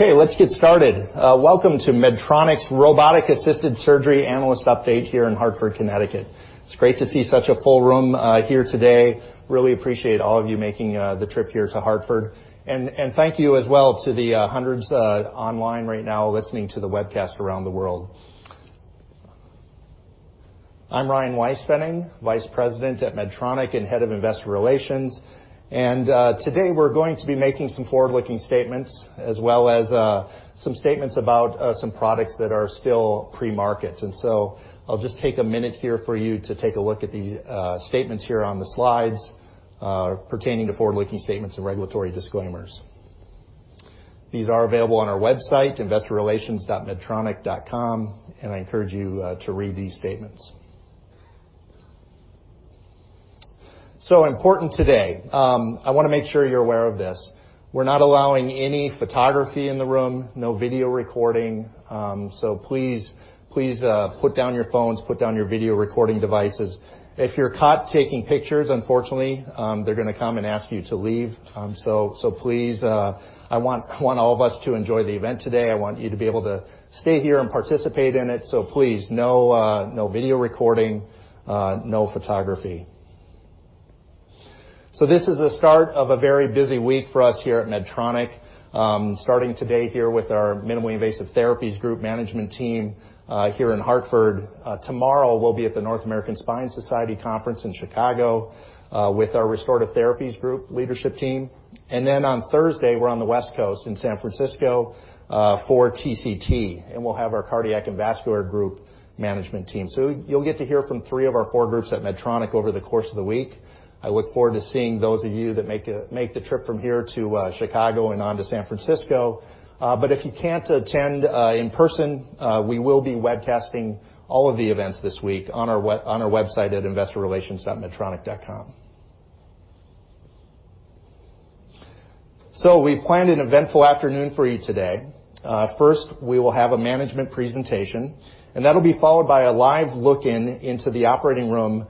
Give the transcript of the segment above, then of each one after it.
Okay, let's get started. Welcome to Medtronic's Robotic Assisted Surgery Analyst Update here in Hartford, Connecticut. It's great to see such a full room here today. Really appreciate all of you making the trip here to Hartford. Thank you as well to the hundreds online right now listening to the webcast around the world. I'm Ryan Weispfenning, Vice President at Medtronic and Head of Investor Relations. Today we're going to be making some forward-looking statements as well as some statements about some products that are still pre-market. I'll just take a minute here for you to take a look at the statements here on the slides pertaining to forward-looking statements and regulatory disclaimers. These are available on our website, investorrelations.medtronic.com, and I encourage you to read these statements. Important today, I want to make sure you're aware of this. We're not allowing any photography in the room, no video recording. Please put down your phones, put down your video recording devices. If you're caught taking pictures, unfortunately, they're going to come and ask you to leave. Please, I want all of us to enjoy the event today. I want you to be able to stay here and participate in it. Please, no video recording, no photography. This is the start of a very busy week for us here at Medtronic, starting today here with our Minimally Invasive Therapies Group management team here in Hartford. Tomorrow, we'll be at the North American Spine Society Conference in Chicago with our Restorative Therapies Group leadership team. On Thursday, we're on the West Coast in San Francisco for TCT, and we'll have our Cardiac and Vascular Group management team. You'll get to hear from three of our core groups at Medtronic over the course of the week. I look forward to seeing those of you that make the trip from here to Chicago and on to San Francisco. If you can't attend in person, we will be webcasting all of the events this week on our website at investorrelations.medtronic.com. We've planned an eventful afternoon for you today. First, we will have a management presentation, and that'll be followed by a live look-in into the operating room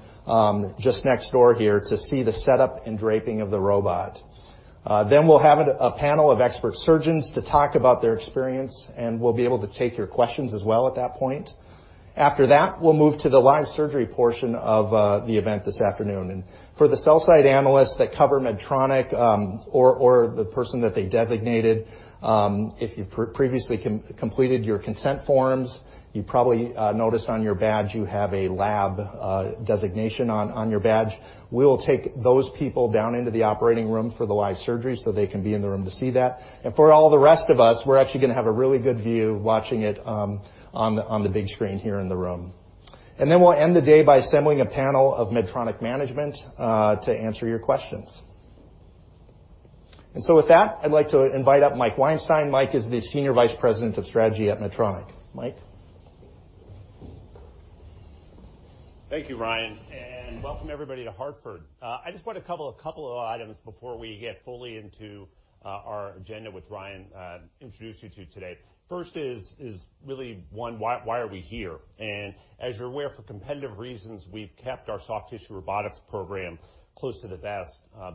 just next door here to see the setup and draping of the robot. We'll have a panel of expert surgeons to talk about their experience, and we'll be able to take your questions as well at that point. After that, we'll move to the live surgery portion of the event this afternoon. For the sell side analysts that cover Medtronic or the person that they designated, if you previously completed your consent forms, you probably noticed on your badge you have a lab designation on your badge. We'll take those people down into the operating room for the live surgery so they can be in the room to see that. For all the rest of us, we're actually going to have a really good view watching it on the big screen here in the room. Then we'll end the day by assembling a panel of Medtronic management to answer your questions. With that, I'd like to invite up Mike Weinstein. Mike is the Senior Vice President of Strategy at Medtronic. Mike? Thank you, Ryan, welcome everybody to Hartford. I just want a couple of items before we get fully into our agenda, which Ryan introduced you to today. First is really one, why are we here? As you're aware, for competitive reasons, we've kept our soft tissue robotics program close to the vest.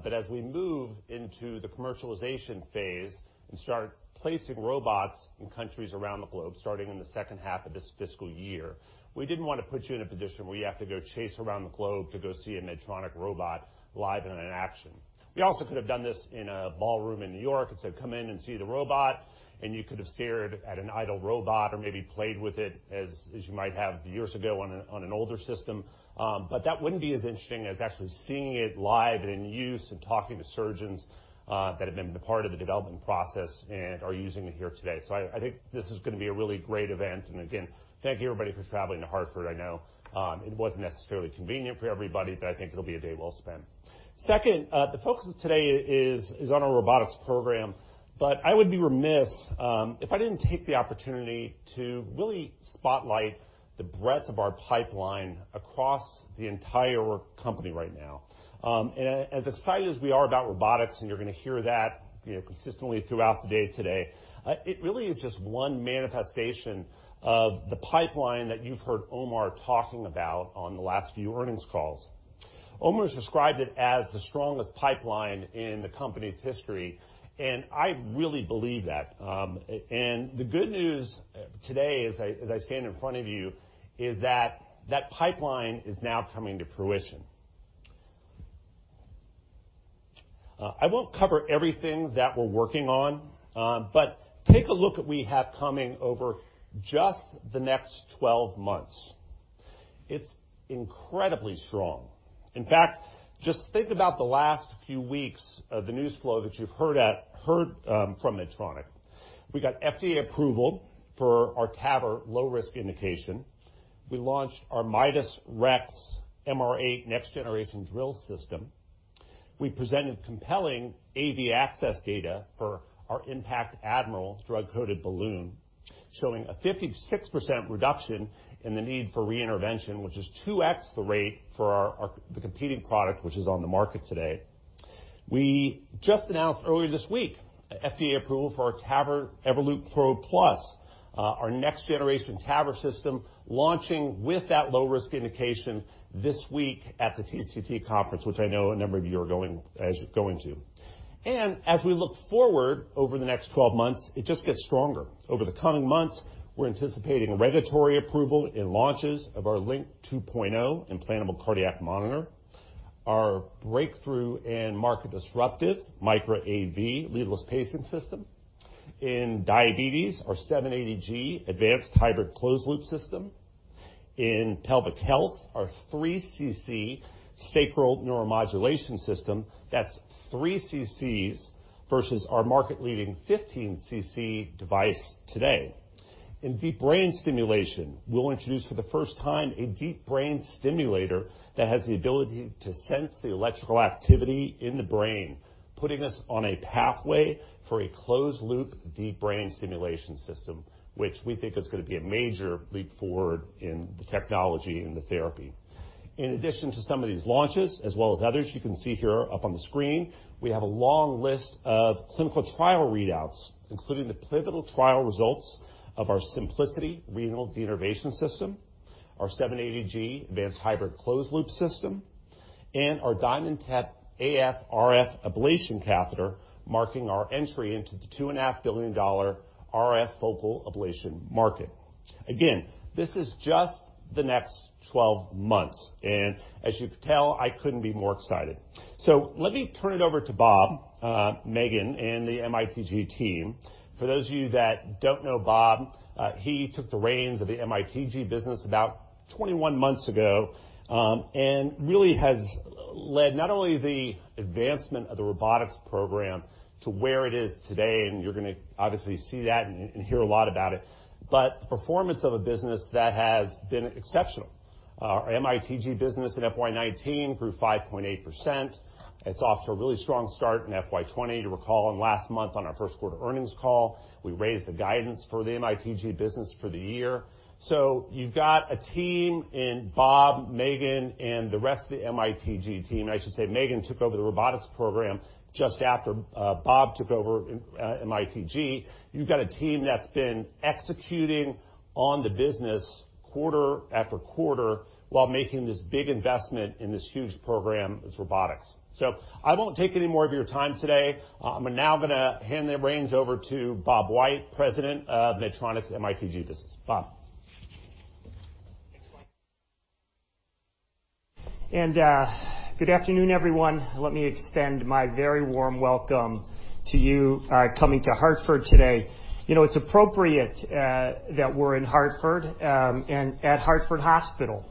As we move into the commercialization phase and start placing robots in countries around the globe, starting in the second half of this fiscal year, we didn't want to put you in a position where you have to go chase around the globe to go see a Medtronic robot live and in action. We also could have done this in a ballroom in New York and said, "Come in and see the robot," and you could have stared at an idle robot or maybe played with it as you might have years ago on an older system. That wouldn't be as interesting as actually seeing it live and in use and talking to surgeons that have been a part of the development process and are using it here today. I think this is going to be a really great event. Again, thank you everybody for traveling to Hartford. I know it wasn't necessarily convenient for everybody, but I think it'll be a day well spent. Second, the focus of today is on our robotics program, but I would be remiss if I didn't take the opportunity to really spotlight the breadth of our pipeline across the entire company right now. As excited as we are about robotics, and you're going to hear that consistently throughout the day today, it really is just one manifestation of the pipeline that you've heard Omar talking about on the last few earnings calls. Omar's described it as the strongest pipeline in the company's history, and I really believe that. The good news today as I stand in front of you is that that pipeline is now coming to fruition. I won't cover everything that we're working on, but take a look at what we have coming over just the next 12 months. It's incredibly strong. In fact, just think about the last few weeks of the news flow that you've heard from Medtronic. We got FDA approval for our TAVR low risk indication. We launched our Midas Rex MR8 next generation drill system. We presented compelling AV access data for our IN.PACT Admiral drug-coated balloon, showing a 56% reduction in the need for re-intervention, which is 2x the rate for the competing product, which is on the market today. We just announced earlier this week FDA approval for our TAVR Evolut PRO+, our next generation TAVR system, launching with that low-risk indication this week at the TCT conference, which I know a number of you are going to. As we look forward over the next 12 months, it just gets stronger. Over the coming months, we're anticipating regulatory approval and launches of our LINQ II implantable cardiac monitor, our breakthrough and market-disruptive Micra AV leadless pacing system. In diabetes, our 780G advanced hybrid closed-loop system. In pelvic health, our 3cc sacral neuromodulation system. That's 3cc versus our market-leading 15cc device today. In deep brain stimulation, we'll introduce for the first time a deep brain stimulator that has the ability to sense the electrical activity in the brain, putting us on a pathway for a closed-loop deep brain stimulation system, which we think is going to be a major leap forward in the technology and the therapy. In addition to some of these launches, as well as others you can see here up on the screen, we have a long list of clinical trial readouts, including the pivotal trial results of our Symplicity renal denervation system, our 780G advanced hybrid closed-loop system, and our DiamondTemp AF RF ablation catheter, marking our entry into the $2.5 billion RF focal ablation market. Again, this is just the next 12 months, and as you can tell, I couldn't be more excited. Let me turn it over to Bob, Megan, and the MITG team. For those of you that don't know Bob, he took the reins of the MITG business about 21 months ago, and really has led not only the advancement of the robotics program to where it is today, and you're going to obviously see that and hear a lot about it, but the performance of a business that has been exceptional. Our MITG business in FY 2019 grew 5.8%. It's off to a really strong start in FY 2020. You'll recall last month on our first quarter earnings call, we raised the guidance for the MITG business for the year. You've got a team in Bob, Megan, and the rest of the MITG team. I should say, Megan took over the robotics program just after Bob took over MITG. You've got a team that's been executing on the business quarter after quarter while making this big investment in this huge program as robotics. I won't take any more of your time today. I'm now going to hand the reins over to Bob White, President of Medtronic's MITG business. Bob. Thanks, Mike. Good afternoon, everyone. Let me extend my very warm welcome to you coming to Hartford today. It is appropriate that we are in Hartford and at Hartford Hospital.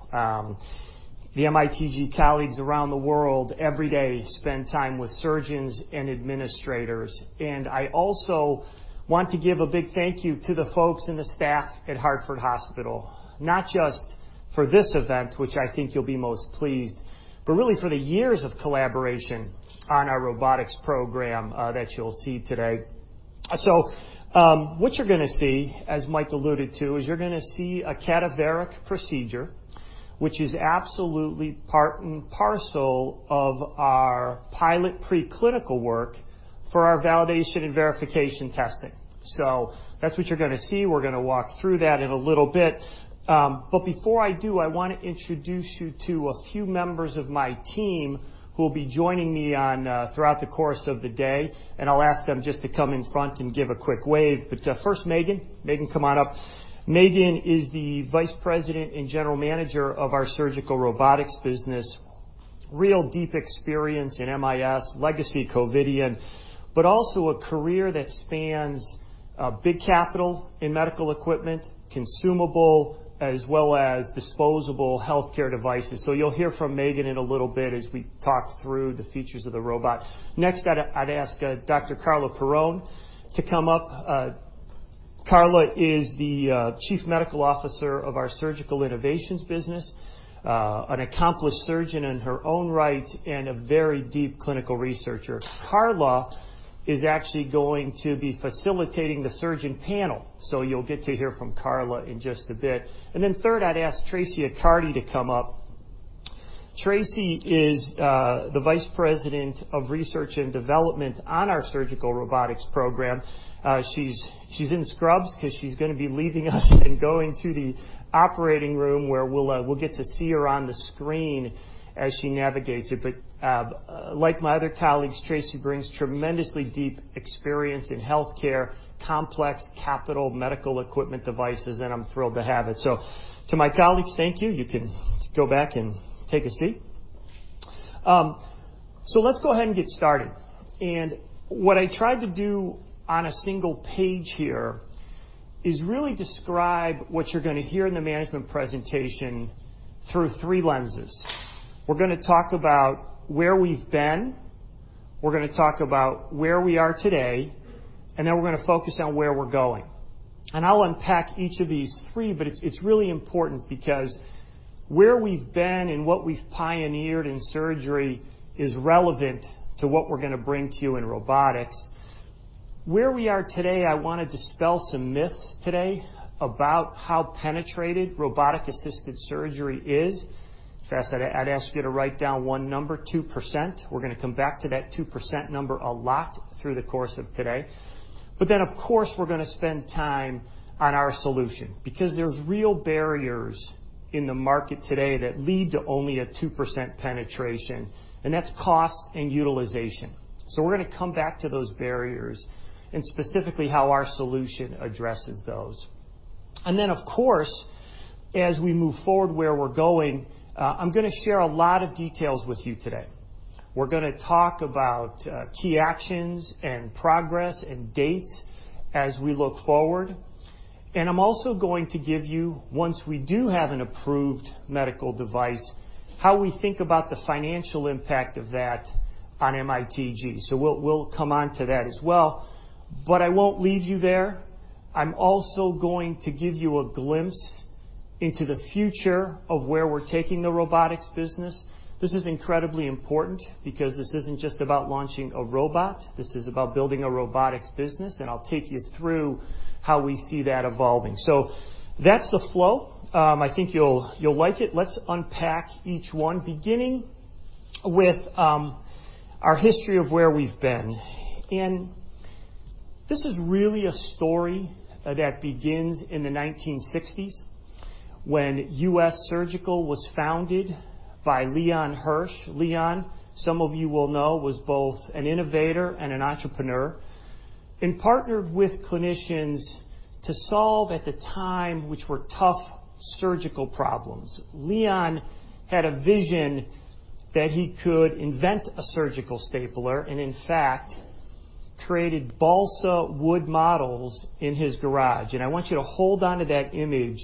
The MITG colleagues around the world, every day, spend time with surgeons and administrators. I also want to give a big thank you to the folks and the staff at Hartford Hospital, not just for this event, which I think you will be most pleased, but really for the years of collaboration on our robotics program that you will see today. What you are going to see, as Mike alluded to, is you are going to see a cadaveric procedure, which is absolutely part and parcel of our pilot pre-clinical work for our validation and verification testing. That is what you are going to see. We are going to walk through that in a little bit. Before I do, I want to introduce you to a few members of my team who will be joining me throughout the course of the day, and I'll ask them just to come in front and give a quick wave. First, Megan. Megan, come on up. Megan is the Vice President and General Manager of our surgical robotics business. Real deep experience in MIS, legacy Covidien, but also a career that spans big capital in medical equipment, consumable, as well as disposable healthcare devices. You'll hear from Megan in a little bit as we talk through the features of the robot. Next, I'd ask Dr. Carla Peron to come up. Carla is the Chief Medical Officer of our surgical innovations business, an accomplished surgeon in her own right, and a very deep clinical researcher. Carla is actually going to be facilitating the surgeon panel. You'll get to hear from Carla in just a bit. Third, I'd ask Tracy Accardi to come up. Tracy is the Vice President of Research and Development on our surgical robotics program. She's in scrubs because she's going to be leaving us and going to the operating room where we'll get to see her on the screen as she navigates it. Like my other colleagues, Tracy brings tremendously deep experience in healthcare, complex capital medical equipment devices, and I'm thrilled to have it. To my colleagues, thank you. You can go back and take a seat. Let's go ahead and get started. What I tried to do on a single page here is really describe what you're going to hear in the management presentation through three lenses. We're going to talk about where we've been, we're going to talk about where we are today, then we're going to focus on where we're going. I'll unpack each of these three, but it's really important because where we've been and what we've pioneered in surgery is relevant to what we're going to bring to you in robotics. Where we are today, I want to dispel some myths today about how penetrated robotic-assisted surgery is. In fact, I'd ask you to write down one number, 2%. We're going to come back to that 2% number a lot through the course of today. Of course, we're going to spend time on our solution because there's real barriers in the market today that lead to only a 2% penetration, and that's cost and utilization. We're going to come back to those barriers and specifically how our solution addresses those. Then, of course, as we move forward where we're going, I'm going to share a lot of details with you today. We're going to talk about key actions and progress and dates as we look forward. I'm also going to give you, once we do have an approved medical device, how we think about the financial impact of that on MITG. We'll come on to that as well. I won't leave you there. I'm also going to give you a glimpse into the future of where we're taking the robotics business. This is incredibly important because this isn't just about launching a robot, this is about building a robotics business, and I'll take you through how we see that evolving. That's the flow. I think you'll like it. Let's unpack each one, beginning with our history of where we've been. This is really a story that begins in the 1960s when US Surgical was founded by Leon Hirsch. Leon, some of you will know, was both an innovator and an entrepreneur, and partnered with clinicians to solve at the time, which were tough surgical problems. Leon had a vision that he could invent a surgical stapler, and in fact, created balsa wood models in his garage. I want you to hold onto that image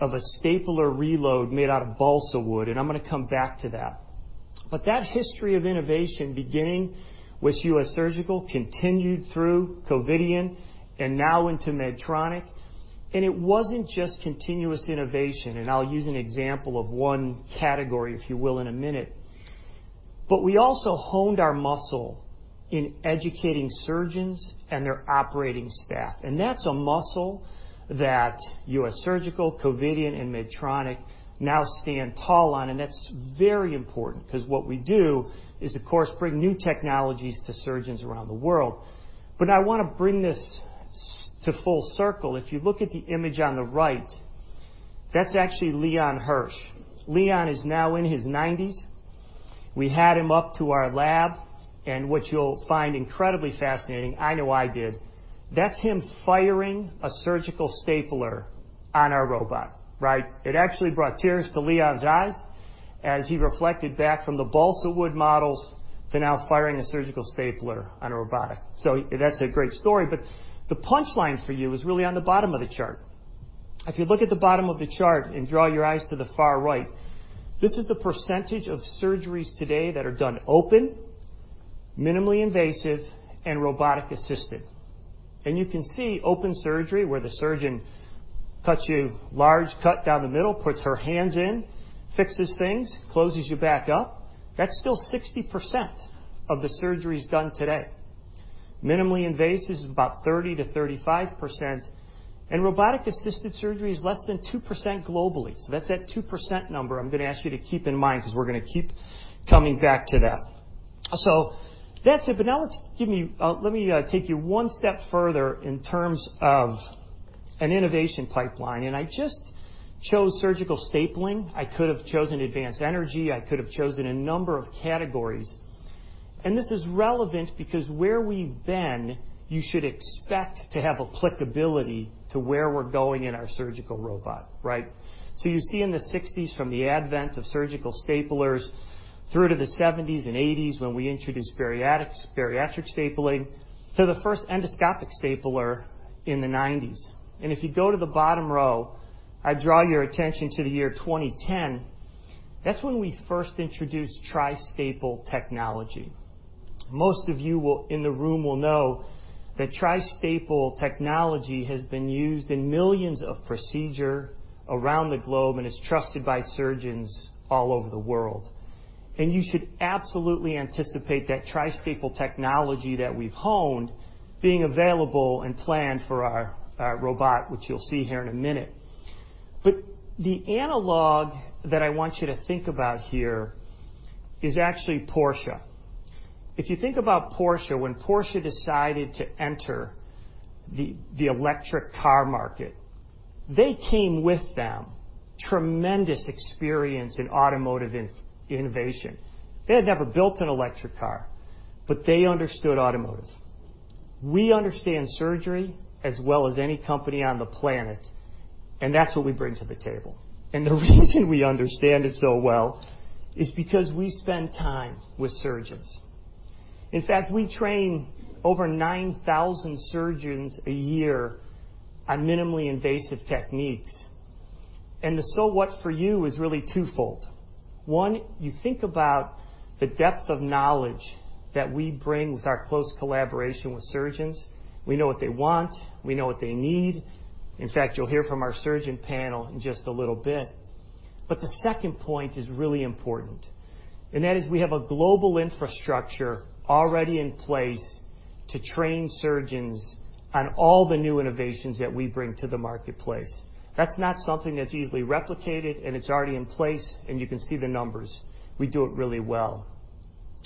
of a stapler reload made out of balsa wood, and I'm going to come back to that. That history of innovation, beginning with US Surgical, continued through Covidien, and now into Medtronic. It wasn't just continuous innovation, and I'll use an example of one category, if you will, in a minute. We also honed our muscle in educating surgeons and their operating staff. That's a muscle that US Surgical, Covidien, and Medtronic now stand tall on. That's very important because what we do is, of course, bring new technologies to surgeons around the world. I want to bring this to full circle. If you look at the image on the right, that's actually Leon Hirsch. Leon is now in his 90s. We had him up to our lab, and what you'll find incredibly fascinating, I know I did, that's him firing a surgical stapler on our robot. It actually brought tears to Leon's eyes as he reflected back from the balsa wood models to now firing a surgical stapler on a robotic. That's a great story, but the punchline for you is really on the bottom of the chart. If you look at the bottom of the chart and draw your eyes to the far right, this is the % of surgeries today that are done open, minimally invasive, and robotic-assisted. You can see open surgery, where the surgeon cuts you large cut down the middle, puts her hands in, fixes things, closes you back up. That's still 60% of the surgeries done today. Minimally invasive is about 30%-35%, and robotic-assisted surgery is less than 2% globally. That's that 2% number I'm going to ask you to keep in mind because we're going to keep coming back to that. That's it. Now let me take you one step further in terms of an innovation pipeline, and I just chose surgical stapling. I could have chosen advanced energy. I could have chosen a number of categories. This is relevant because where we've been, you should expect to have applicability to where we're going in our surgical robot. You see in the '60s from the advent of surgical staplers through to the '70s and '80s when we introduced bariatric stapling to the first endoscopic stapler in the '90s. If you go to the bottom row, I draw your attention to the year 2010. That's when we first introduced Tri-Staple technology. Most of you in the room will know that Tri-Staple technology has been used in millions of procedure around the globe and is trusted by surgeons all over the world. You should absolutely anticipate that Tri-Staple technology that we've honed being available and planned for our robot, which you'll see here in a minute. The analog that I want you to think about here is actually Porsche. If you think about Porsche, when Porsche decided to enter the electric car market, they came with them tremendous experience in automotive innovation. They had never built an electric car, but they understood automotive. We understand surgery as well as any company on the planet, and that's what we bring to the table. The reason we understand it so well is because we spend time with surgeons. In fact, we train over 9,000 surgeons a year on minimally invasive techniques. The so what for you is really twofold. One, you think about the depth of knowledge that we bring with our close collaboration with surgeons. We know what they want. We know what they need. In fact, you'll hear from our surgeon panel in just a little bit. The second point is really important, and that is we have a global infrastructure already in place to train surgeons on all the new innovations that we bring to the marketplace. That's not something that's easily replicated, and it's already in place, and you can see the numbers. We do it really well.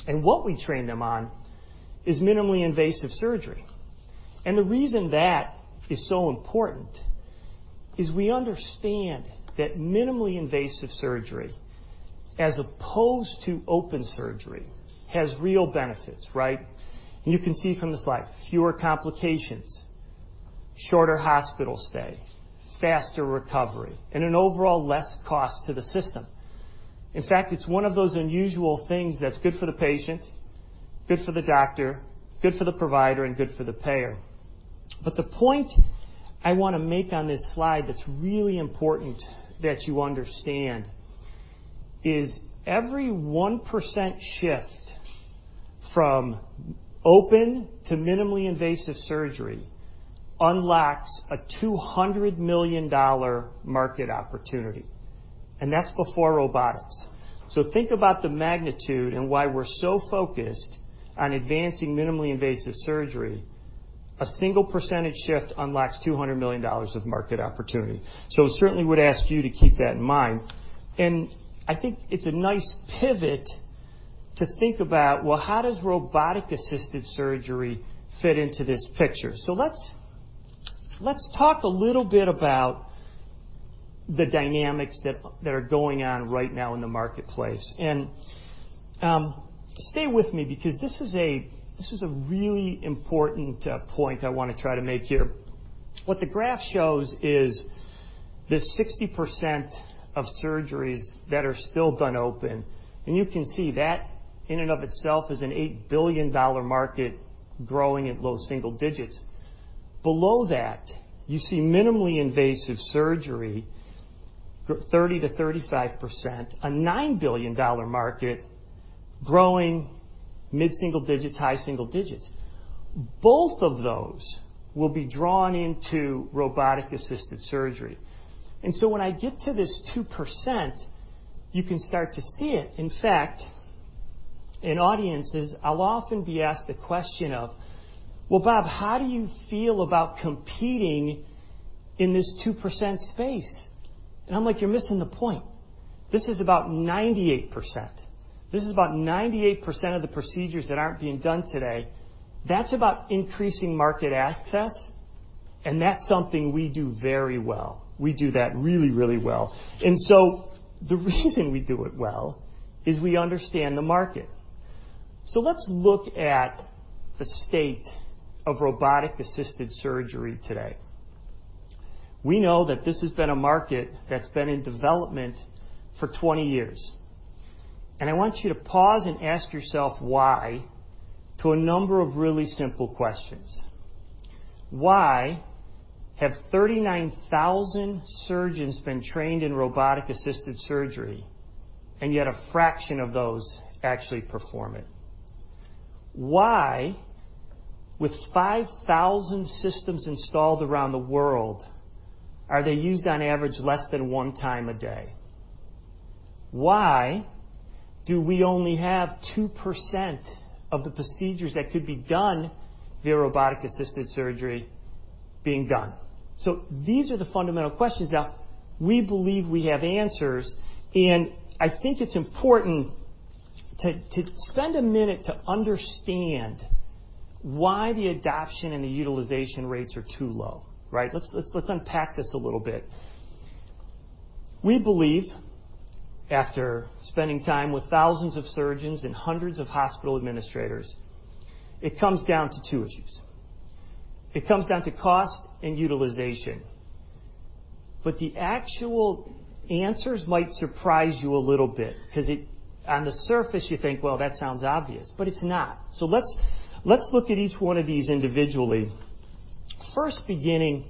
What we train them on is minimally invasive surgery. The reason that is so important is we understand that minimally invasive surgery, as opposed to open surgery, has real benefits. Right? You can see from the slide, fewer complications, shorter hospital stay, faster recovery, and an overall less cost to the system. In fact, it's one of those unusual things that's good for the patient, good for the doctor, good for the provider, and good for the payer. The point I want to make on this slide that's really important that you understand is every 1% shift from open to minimally invasive surgery unlocks a $200 million market opportunity, and that's before robotics. Think about the magnitude and why we're so focused on advancing minimally invasive surgery. A single percentage shift unlocks $200 million of market opportunity. Certainly would ask you to keep that in mind. I think it's a nice pivot to think about, well, how does robotic-assisted surgery fit into this picture? Let's talk a little bit about the dynamics that are going on right now in the marketplace. Stay with me because this is a really important point I want to try to make here. What the graph shows is this 60% of surgeries that are still done open, and you can see that in and of itself is an $8 billion market growing at low single digits. Below that, you see minimally invasive surgery, 30%-35%, a $9 billion market growing mid-single digits, high single digits. Both of those will be drawn into robotic-assisted surgery. So when I get to this 2%, you can start to see it. In fact, in audiences, I'll often be asked the question of, "Well, Bob, how do you feel about competing in this 2% space?" I'm like, "You're missing the point." This is about 98%. This is about 98% of the procedures that aren't being done today. That's about increasing market access, and that's something we do very well. We do that really, really well. The reason we do it well is we understand the market. Let's look at the state of robotic-assisted surgery today. We know that this has been a market that's been in development for 20 years. I want you to pause and ask yourself why to a number of really simple questions. Why have 39,000 surgeons been trained in robotic-assisted surgery, and yet a fraction of those actually perform it? Why, with 5,000 systems installed around the world, are they used on average less than one time a day? Why do we only have 2% of the procedures that could be done via robotic-assisted surgery being done? These are the fundamental questions. Now, we believe we have answers, and I think it's important to spend a minute to understand why the adoption and the utilization rates are too low. Right? Let's unpack this a little bit. We believe, after spending time with thousands of surgeons and hundreds of hospital administrators, it comes down to two issues. It comes down to cost and utilization. The actual answers might surprise you a little bit because on the surface, you think, well, that sounds obvious, but it's not. Let's look at each one of these individually. First, beginning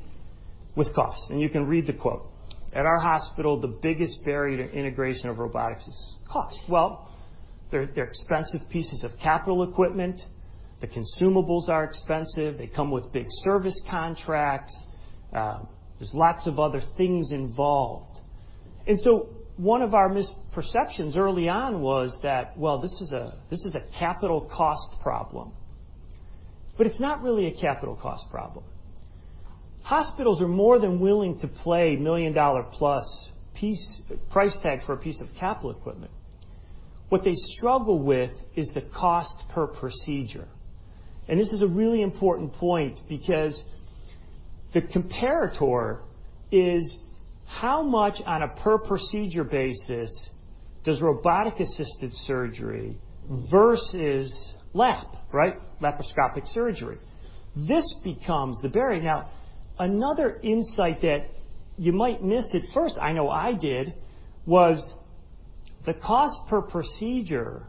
with cost, you can read the quote. At our hospital, the biggest barrier to integration of robotics is cost. Well, they're expensive pieces of capital equipment. The consumables are expensive. They come with big service contracts. There's lots of other things involved. One of our misperceptions early on was that, well, this is a capital cost problem. It's not really a capital cost problem. Hospitals are more than willing to play a million-dollar plus price tag for a piece of capital equipment. What they struggle with is the cost per procedure. This is a really important point because the comparator is how much on a per procedure basis does robotic-assisted surgery versus LAP, right? Laparoscopic surgery. This becomes the barrier. Another insight that you might miss at first, I know I did, was the cost per procedure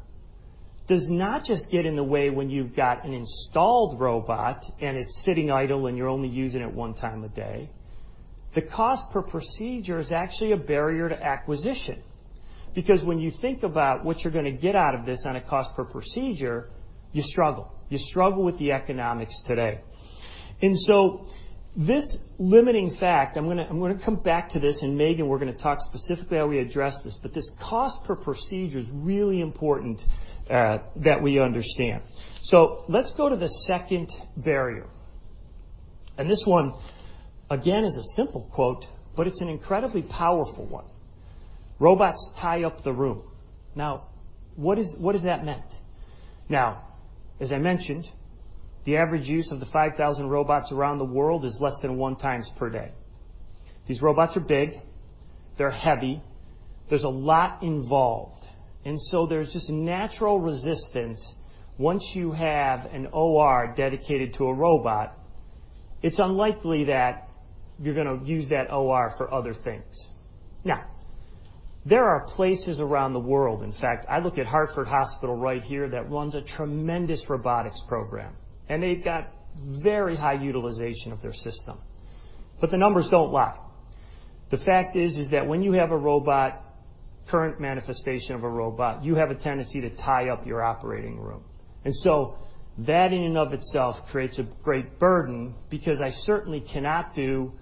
does not just get in the way when you've got an installed robot and it's sitting idle and you're only using it one time a day. The cost per procedure is actually a barrier to acquisition. Because when you think about what you're going to get out of this on a cost per procedure, you struggle. You struggle with the economics today. This limiting fact, I'm going to come back to this, and Megan, we're going to talk specifically how we address this, but this cost per procedure is really important that we understand. Let's go to the second barrier. This one, again, is a simple quote, but it's an incredibly powerful one. "Robots tie up the room." What is that meant? As I mentioned, the average use of the 5,000 robots around the world is less than one times per day. These robots are big. They're heavy. There's a lot involved, there's just natural resistance. Once you have an OR dedicated to a robot, it's unlikely that you're going to use that OR for other things. There are places around the world, in fact, I look at Hartford Hospital right here that runs a tremendous robotics program. They've got very high utilization of their system. The numbers don't lie. The fact is that when you have a robot, current manifestation of a robot, you have a tendency to tie up your operating room. That in and of itself creates a great burden because I certainly cannot do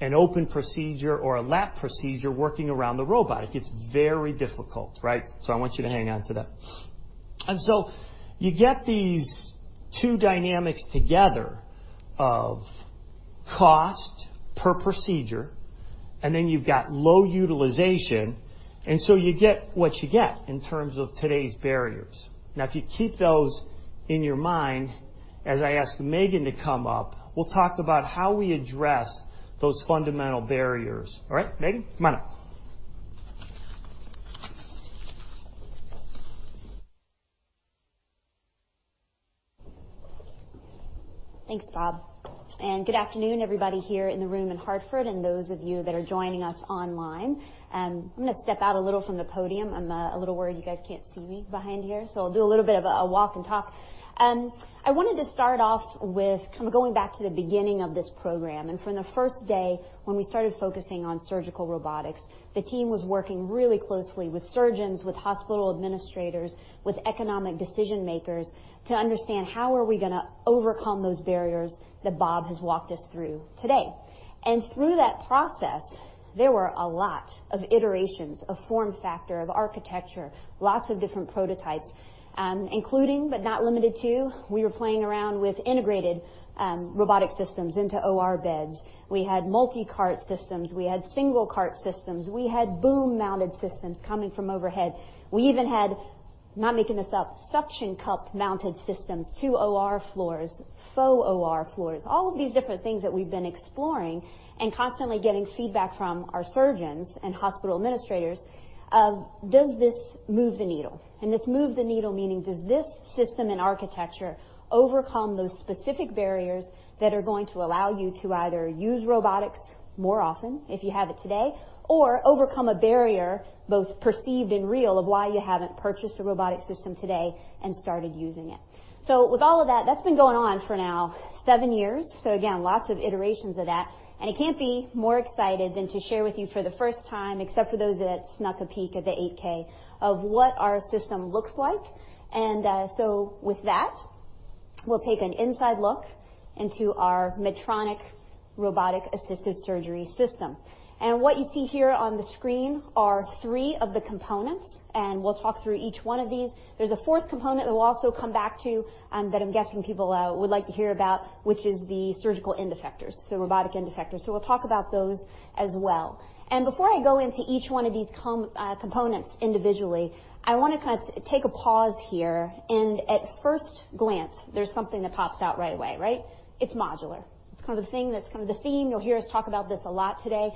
an open procedure or a lap procedure working around the robot. It gets very difficult. I want you to hang on to that. You get these two dynamics together of cost per procedure, and then you've got low utilization, and so you get what you get in terms of today's barriers. Now if you keep those in your mind, as I ask Megan to come up, we'll talk about how we address those fundamental barriers. All right, Megan, come on up. Thanks, Bob. Good afternoon, everybody here in the room in Hartford and those of you that are joining us online. I'm going to step out a little from the podium. I'm a little worried you guys can't see me behind here. I'll do a little bit of a walk and talk. I wanted to start off with kind of going back to the beginning of this program. From the first day when we started focusing on surgical robotics, the team was working really closely with surgeons, with hospital administrators, with economic decision makers to understand how are we going to overcome those barriers that Bob has walked us through today. Through that process, there were a lot of iterations of form factor, of architecture, lots of different prototypes, including, but not limited to, we were playing around with integrated robotic systems into OR beds. We had multi-cart systems. We had single cart systems. We had boom mounted systems coming from overhead. We even had, not making this up, suction cup mounted systems to OR floors, faux OR floors, all of these different things that we've been exploring and constantly getting feedback from our surgeons and hospital administrators of does this move the needle? This move the needle meaning does this system and architecture overcome those specific barriers that are going to allow you to either use robotics more often if you have it today, or overcome a barrier, both perceived and real, of why you haven't purchased a robotic system today and started using it. With all of that's been going on for now seven years. Again, lots of iterations of that, and I can't be more excited than to share with you for the first time, except for those that snuck a peek at the 8K, of what our system looks like. With that, we'll take an inside look into our Medtronic robotic assisted surgery system. What you see here on the screen are three of the components, and we'll talk through each one of these. There's a fourth component that we'll also come back to that I'm guessing people would like to hear about, which is the surgical end effectors, the robotic end effectors. We'll talk about those as well. Before I go into each one of these components individually, I want to kind of take a pause here, and at first glance, there's something that pops out right away, right? It's modular. It's kind of the thing that's kind of the theme. You'll hear us talk about this a lot today.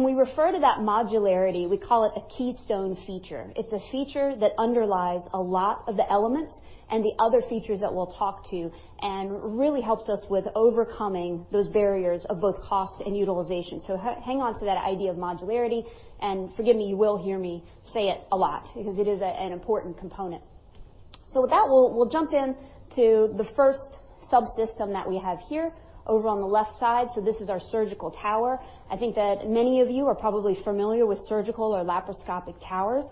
We refer to that modularity, we call it a keystone feature. It's a feature that underlies a lot of the elements and the other features that we'll talk to, and really helps us with overcoming those barriers of both cost and utilization. Hang on to that idea of modularity, and forgive me, you will hear me say it a lot because it is an important component. With that, we'll jump into the first subsystem that we have here over on the left side. This is our surgical tower. I think that many of you are probably familiar with surgical or laparoscopic towers.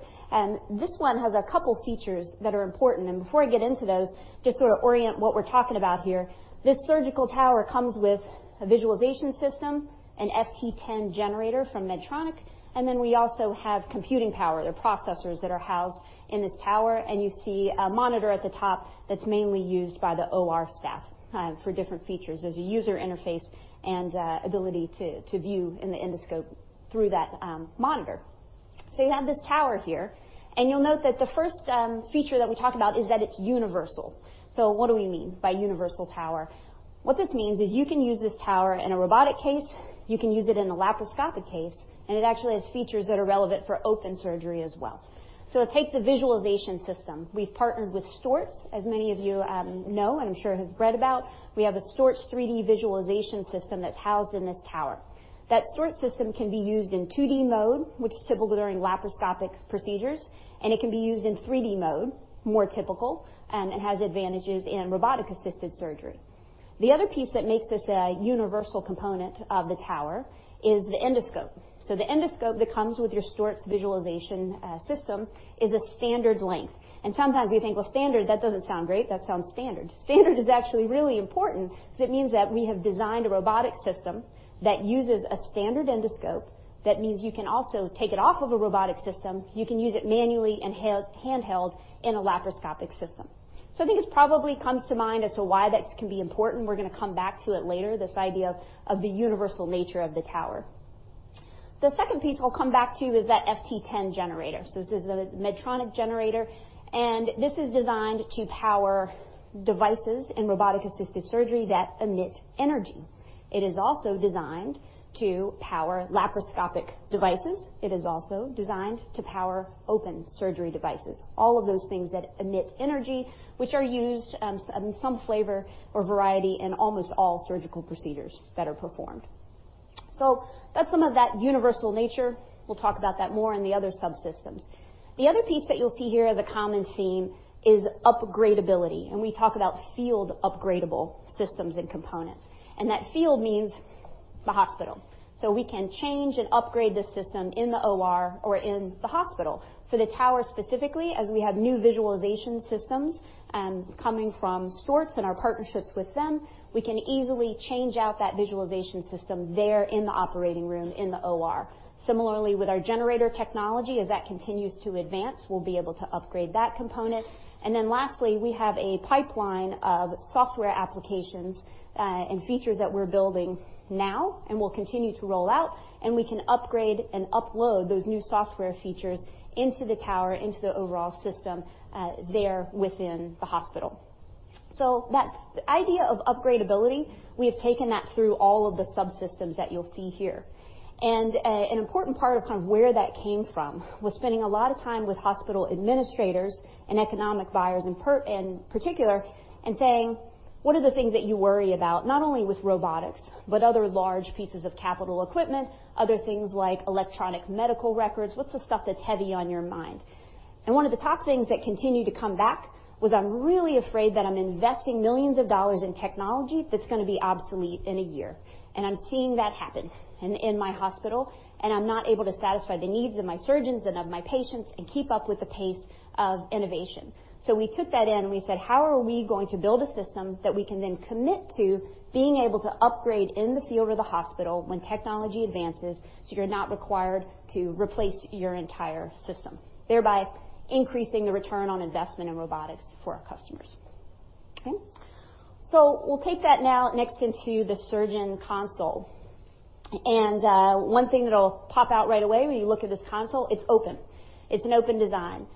This one has a couple features that are important, and before I get into those, just to sort of orient what we're talking about here. This surgical tower comes with a visualization system, an FT10 generator from Medtronic, and then we also have computing power. There are processors that are housed in this tower, and you see a monitor at the top that's mainly used by the OR staff for different features. There's a user interface and ability to view in the endoscope through that monitor. You have this tower here, and you'll note that the first feature that we talk about is that it's universal. What do we mean by universal tower? What this means is you can use this tower in a robotic case, you can use it in a laparoscopic case, and it actually has features that are relevant for open surgery as well. Take the visualization system. We've partnered with Storz, as many of you know, and I'm sure have read about. We have a STORZ 3D visualization system that's housed in this tower. That STORZ system can be used in 2D mode, which is typical during laparoscopic procedures, and it can be used in 3D mode, more typical, and has advantages in robotic assisted surgery. The other piece that makes this a universal component of the tower is the endoscope. The endoscope that comes with your STORZ visualization system is a standard length. Sometimes you think, well, standard, that doesn't sound great. That sounds standard. Standard is actually really important because it means that we have designed a robotic system that uses a standard endoscope. That means you can also take it off of a robotic system. You can use it manually and handheld in a laparoscopic system. I think this probably comes to mind as to why that can be important. We're going to come back to it later, this idea of the universal nature of the TAVR. The second piece I'll come back to is that FT10 generator. This is the Medtronic generator, and this is designed to power devices in robotic-assisted surgery that emit energy. It is also designed to power laparoscopic devices. It is also designed to power open surgery devices. All of those things that emit energy, which are used in some flavor or variety in almost all surgical procedures that are performed. That's some of that universal nature. We'll talk about that more in the other subsystems. The other piece that you'll see here as a common theme is upgradeability, and we talk about field upgradeable systems and components. That field means the hospital. We can change and upgrade the system in the OR or in the hospital. For the tower specifically, as we have new visualization systems coming from STORZ and our partnerships with them, we can easily change out that visualization system there in the operating room in the OR. Similarly, with our generator technology, as that continues to advance, we'll be able to upgrade that component. Lastly, we have a pipeline of software applications and features that we're building now and will continue to roll out, and we can upgrade and upload those new software features into the tower, into the overall system there within the hospital. That idea of upgradeability, we have taken that through all of the subsystems that you'll see here. An important part of where that came from was spending a lot of time with hospital administrators and economic buyers in particular, and saying, "What are the things that you worry about not only with robotics, but other large pieces of capital equipment, other things like electronic medical records? What's the stuff that's heavy on your mind?" One of the top things that continued to come back was, "I'm really afraid that I'm investing millions of dollars in technology that's going to be obsolete in a year. I'm seeing that happen in my hospital, and I'm not able to satisfy the needs of my surgeons and of my patients and keep up with the pace of innovation." We took that in, and we said, how are we going to build a system that we can then commit to being able to upgrade in the field or the hospital when technology advances, so you're not required to replace your entire system, thereby increasing the return on investment in robotics for our customers? We'll take that now next into the surgeon console. One thing that'll pop out right away when you look at this console, it's open. It's an open design.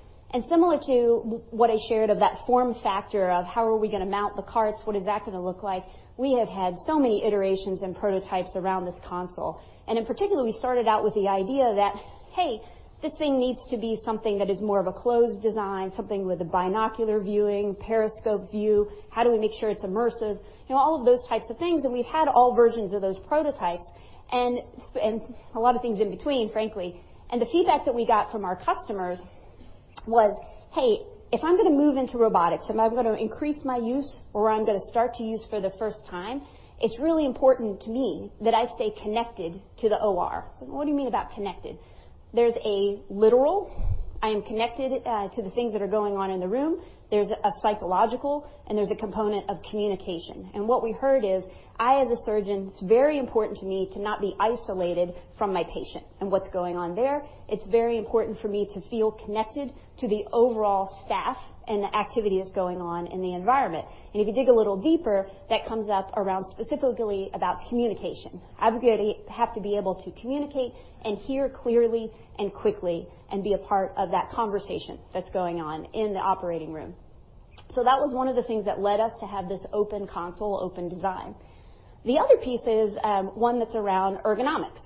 Similar to what I shared of that form factor of how are we going to mount the carts, what is that going to look like? We have had so many iterations and prototypes around this console. In particular, we started out with the idea that, hey, this thing needs to be something that is more of a closed design, something with a binocular viewing, periscope view. How do we make sure it's immersive? All of those types of things, we've had all versions of those prototypes and a lot of things in between, frankly. The feedback that we got from our customers was, "Hey, if I'm going to move into robotics, if I'm going to increase my use or I'm going to start to use for the first time, it's really important to me that I stay connected to the OR." What do you mean about connected? There's a literal, I am connected to the things that are going on in the room. There's a psychological, and there's a component of communication. What we heard is, "I as a surgeon, it's very important to me to not be isolated from my patient and what's going on there. It's very important for me to feel connected to the overall staff and the activities going on in the environment." If you dig a little deeper, that comes up around specifically about communication. I have to be able to communicate and hear clearly and quickly and be a part of that conversation that's going on in the operating room. That was one of the things that led us to have this open console, open design. The other piece is one that's around ergonomics.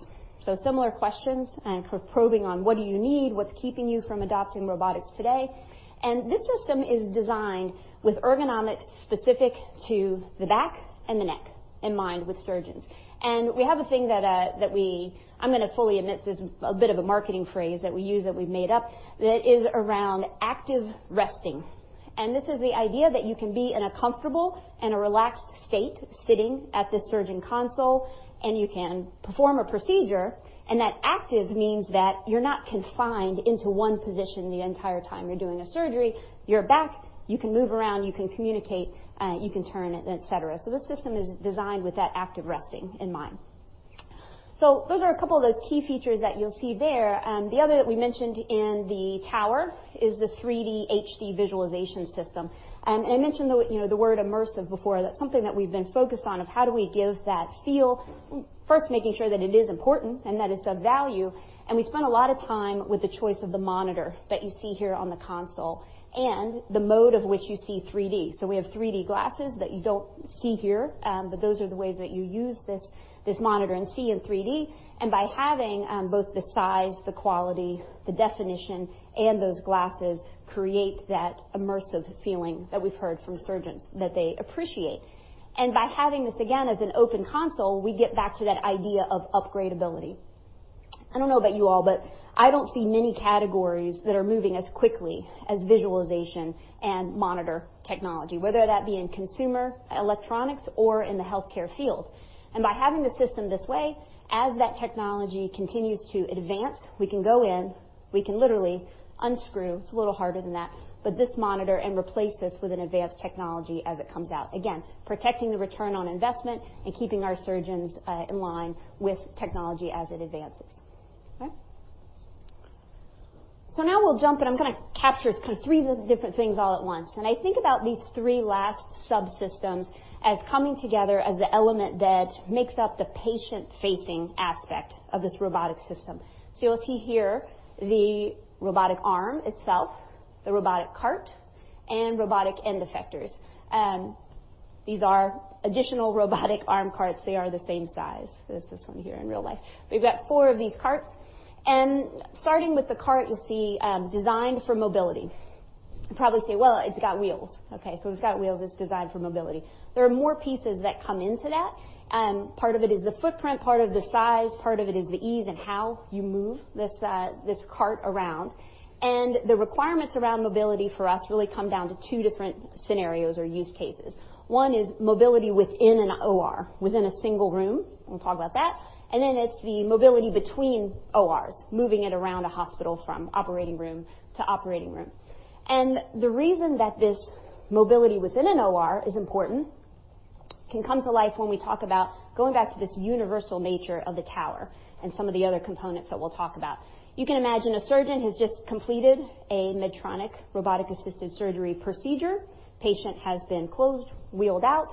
Similar questions and probing on what do you need, what's keeping you from adopting robotics today? This system is designed with ergonomics specific to the back and the neck in mind with surgeons. We have a thing that I'm going to fully admit this is a bit of a marketing phrase that we use, that we've made up, that is around active resting. This is the idea that you can be in a comfortable and a relaxed state sitting at the surgeon console, and you can perform a procedure, and that active means that you're not confined into one position the entire time you're doing a surgery. You're back, you can move around, you can communicate, you can turn, et cetera. This system is designed with that active resting in mind. Those are a couple of those key features that you'll see there. The other that we mentioned in the tower is the 3D HD visualization system. I mentioned the word immersive before. That's something that we've been focused on, of how do we give that feel, first making sure that it is important and that it's of value. We spent a lot of time with the choice of the monitor that you see here on the console and the mode of which you see 3D. We have 3D glasses that you don't see here, but those are the ways that you use this monitor and see in 3D. By having both the size, the quality, the definition, and those glasses create that immersive feeling that we've heard from surgeons that they appreciate. By having this, again, as an open console, we get back to that idea of upgradeability. I don't know about you all, but I don't see many categories that are moving as quickly as visualization and monitor technology, whether that be in consumer electronics or in the healthcare field. By having the system this way, as that technology continues to advance, we can go in, we can literally unscrew, it's a little harder than that, but this monitor, and replace this with an advanced technology as it comes out. Again, protecting the return on investment and keeping our surgeons in line with technology as it advances. Okay. Now we'll jump, I'm going to capture kind of three different things all at once. I think about these three last subsystems as coming together as the element that makes up the patient-facing aspect of this robotic system. You'll see here the robotic arm itself, the robotic cart, and robotic end effectors. These are additional robotic arm carts. They are the same size as this one here in real life. We've got four of these carts. Starting with the cart, you'll see Designed for Mobility. You probably say, "Well, it's got wheels." Okay. It's got wheels, it's designed for mobility. There are more pieces that come into that. Part of it is the footprint, part of the size, part of it is the ease and how you move this cart around. The requirements around mobility for us really come down to two different scenarios or use cases. One is mobility within an OR, within a single room. We'll talk about that. It's the mobility between ORs, moving it around a hospital from operating room to operating room. The reason that this mobility within an OR is important can come to life when we talk about going back to this universal nature of the tower and some of the other components that we'll talk about. You can imagine a surgeon has just completed a Medtronic robotic-assisted surgery procedure. Patient has been closed, wheeled out,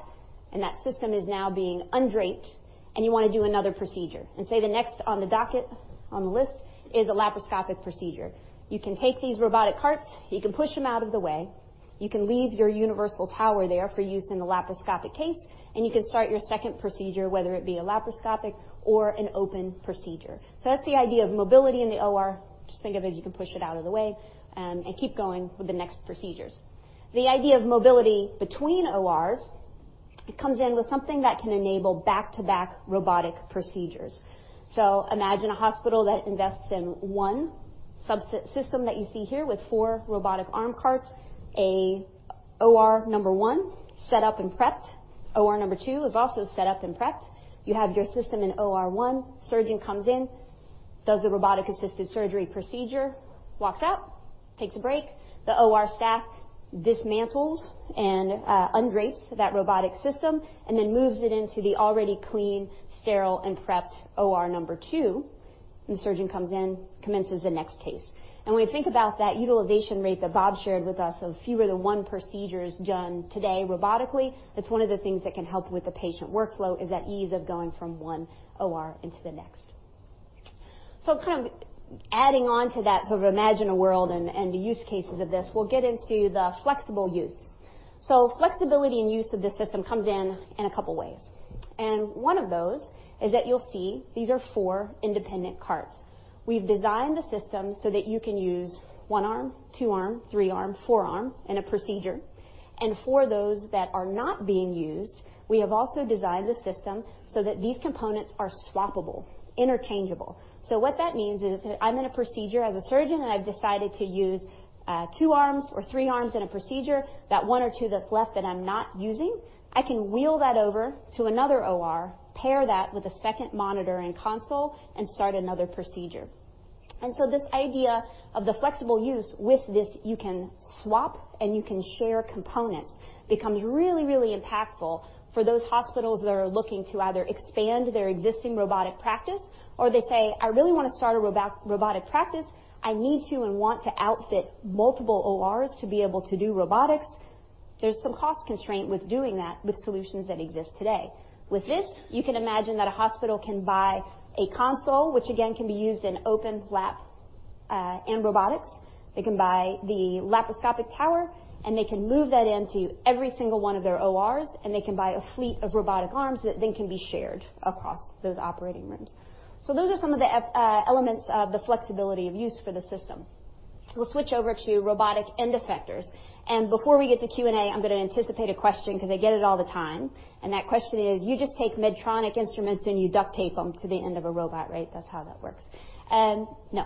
and that system is now being undraped, and you want to do another procedure. Say the next on the docket, on the list, is a laparoscopic procedure. You can take these robotic carts, you can push them out of the way. You can leave your universal tower there for use in the laparoscopic case, and you can start your second procedure, whether it be a laparoscopic or an open procedure. That's the idea of mobility in the OR. Just think of it as you can push it out of the way, and keep going with the next procedures. The idea of mobility between ORs comes in with something that can enable back-to-back robotic procedures. Imagine a hospital that invests in one system that you see here with four robotic arm carts. A OR number 1 set up and prepped. OR number 2 is also set up and prepped. You have your system in OR 1. Surgeon comes in, does the robotic-assisted surgery procedure, walks out, takes a break. The OR staff dismantles and undrapes that robotic system, and then moves it into the already clean, sterile, and prepped OR number 2. The surgeon comes in, commences the next case. When we think about that utilization rate that Bob shared with us of fewer than one procedures done today robotically, that's one of the things that can help with the patient workflow, is that ease of going from one OR into the next. Kind of adding on to that sort of imagine a world and the use cases of this, we'll get into the flexible use. Flexibility and use of this system comes in in a couple ways. One of those is that you'll see these are four independent carts. We've designed the system so that you can use one arm, two arm, three arm, four arm in a procedure. For those that are not being used, we have also designed the system so that these components are swappable, interchangeable. What that means is that I'm in a procedure as a surgeon, and I've decided to use two arms or three arms in a procedure. That one or two that's left that I'm not using, I can wheel that over to another OR, pair that with a second monitor and console, and start another procedure. This idea of the flexible use with this you can swap and you can share components becomes really, really impactful for those hospitals that are looking to either expand their existing robotic practice or they say, "I really want to start a robotic practice. I need to and want to outfit multiple ORs to be able to do robotics." There's some cost constraint with doing that with solutions that exist today. With this, you can imagine that a hospital can buy a console, which again, can be used in open lap, and robotics. They can buy the laparoscopic tower, and they can move that into every single one of their ORs, and they can buy a fleet of robotic arms that then can be shared across those operating rooms. Those are some of the elements of the flexibility of use for the system. We'll switch over to robotic end effectors. Before we get to Q&A, I'm going to anticipate a question because I get it all the time, and that question is, you just take Medtronic instruments, and you duct tape them to the end of a robot, right? That's how that works. No.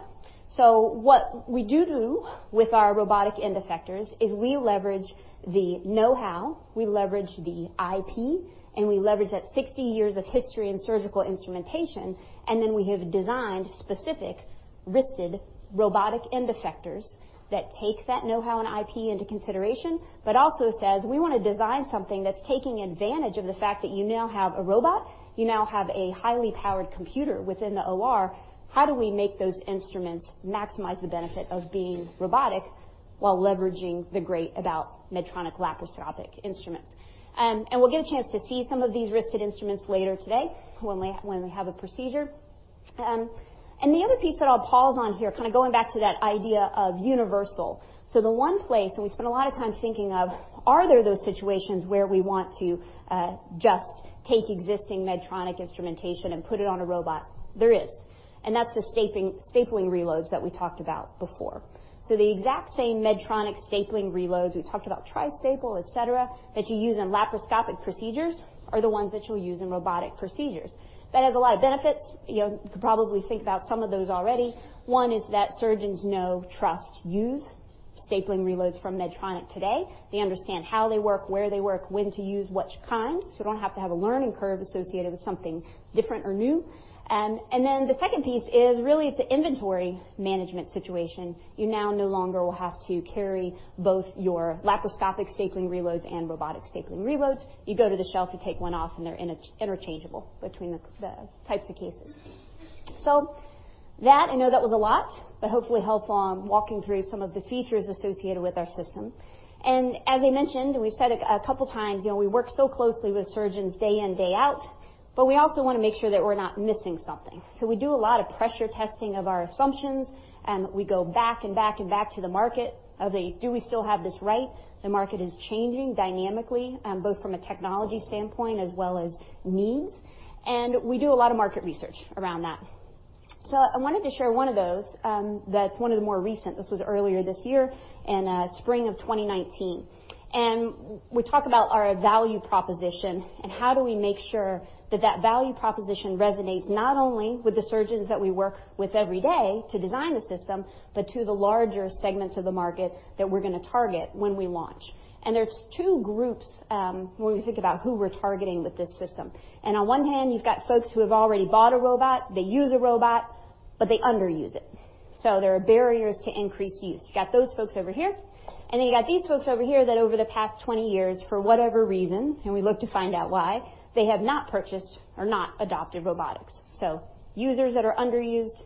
What we do with our robotic end effectors is we leverage the know-how, we leverage the IP, and we leverage that 60 years of history in surgical instrumentation, and then we have designed specific wristed robotic end effectors that take that know-how and IP into consideration, but also says, "We want to design something that's taking advantage of the fact that you now have a robot. You now have a highly powered computer within the OR. How do we make those instruments maximize the benefit of being robotic while leveraging the great about Medtronic laparoscopic instruments?" We'll get a chance to see some of these wristed instruments later today when we have a procedure. The other piece that I'll pause on here, kind of going back to that idea of universal. The one place, and we spend a lot of time thinking of, are there those situations where we want to just take existing Medtronic instrumentation and put it on a robot? There is. That's the stapling reloads that we talked about before. The exact same Medtronic stapling reloads, we talked about Tri-Staple, et cetera, that you use in laparoscopic procedures are the ones that you'll use in robotic procedures. That has a lot of benefits. You could probably think about some of those already. One is that surgeons know, trust, use stapling reloads from Medtronic today. They understand how they work, where they work, when to use which kind, so we don't have to have a learning curve associated with something different or new. The second piece is really it's an inventory management situation. You now no longer will have to carry both your laparoscopic stapling reloads and robotic stapling reloads. You go to the shelf, you take one off, and they're interchangeable between the types of cases. That, I know that was a lot, but hopefully helpful on walking through some of the features associated with our system. As I mentioned, we've said a couple times, we work so closely with surgeons day in, day out, but we also want to make sure that we're not missing something. We do a lot of pressure testing of our assumptions, and we go back and back and back to the market. Do we still have this right? The market is changing dynamically, both from a technology standpoint as well as needs. We do a lot of market research around that. I wanted to share one of those, that's one of the more recent. This was earlier this year in spring of 2019. We talk about our value proposition, and how do we make sure that that value proposition resonates not only with the surgeons that we work with every day to design the system, but to the larger segments of the market that we're going to target when we launch. There's two groups when we think about who we're targeting with this system. On one hand, you've got folks who have already bought a robot, they use a robot, but they underuse it. There are barriers to increased use. You got those folks over here, you got these folks over here that over the past 20 years, for whatever reason, we look to find out why, they have not purchased or not adopted robotics. Users that are underused,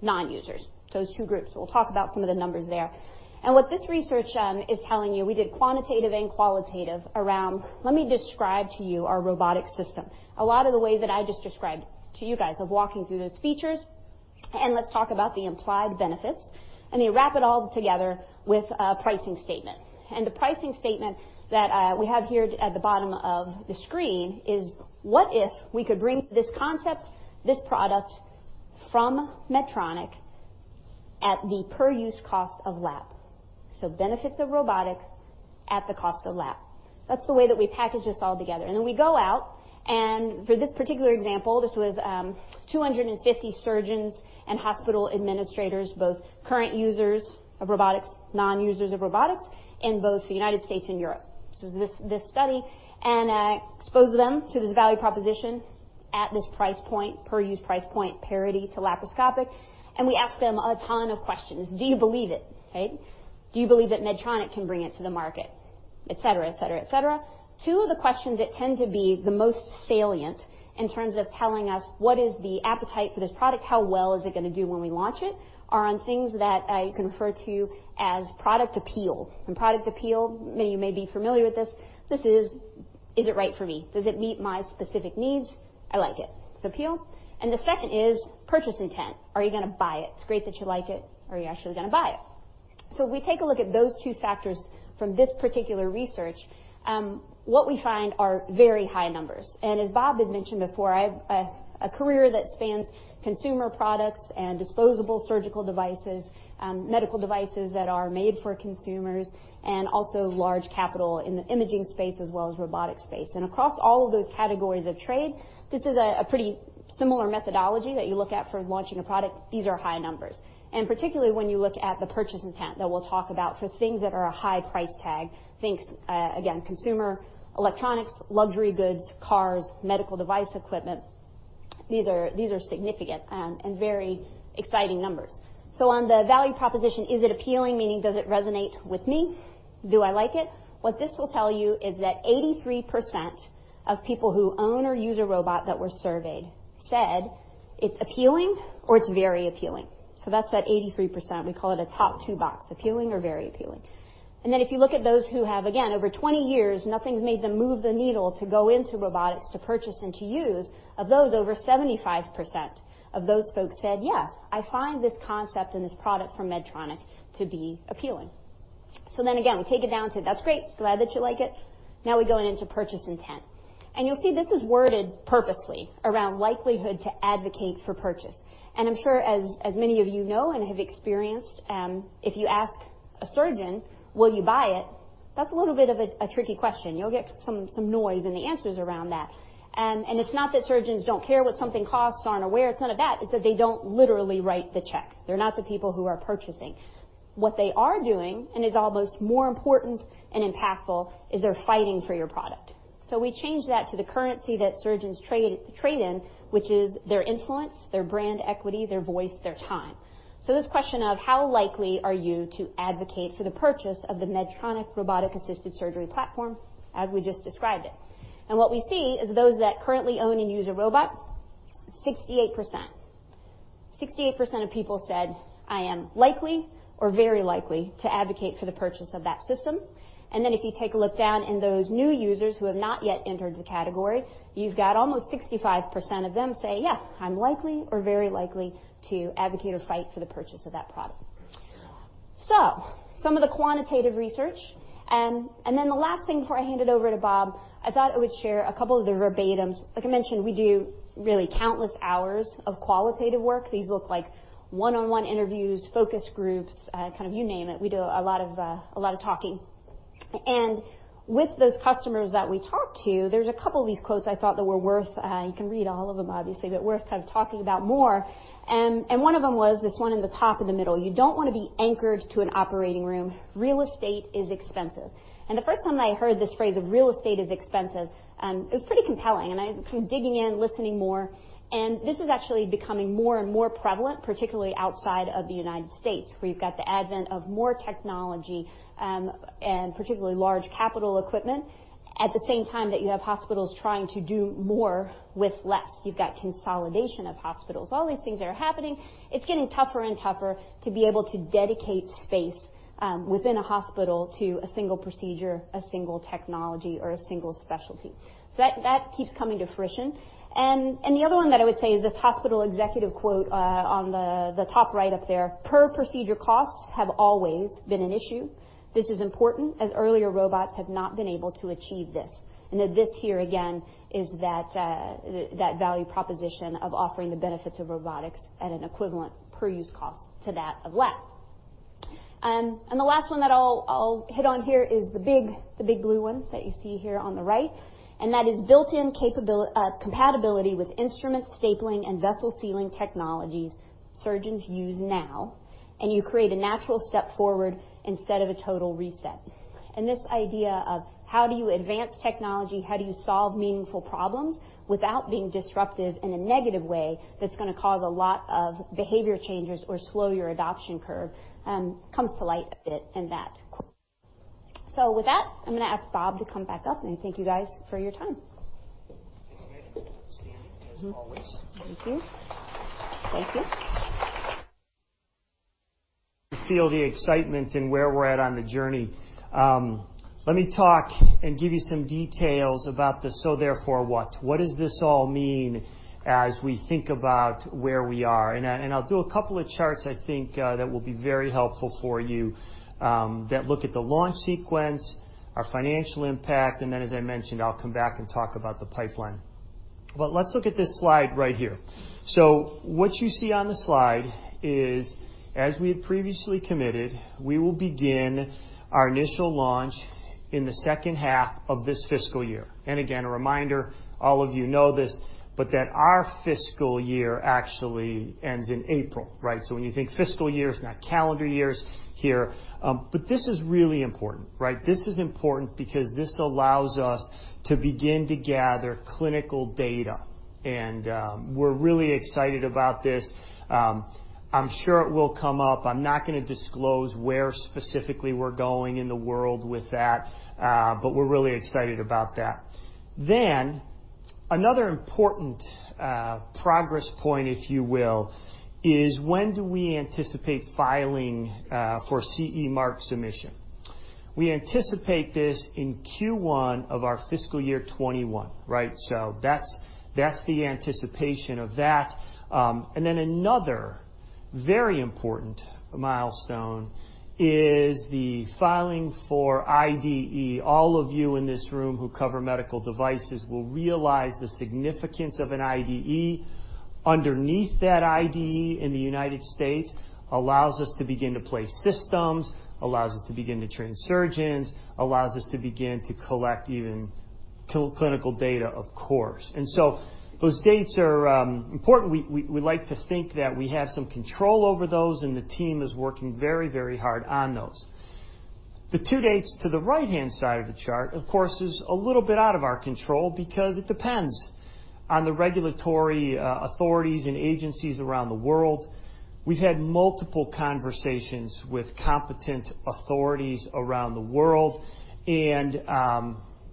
non-users. Those two groups. We'll talk about some of the numbers there. What this research is telling you, we did quantitative and qualitative around, let me describe to you our robotic system. A lot of the ways that I just described to you guys of walking through those features, let's talk about the implied benefits, they wrap it all together with a pricing statement. The pricing statement that we have here at the bottom of the screen is, what if we could bring this concept, this product from Medtronic at the per-use cost of lap? Benefits of robotics at the cost of lap. That's the way that we package this all together. Then we go out, and for this particular example, this was 250 surgeons and hospital administrators, both current users of robotics, non-users of robotics in both the United States and Europe. This is this study, and expose them to this value proposition at this price point, per-use price point parity to laparoscopic. We ask them a ton of questions. Do you believe it, right? Do you believe that Medtronic can bring it to the market? Et cetera. Two of the questions that tend to be the most salient in terms of telling us what is the appetite for this product, how well is it going to do when we launch it, are on things that I refer to as product appeal. Product appeal, many of you may be familiar with this is it right for me? Does it meet my specific needs? I like it. Its appeal. The second is purchase intent. Are you going to buy it? It's great that you like it. Are you actually going to buy it? We take a look at those two factors from this particular research. What we find are very high numbers. As Bob had mentioned before, I have a career that spans consumer products and disposable surgical devices, medical devices that are made for consumers, and also large capital in the imaging space as well as robotics space. Across all of those categories of trade, this is a pretty similar methodology that you look at for launching a product. These are high numbers. Particularly when you look at the purchase intent that we'll talk about for things that are a high price tag, think, again, consumer electronics, luxury goods, cars, medical device equipment. These are significant and very exciting numbers. On the value proposition, is it appealing? Meaning, does it resonate with me? Do I like it? What this will tell you is that 83% of people who own or use a robot that were surveyed said it's appealing or it's very appealing. That's that 83%. We call it a top two box, appealing or very appealing. If you look at those who have, again, over 20 years, nothing's made them move the needle to go into robotics to purchase and to use, of those, over 75% of those folks said, "Yeah, I find this concept and this product from Medtronic to be appealing." Again, we take it down to, that's great. Glad that you like it. Now we go into purchase intent. You'll see this is worded purposely around likelihood to advocate for purchase. I'm sure as many of you know and have experienced, if you ask a surgeon, will you buy it, that's a little bit of a tricky question. You'll get some noise in the answers around that. It's not that surgeons don't care what something costs, aren't aware. It's none of that. It's that they don't literally write the check. They're not the people who are purchasing. What they are doing, and is almost more important and impactful, is they're fighting for your product. We change that to the currency that surgeons trade in, which is their influence, their brand equity, their voice, their time. This question of how likely are you to advocate for the purchase of the Medtronic robotic-assisted surgery platform, as we just described it. What we see is those that currently own and use a robot, 68%. 68% of people said, "I am likely or very likely to advocate for the purchase of that system." If you take a look down in those new users who have not yet entered the category, you've got almost 65% of them say, "Yeah, I'm likely or very likely to advocate or fight for the purchase of that product." Some of the quantitative research. The last thing before I hand it over to Bob, I thought I would share a couple of the verbatims. Like I mentioned, we do really countless hours of qualitative work. These look like one-on-one interviews, focus groups, kind of you name it. We do a lot of talking. With those customers that we talk to, there's a couple of these quotes I thought that you can read all of them, obviously, but worth kind of talking about more. One of them was this one in the top in the middle. "You don't want to be anchored to an operating room. Real estate is expensive." The first time that I heard this phrase of real estate is expensive, it was pretty compelling. I'm kind of digging in, listening more, and this is actually becoming more and more prevalent, particularly outside of the United States, where you've got the advent of more technology, and particularly large capital equipment, at the same time that you have hospitals trying to do more with less. You've got consolidation of hospitals. All these things are happening. It's getting tougher and tougher to be able to dedicate space within a hospital to a single procedure, a single technology, or a single specialty. That keeps coming to fruition. The other one that I would say is this hospital executive quote, on the top right up there. "Per procedure costs have always been an issue. This is important as earlier robots have not been able to achieve this. That this here again, is that value proposition of offering the benefits of robotics at an equivalent per-use cost to that of lap. The last one that I'll hit on here is the big blue one that you see here on the right. That is built-in compatibility with instrument stapling and vessel sealing technologies surgeons use now, and you create a natural step forward instead of a total reset. This idea of how do you advance technology, how do you solve meaningful problems without being disruptive in a negative way that's going to cause a lot of behavior changes or slow your adoption curve, comes to light a bit in that quote. With that, I'm going to ask Bob to come back up, and thank you guys for your time. Thank you, Megan. Standing, as always. Thank you. Thank you. You feel the excitement in where we're at on the journey. Let me talk and give you some details about the so therefore what. What does this all mean as we think about where we are? I'll do a couple of charts I think that will be very helpful for you, that look at the launch sequence, our financial impact, and then as I mentioned, I'll come back and talk about the pipeline. Let's look at this slide right here. What you see on the slide is, as we had previously committed, we will begin our initial launch in the second half of this fiscal year. Again, a reminder, all of you know this, but that our fiscal year actually ends in April, right? When you think fiscal years, not calendar years here. This is really important, right? This is important because this allows us to begin to gather clinical data. We're really excited about this. I'm sure it will come up. I'm not going to disclose where specifically we're going in the world with that, but we're really excited about that. Another important progress point, if you will, is when do we anticipate filing for CE mark submission? We anticipate this in Q1 of our fiscal year 2021. That's the anticipation of that. Another very important milestone is the filing for IDE. All of you in this room who cover medical devices will realize the significance of an IDE. Underneath that IDE in the U.S. allows us to begin to place systems, allows us to begin to train surgeons, allows us to begin to collect even clinical data, of course. Those dates are important. We like to think that we have some control over those, and the team is working very hard on those. The two dates to the right-hand side of the chart, of course, is a little bit out of our control because it depends on the regulatory authorities and agencies around the world. We've had multiple conversations with competent authorities around the world, and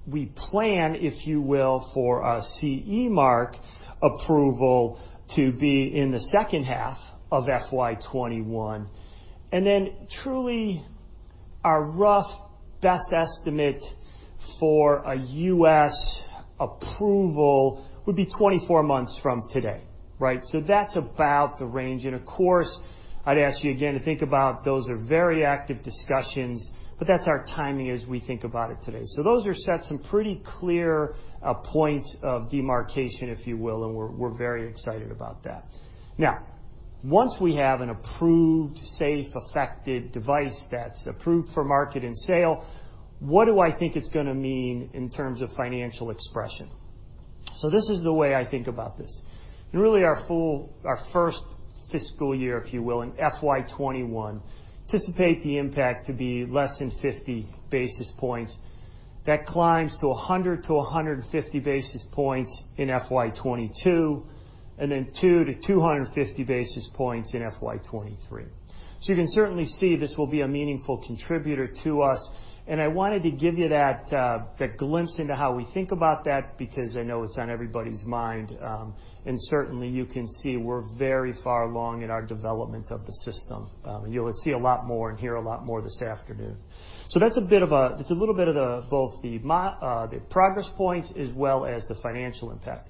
we plan, if you will, for a CE mark approval to be in the second half of FY 2021. Truly our rough best estimate for a U.S. approval would be 24 months from today. That's about the range. Of course, I'd ask you again to think about those are very active discussions, but that's our timing as we think about it today. Those are set some pretty clear points of demarcation, if you will, and we're very excited about that. Now, once we have an approved, safe, effective device that's approved for market and sale, what do I think it's going to mean in terms of financial expression? This is the way I think about this. Really our first fiscal year, if you will, in FY 2021, anticipate the impact to be less than 50 basis points. That climbs to 100-150 basis points in FY 2022, 2-250 basis points in FY 2023. You can certainly see this will be a meaningful contributor to us. I wanted to give you that glimpse into how we think about that because I know it's on everybody's mind. Certainly, you can see we're very far along in our development of the system. You'll see a lot more and hear a lot more this afternoon. That's a little bit of both the progress points as well as the financial impact.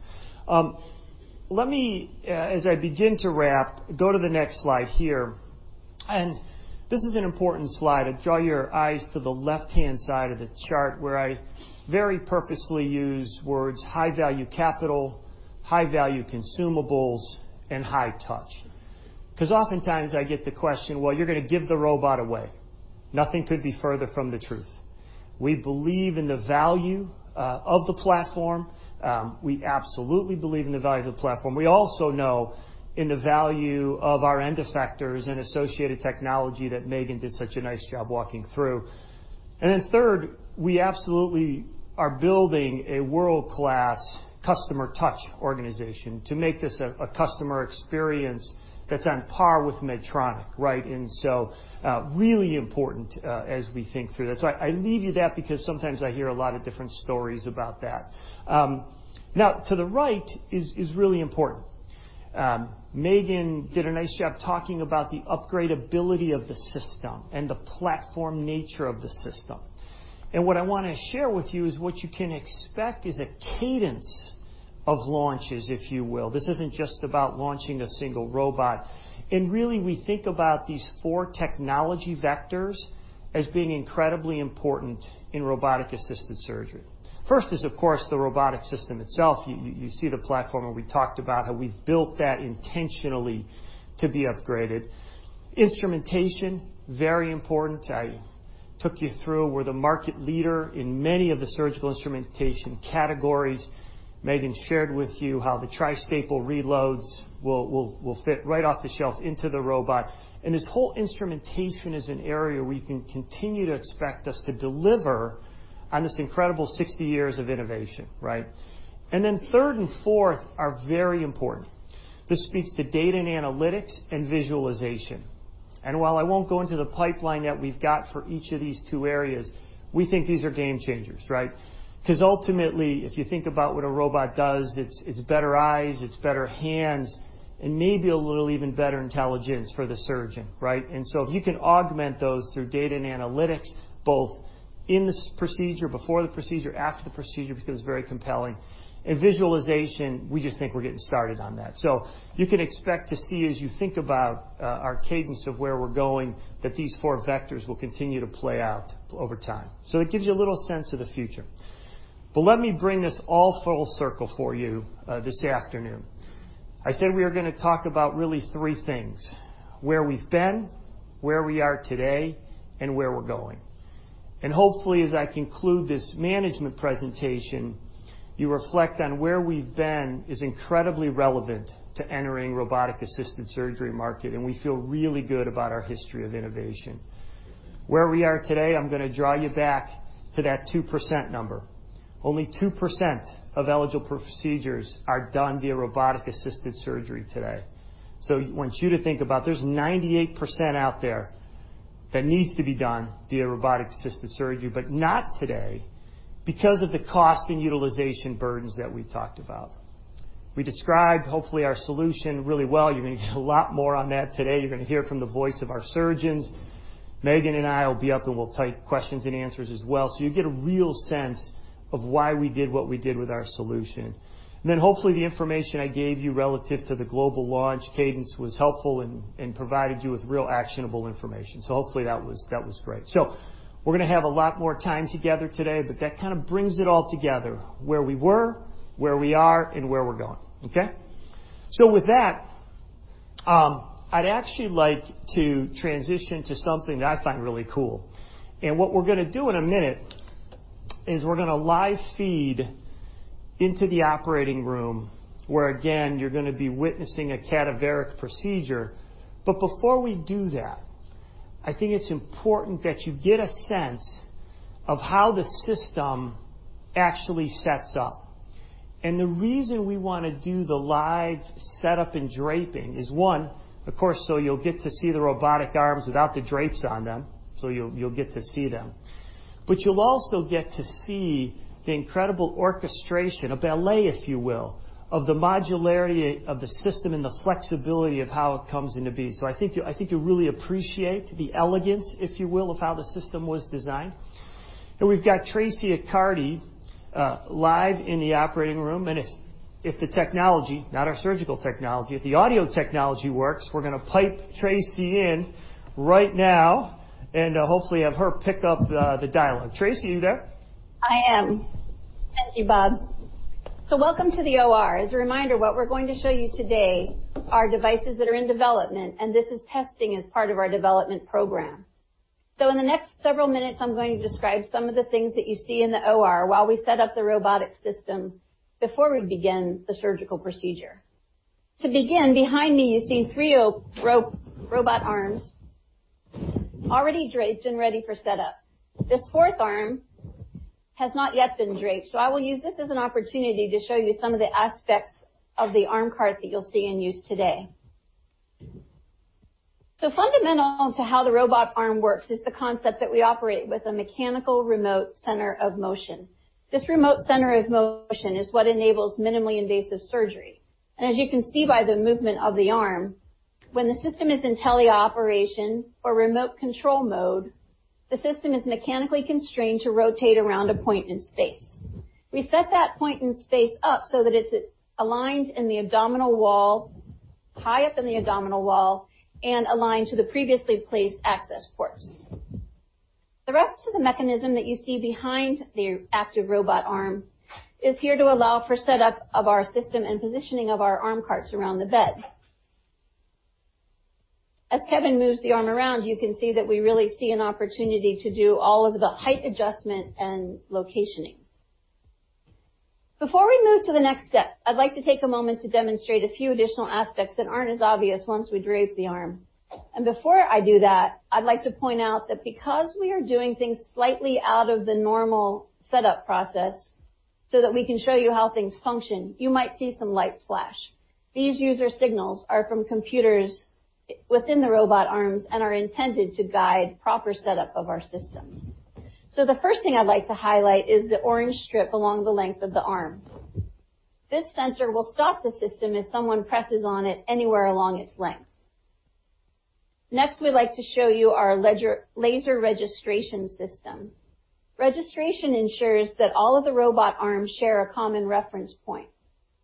Let me, as I begin to wrap, go to the next slide here. This is an important slide. I draw your eyes to the left-hand side of the chart where I very purposely use words high-value capital, high-value consumables, and high touch. Oftentimes I get the question, well, you're going to give the robot away. Nothing could be further from the truth. We believe in the value of the platform. We absolutely believe in the value of the platform. We also know in the value of our end effectors and associated technology that Megan did such a nice job walking through. Then third, we absolutely are building a world-class customer touch organization to make this a customer experience that's on par with Medtronic, right? Really important as we think through that. I lead you that because sometimes I hear a lot of different stories about that. To the right is really important. Megan did a nice job talking about the upgradeability of the system and the platform nature of the system. What I want to share with you is what you can expect is a cadence of launches, if you will. This isn't just about launching a single robot. Really, we think about these four technology vectors as being incredibly important in robotic-assisted surgery. First is, of course, the robotic system itself. You see the platform, and we talked about how we've built that intentionally to be upgraded. Instrumentation, very important. I took you through. We're the market leader in many of the surgical instrumentation categories. Megan shared with you how the Tri-Staple reloads will fit right off the shelf into the robot. This whole instrumentation is an area where you can continue to expect us to deliver on this incredible 60 years of innovation, right? Third and fourth are very important. This speaks to data and analytics and visualization. While I won't go into the pipeline that we've got for each of these two areas, we think these are game changers, right? Ultimately, if you think about what a robot does, it's better eyes, it's better hands, and maybe a little even better intelligence for the surgeon, right? If you can augment those through data and analytics, both in the procedure, before the procedure, after the procedure, becomes very compelling. Visualization, we just think we're getting started on that. You can expect to see as you think about our cadence of where we're going, that these four vectors will continue to play out over time. It gives you a little sense of the future. Let me bring this all full circle for you this afternoon. I said we are going to talk about really three things, where we've been, where we are today, and where we're going. Hopefully, as I conclude this management presentation, you reflect on where we've been is incredibly relevant to entering robotic-assisted surgery market, and we feel really good about our history of innovation. Where we are today, I'm going to draw you back to that 2% number. Only 2% of eligible procedures are done via robotic-assisted surgery today. I want you to think about there's 98% out there that needs to be done via robotic-assisted surgery, but not today because of the cost and utilization burdens that we talked about. We described hopefully our solution really well. You're going to get a lot more on that today. You're going to hear from the voice of our surgeons. Megan and I will be up, and we'll take questions and answers as well, so you get a real sense of why we did what we did with our solution. Hopefully the information I gave you relative to the global launch cadence was helpful and provided you with real actionable information. Hopefully, that was great. We're going to have a lot more time together today, but that kind of brings it all together, where we were, where we are, and where we're going. Okay? With that, I'd actually like to transition to something that I find really cool. What we're going to do in a minute is we're going to live feed into the operating room, where again, you're going to be witnessing a cadaveric procedure. Before we do that, I think it's important that you get a sense of how the system actually sets up. The reason we want to do the live setup and draping is, one, of course, so you'll get to see the robotic arms without the drapes on them, so you'll get to see them. You'll also get to see the incredible orchestration, a ballet if you will, of the modularity of the system and the flexibility of how it comes into be. I think you'll really appreciate the elegance, if you will, of how the system was designed. We've got Tracy Accardi live in the operating room. If the technology, not our surgical technology, if the audio technology works, we're going to pipe Tracy in right now and hopefully have her pick up the dialogue. Tracy, are you there? I am. Thank you, Bob. Welcome to the OR. As a reminder, what we're going to show you today are devices that are in development, and this is testing as part of our development program. In the next several minutes, I'm going to describe some of the things that you see in the OR while we set up the robotic system before we begin the surgical procedure. To begin, behind me you see three robot arms already draped and ready for setup. This fourth arm has not yet been draped, I will use this as an opportunity to show you some of the aspects of the arm cart that you'll see in use today. Fundamental to how the robot arm works is the concept that we operate with a mechanical remote center of motion. This remote center of motion is what enables minimally invasive surgery. As you can see by the movement of the arm, when the system is in teleoperation or remote control mode, the system is mechanically constrained to rotate around a point in space. We set that point in space up so that it's aligned in the abdominal wall, high up in the abdominal wall, and aligned to the previously placed access ports. The rest of the mechanism that you see behind the active robot arm is here to allow for setup of our system and positioning of our arm carts around the bed. As Kevin moves the arm around, you can see that we really see an opportunity to do all of the height adjustment and locationing. Before we move to the next step, I'd like to take a moment to demonstrate a few additional aspects that aren't as obvious once we drape the arm. Before I do that, I'd like to point out that because we are doing things slightly out of the normal setup process so that we can show you how things function, you might see some lights flash. These user signals are from computers within the robot arms and are intended to guide proper setup of our system. The first thing I'd like to highlight is the orange strip along the length of the arm. This sensor will stop the system if someone presses on it anywhere along its length. Next, we'd like to show you our laser registration system. Registration ensures that all of the robot arms share a common reference point.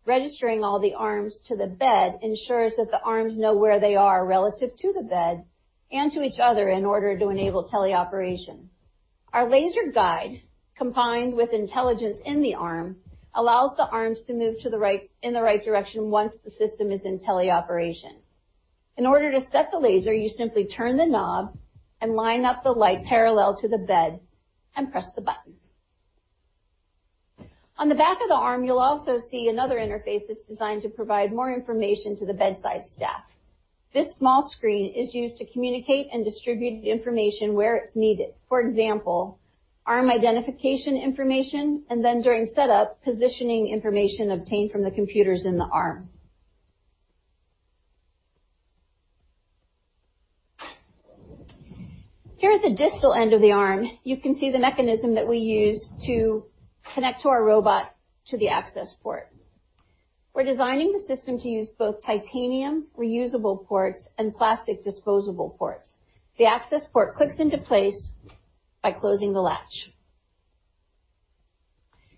Registering all the arms to the bed ensures that the arms know where they are relative to the bed and to each other in order to enable teleoperation. Our laser guide, combined with intelligence in the arm, allows the arms to move in the right direction once the system is in teleoperation. In order to set the laser, you simply turn the knob and line up the light parallel to the bed and press the button. On the back of the arm, you'll also see another interface that's designed to provide more information to the bedside staff. This small screen is used to communicate and distribute information where it's needed. For example, arm identification information, and then during setup, positioning information obtained from the computers in the arm. Here at the distal end of the arm, you can see the mechanism that we use to connect to our robot to the access port. We're designing the system to use both titanium reusable ports and plastic disposable ports. The access port clicks into place by closing the latch.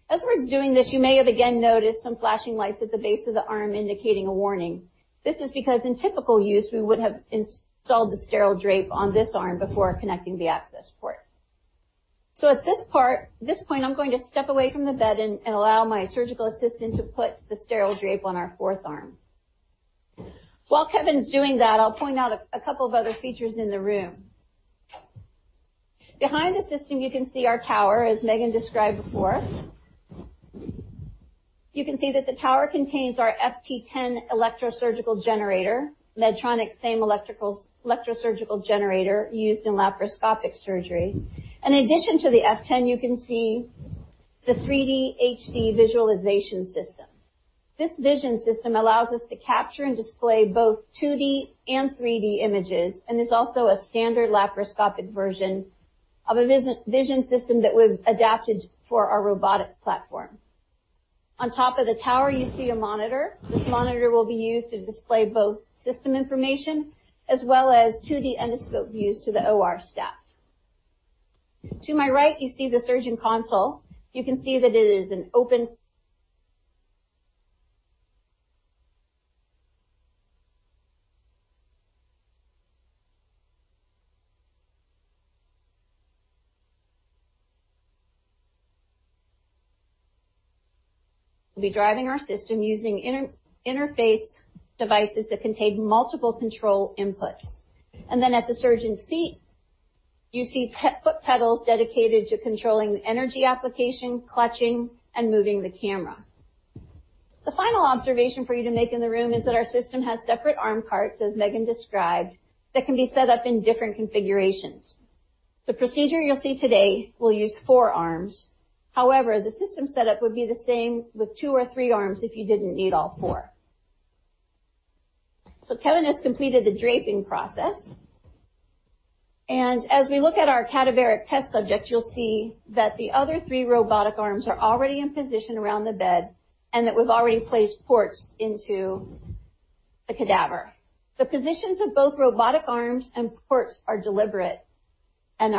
As we're doing this, you may have again noticed some flashing lights at the base of the arm indicating a warning. This is because in typical use, we would have installed the sterile drape on this arm before connecting the access port. At this point, I'm going to step away from the bed and allow my surgical assistant to put the sterile drape on our fourth arm. While Kevin's doing that, I'll point out a couple of other features in the room. Behind the system, you can see our tower, as Megan described before. You can see that the tower contains our FT10 electrosurgical generator, Medtronic's same electrosurgical generator used in laparoscopic surgery. In addition to the FT10, you can see the 3D HD visualization system. This vision system allows us to capture and display both 2D and 3D images, and is also a standard laparoscopic version of a vision system that we've adapted for our robotic platform. On top of the tower, you see a monitor. This monitor will be used to display both system information as well as 2D endoscope views to the OR staff. To my right, you see the surgeon console. You can see that it is an open be driving our system using interface devices that contain multiple control inputs. At the surgeon's feet, you see foot pedals dedicated to controlling the energy application, clutching, and moving the camera. The final observation for you to make in the room is that our system has separate arm carts, as Megan described, that can be set up in different configurations. The procedure you'll see today will use four arms. However, the system setup would be the same with two or three arms if you didn't need all four. Kevin has completed the draping process, and as we look at our cadaveric test subject, you'll see that the other three robotic arms are already in position around the bed, and that we've already placed ports into the cadaver. The positions of both robotic arms and ports are deliberate and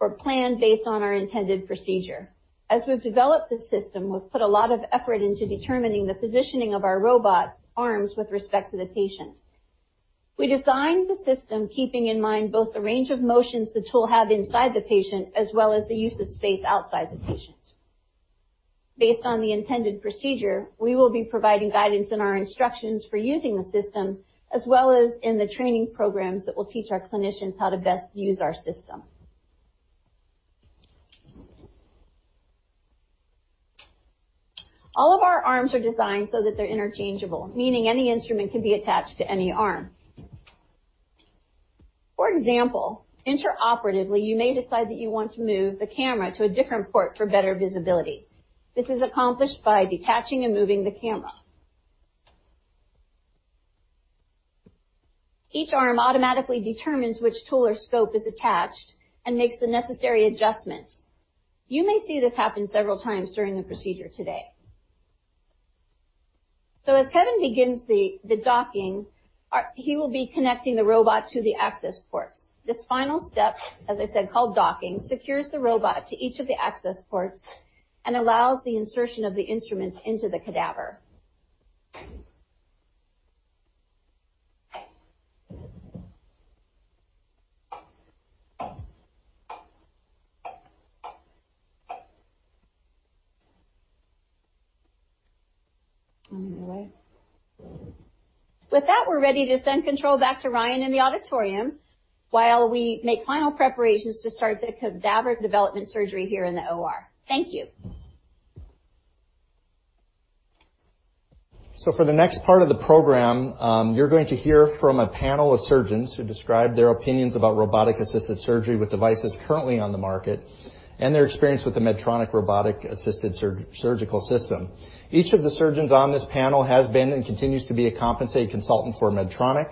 were planned based on our intended procedure. As we've developed this system, we've put a lot of effort into determining the positioning of our robot arms with respect to the patient. We designed the system keeping in mind both the range of motions the tool had inside the patient, as well as the use of space outside the patient. Based on the intended procedure, we will be providing guidance in our instructions for using the system, as well as in the training programs that will teach our clinicians how to best use our system. All of our arms are designed so that they're interchangeable, meaning any instrument can be attached to any arm. For example, intraoperatively, you may decide that you want to move the camera to a different port for better visibility. This is accomplished by detaching and moving the camera. Each arm automatically determines which tool or scope is attached and makes the necessary adjustments. You may see this happen several times during the procedure today. As Kevin begins the docking, he will be connecting the robot to the access ports. This final step, as I said, called docking, secures the robot to each of the access ports and allows the insertion of the instruments into the cadaver. With that, we're ready to send control back to Ryan in the auditorium while we make final preparations to start the cadaver development surgery here in the OR. Thank you. For the next part of the program, you're going to hear from a panel of surgeons who describe their opinions about robotic-assisted surgery with devices currently on the market, and their experience with the Medtronic robotic-assisted surgical system. Each of the surgeons on this panel has been and continues to be a compensated consultant for Medtronic.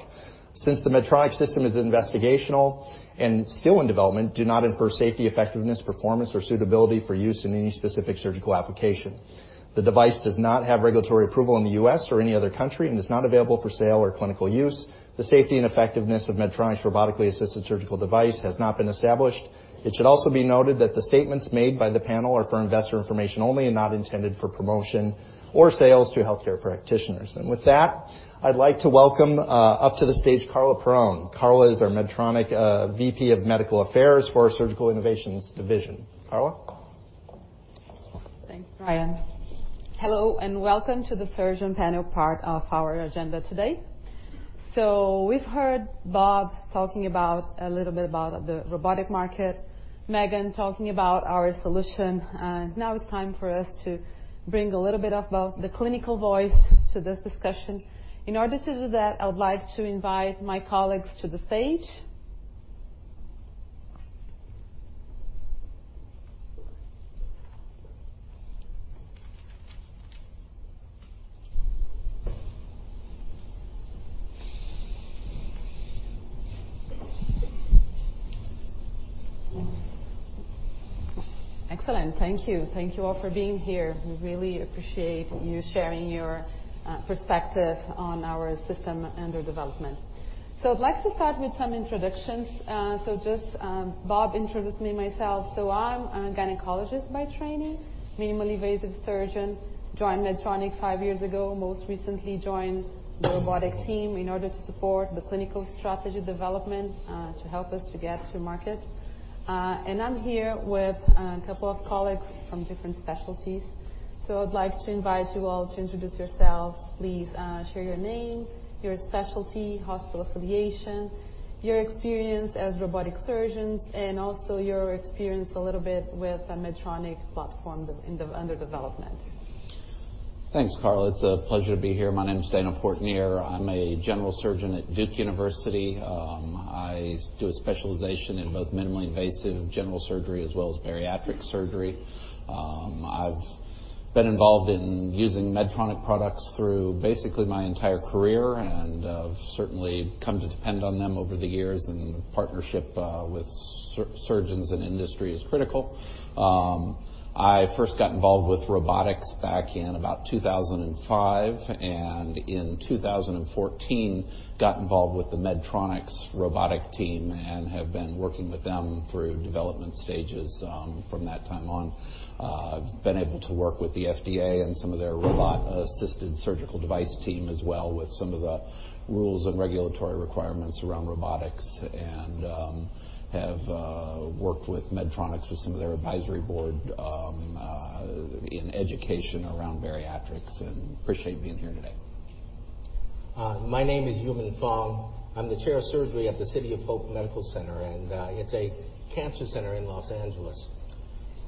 Since the Medtronic system is investigational and still in development, do not infer safety, effectiveness, performance, or suitability for use in any specific surgical application. The device does not have regulatory approval in the U.S. or any other country and is not available for sale or clinical use. The safety and effectiveness of Medtronic's robotically assisted surgical device has not been established. It should also be noted that the statements made by the panel are for investor information only and not intended for promotion or sales to healthcare practitioners. With that, I'd like to welcome up to the stage Carla Peron. Carla is our Medtronic VP of Medical Affairs for our Surgical Innovations division. Carla. Thanks, Ryan. Hello, welcome to the surgeon panel part of our agenda today. We've heard Bob talking a little bit about the robotic market, Megan talking about our solution, and now it's time for us to bring a little bit about the clinical voice to this discussion. In order to do that, I would like to invite my colleagues to the stage. Excellent. Thank you. Thank you all for being here. We really appreciate you sharing your perspective on our system and our development. I'd like to start with some introductions. Just, Bob introduced me myself. I'm a gynecologist by training, minimally invasive surgeon, joined Medtronic five years ago. Most recently joined the robotic team in order to support the clinical strategy development, to help us to get to market. I'm here with a couple of colleagues from different specialties. I'd like to invite you all to introduce yourselves. Please share your name, your specialty, hospital affiliation, your experience as robotic surgeons, and also your experience a little bit with the Medtronic platform under development. Thanks, Carla. It's a pleasure to be here. My name is Daniel Portnoy. I'm a general surgeon at Duke University. I do a specialization in both minimally invasive general surgery as well as bariatric surgery. I've been involved in using Medtronic products through basically my entire career and have certainly come to depend on them over the years, and partnership with surgeons and industry is critical. I first got involved with robotics back in about 2005, and in 2014, got involved with the Medtronic robotic team and have been working with them through development stages from that time on. I've been able to work with the FDA and some of their robot-assisted surgical device team as well, with some of the rules and regulatory requirements around robotics, and have worked with Medtronic with some of their advisory board in education around bariatrics, and appreciate being here today. My name is Yuman Fong. I'm the chair of surgery at the City of Hope Medical Center, and it's a cancer center in Los Angeles.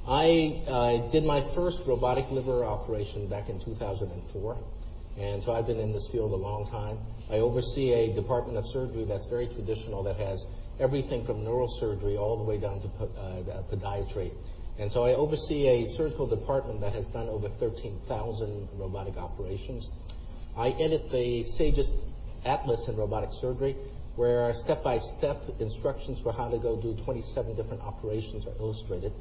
I did my first robotic liver operation back in 2004, and so I've been in this field a long time. I oversee a department of surgery that's very traditional, that has everything from neural surgery all the way down to podiatry. I oversee a surgical department that has done over 13,000 robotic operations. I edit the SAGES Atlas in robotic surgery, where step-by-step instructions for how to go do 27 different operations are illustrated.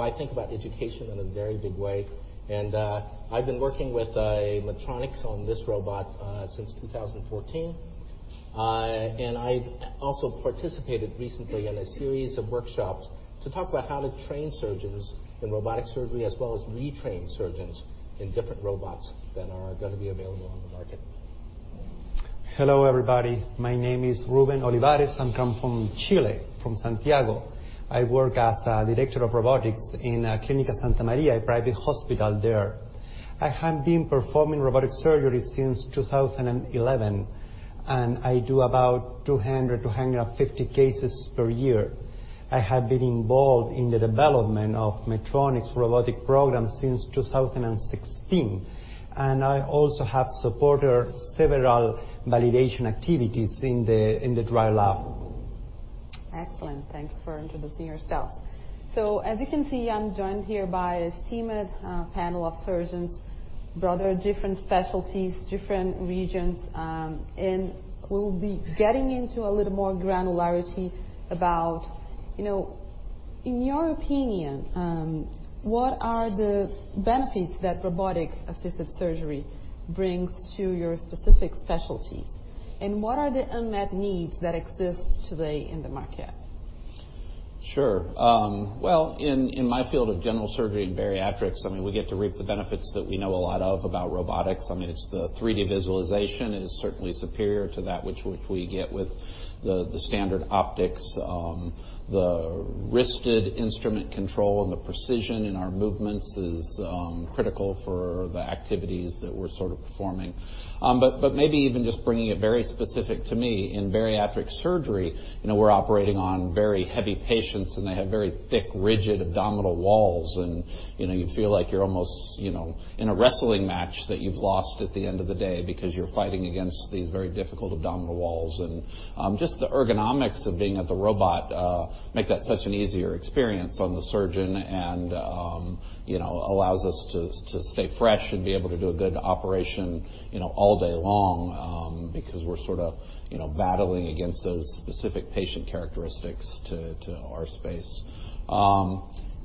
I think about education in a very big way. I've been working with Medtronic on this robot since 2014. I also participated recently in a series of workshops to talk about how to train surgeons in robotic surgery, as well as retrain surgeons in different robots that are going to be available on the market. Hello, everybody. My name is Rubén Olivares. I come from Chile, from Santiago. I work as a director of robotics in Clínica Santa María, a private hospital there. I have been performing robotic surgery since 2011, and I do about 200, 250 cases per year. I have been involved in the development of Medtronic's robotic program since 2016, and I also have supported several validation activities in the dry lab. Excellent. Thanks for introducing yourselves. As you can see, I'm joined here by an esteemed panel of surgeons, from different specialties, different regions. We'll be getting into a little more granularity about, in your opinion, what are the benefits that robotic-assisted surgery brings to your specific specialties? What are the unmet needs that exist today in the market? Sure. Well, in my field of general surgery and bariatrics, we get to reap the benefits that we know a lot of about robotics. The 3D visualization is certainly superior to that which we get with the standard optics. The wristed instrument control and the precision in our movements is critical for the activities that we're sort of performing. Maybe even just bringing it very specific to me, in bariatric surgery, we're operating on very heavy patients, and they have very thick, rigid abdominal walls, and you feel like you're almost in a wrestling match that you've lost at the end of the day because you're fighting against these very difficult abdominal walls. Just the ergonomics of being at the robot make that such an easier experience on the surgeon, and allows us to stay fresh and be able to do a good operation all day long because we're sort of battling against those specific patient characteristics to our space.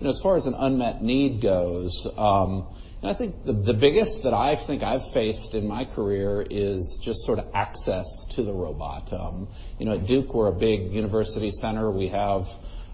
As far as an unmet need goes, I think the biggest that I think I've faced in my career is just sort of access to the robot. At Duke, we're a big university center. We have,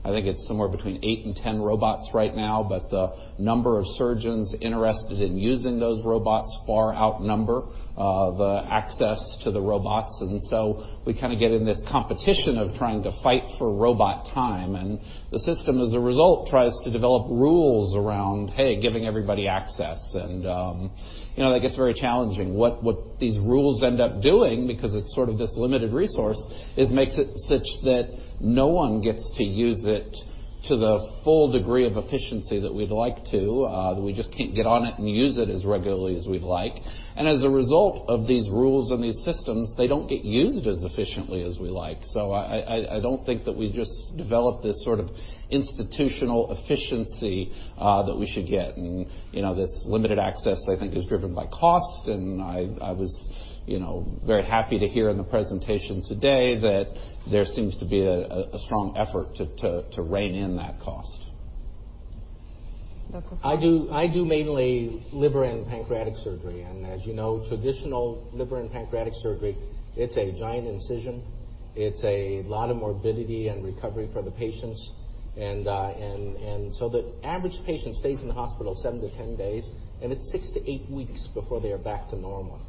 I think it's somewhere between eight and 10 robots right now, but the number of surgeons interested in using those robots far outnumber the access to the robots. So we kind of get in this competition of trying to fight for robot time, and the system, as a result, tries to develop rules around, hey, giving everybody access. That gets very challenging. What these rules end up doing, because it's sort of this limited resource, is makes it such that no one gets to use it to the full degree of efficiency that we'd like to, that we just can't get on it and use it as regularly as we'd like. As a result of these rules and these systems, they don't get used as efficiently as we like. I don't think that we've just developed this sort of institutional efficiency that we should get. This limited access, I think, is driven by cost, and I was very happy to hear in the presentation today that there seems to be a strong effort to rein in that cost. I do mainly liver and pancreatic surgery, and as you know, traditional liver and pancreatic surgery, it's a giant incision. It's a lot of morbidity and recovery for the patients. The average patient stays in the hospital seven to 10 days, and it's six to eight weeks before they are back to normal.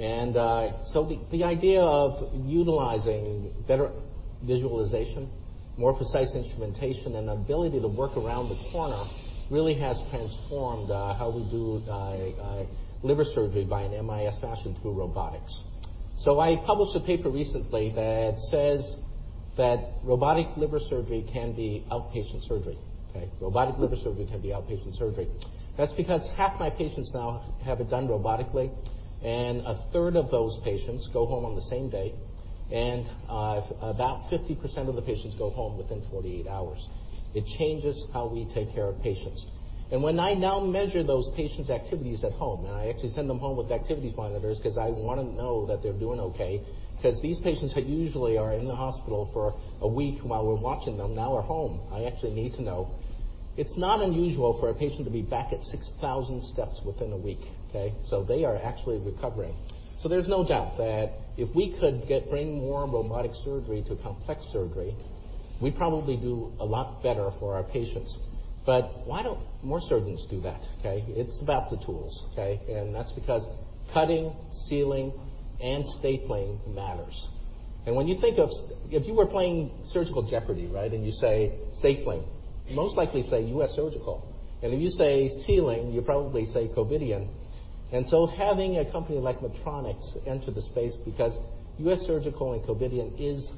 The idea of utilizing better visualization, more precise instrumentation, and ability to work around the corner really has transformed how we do liver surgery by an MIS fashion through robotics. I published a paper recently that says that robotic liver surgery can be outpatient surgery. Okay. Robotic liver surgery can be outpatient surgery. That's because half my patients now have it done robotically, and a third of those patients go home on the same day, and about 50% of the patients go home within 48 hours. It changes how we take care of patients. When I now measure those patients' activities at home, I actually send them home with activities monitors because I want to know that they're doing okay, because these patients who usually are in the hospital for a week while we're watching them now are home. I actually need to know. It's not unusual for a patient to be back at 6,000 steps within a week. Okay. They are actually recovering. There's no doubt that if we could bring more robotic surgery to complex surgery, we'd probably do a lot better for our patients. Why don't more surgeons do that, okay. It's about the tools, okay. That's because cutting, sealing, and stapling matters. If you were playing surgical Jeopardy, right, and you say, "Stapling," you'd most likely say US Surgical. If you say sealing, you probably say Covidien. Having a company like Medtronic enter the space, because U.S. Surgical and Covidien is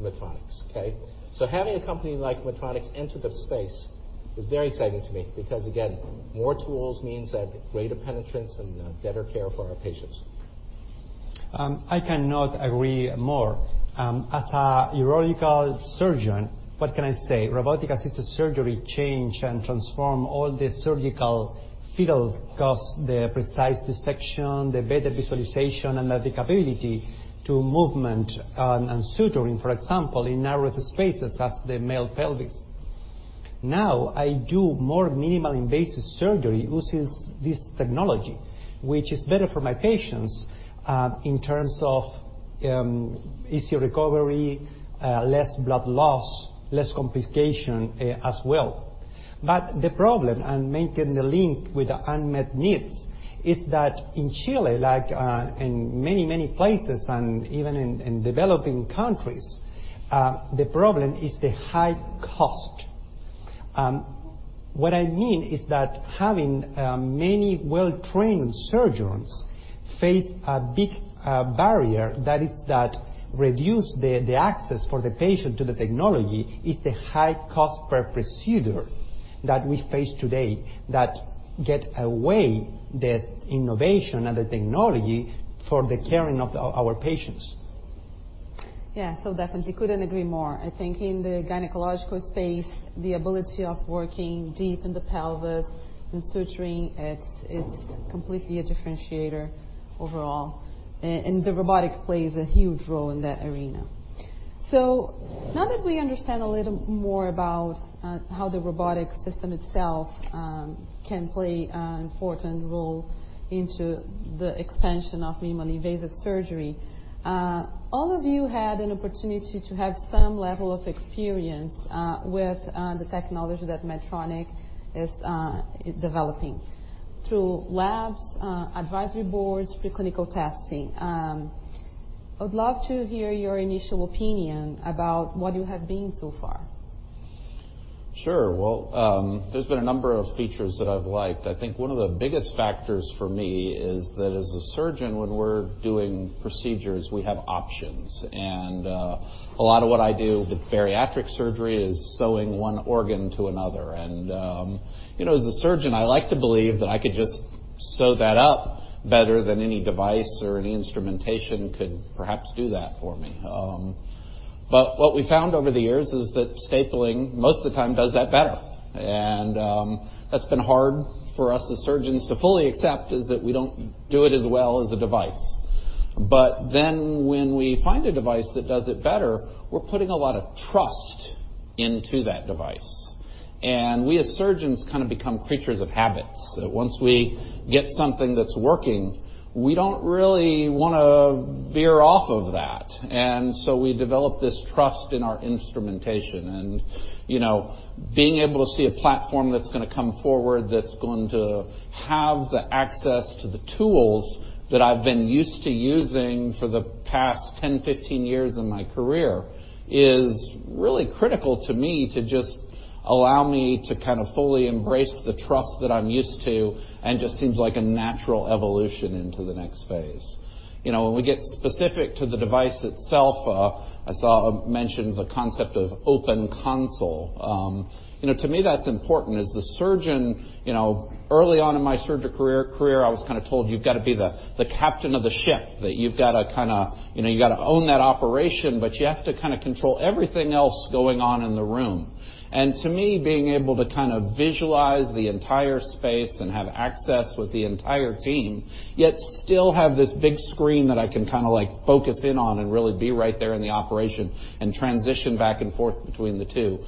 Medtronic. Okay? Having a company like Medtronic enter the space is very exciting to me because, again, more tools means that greater penetrance and better care for our patients. I cannot agree more. As a urological surgeon, what can I say? Robotic-assisted surgery change and transform all the surgical field because the precise dissection, the better visualization, and the capability to movement and suturing, for example, in narrow spaces as the male pelvis. Now, I do more minimal invasive surgery using this technology, which is better for my patients, in terms of easier recovery, less blood loss, less complication as well. The problem, and maintain the link with the unmet needs, is that in Chile, like in many, many places and even in developing countries, the problem is the high cost. What I mean is that having many well-trained surgeons face a big barrier that reduce the access for the patient to the technology is the high cost per procedure that we face today that get away the innovation and the technology for the caring of our patients. Yeah. Definitely couldn't agree more. I think in the gynecological space, the ability of working deep in the pelvis and suturing, it's completely a differentiator overall. The robotic plays a huge role in that arena. Now that we understand a little more about how the robotic system itself can play an important role into the expansion of minimally invasive surgery. All of you had an opportunity to have some level of experience with the technology that Medtronic is developing through labs, advisory boards, pre-clinical testing. I would love to hear your initial opinion about what you have seen so far. Sure. Well, there's been a number of features that I've liked. I think one of the biggest factors for me is that as a surgeon, when we're doing procedures, we have options. A lot of what I do with bariatric surgery is sewing one organ to another. As a surgeon, I like to believe that I could just sew that up better than any device or any instrumentation could perhaps do that for me. What we've found over the years is that stapling, most of the time, does that better. That's been hard for us as surgeons to fully accept is that we don't do it as well as a device. When we find a device that does it better, we're putting a lot of trust into that device. We, as surgeons, kind of become creatures of habit. Once we get something that's working, we don't really want to veer off of that. We develop this trust in our instrumentation. Being able to see a platform that's going to come forward, that's going to have the access to the tools that I've been used to using for the past 10, 15 years of my career, is really critical to me to just allow me to kind of fully embrace the trust that I'm used to, and just seems like a natural evolution into the next phase. When we get specific to the device itself, I saw mention of the concept of open console. To me, that's important. As the surgeon, early on in my surgical career, I was kind of told, "You've got to be the captain of the ship," that you've got to own that operation, but you have to kind of control everything else going on in the room. To me, being able to kind of visualize the entire space and have access with the entire team, yet still have this big screen that I can kind of like focus in on and really be right there in the operation, and transition back and forth between the two,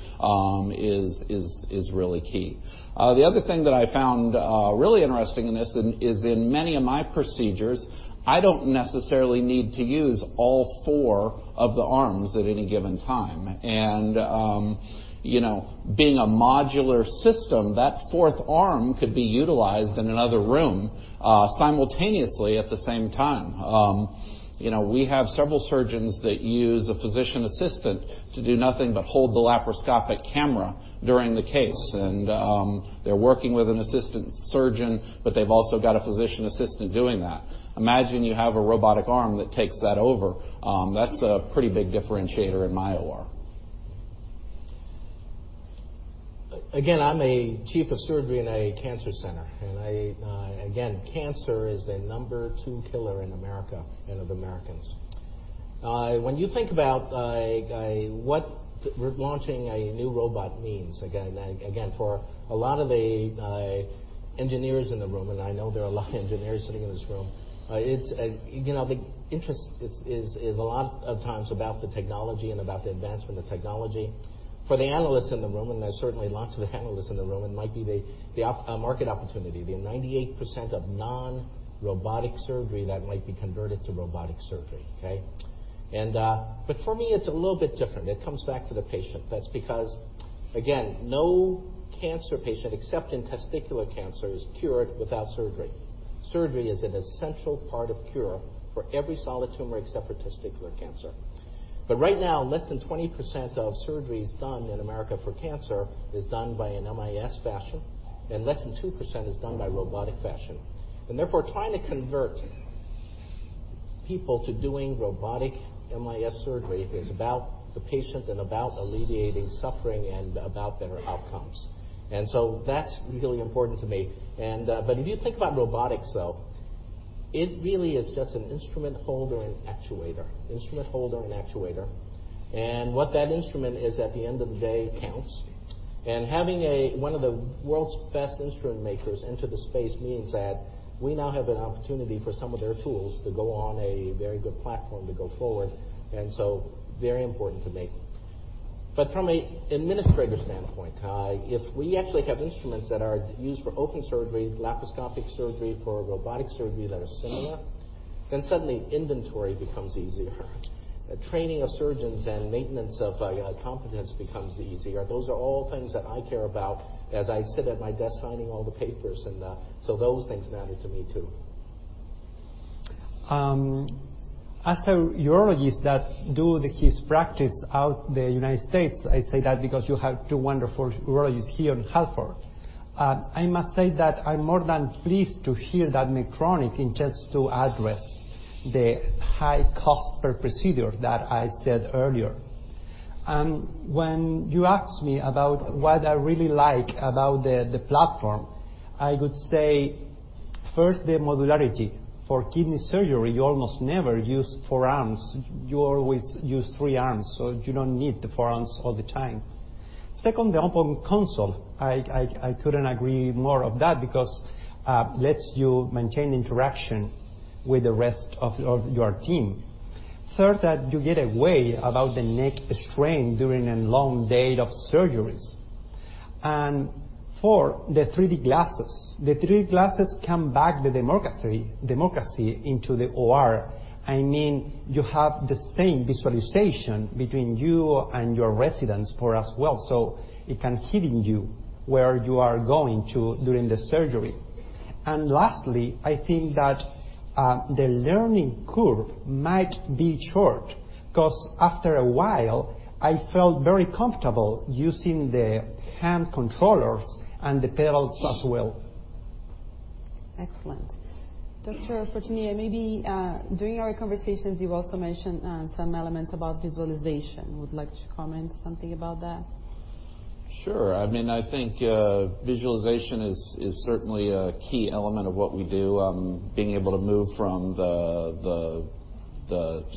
is really key. The other thing that I found really interesting in this, is in many of my procedures, I don't necessarily need to use all four of the arms at any given time. Being a modular system, that fourth arm could be utilized in another room simultaneously at the same time. We have several surgeons that use a physician assistant to do nothing but hold the laparoscopic camera during the case. They're working with an assistant surgeon, but they've also got a physician assistant doing that. Imagine you have a robotic arm that takes that over. That's a pretty big differentiator in my OR. Again, I'm a chief of surgery in a cancer center. Again, cancer is the number 2 killer in America and of Americans. When you think about what launching a new robot means, again, for a lot of the engineers in the room, and I know there are a lot of engineers sitting in this room, the interest is a lot of times about the technology and about the advancement of technology. For the analysts in the room, and there's certainly lots of analysts in the room, it might be the market opportunity, the 98% of non-robotic surgery that might be converted to robotic surgery. Okay? For me, it's a little bit different. It comes back to the patient. That's because, again, no cancer patient, except in testicular cancer, is cured without surgery. Surgery is an essential part of cure for every solid tumor except for testicular cancer. Right now, less than 20% of surgeries done in the U.S. for cancer is done by an MIS fashion, and less than 2% is done by robotic fashion. Therefore, trying to convert people to doing robotic MIS surgery is about the patient and about alleviating suffering and about better outcomes. That's really important to me. If you think about robotics, though, it really is just an instrument holder and actuator. What that instrument is at the end of the day counts. Having one of the world's best instrument makers enter the space means that we now have an opportunity for some of their tools to go on a very good platform to go forward, and so very important to me. From an administrator standpoint, if we actually have instruments that are used for open surgery, laparoscopic surgery, for robotic surgery that are similar, then suddenly inventory becomes easier. Training of surgeons and maintenance of competence becomes easier. Those are all things that I care about as I sit at my desk signing all the papers, and so those things matter to me, too. As a urologist that do his practice out the United States, I say that because you have two wonderful urologists here in Hartford. I must say that I'm more than pleased to hear that Medtronic intends to address the high cost per procedure that I said earlier. When you asked me about what I really like about the platform, I would say, first, the modularity. For kidney surgery, you almost never use four arms. You always use three arms, so you don't need the four arms all the time. Second, the open console. I couldn't agree more of that because lets you maintain interaction with the rest of your team. Third, that you get away about the neck strain during a long day of surgeries. Four, the 3D glasses. The 3D glasses can bring democracy into the OR. I mean, you have the same visualization between you and your residents for as well, so it can guide you where you are going during the surgery. Lastly, I think that the learning curve might be short because after a while, I felt very comfortable using the hand controllers and the pedals as well. Excellent. Dr. Portnoy, maybe during our conversations, you also mentioned some elements about visualization. Would you like to comment something about that? Sure. I think visualization is certainly a key element of what we do. Being able to move from the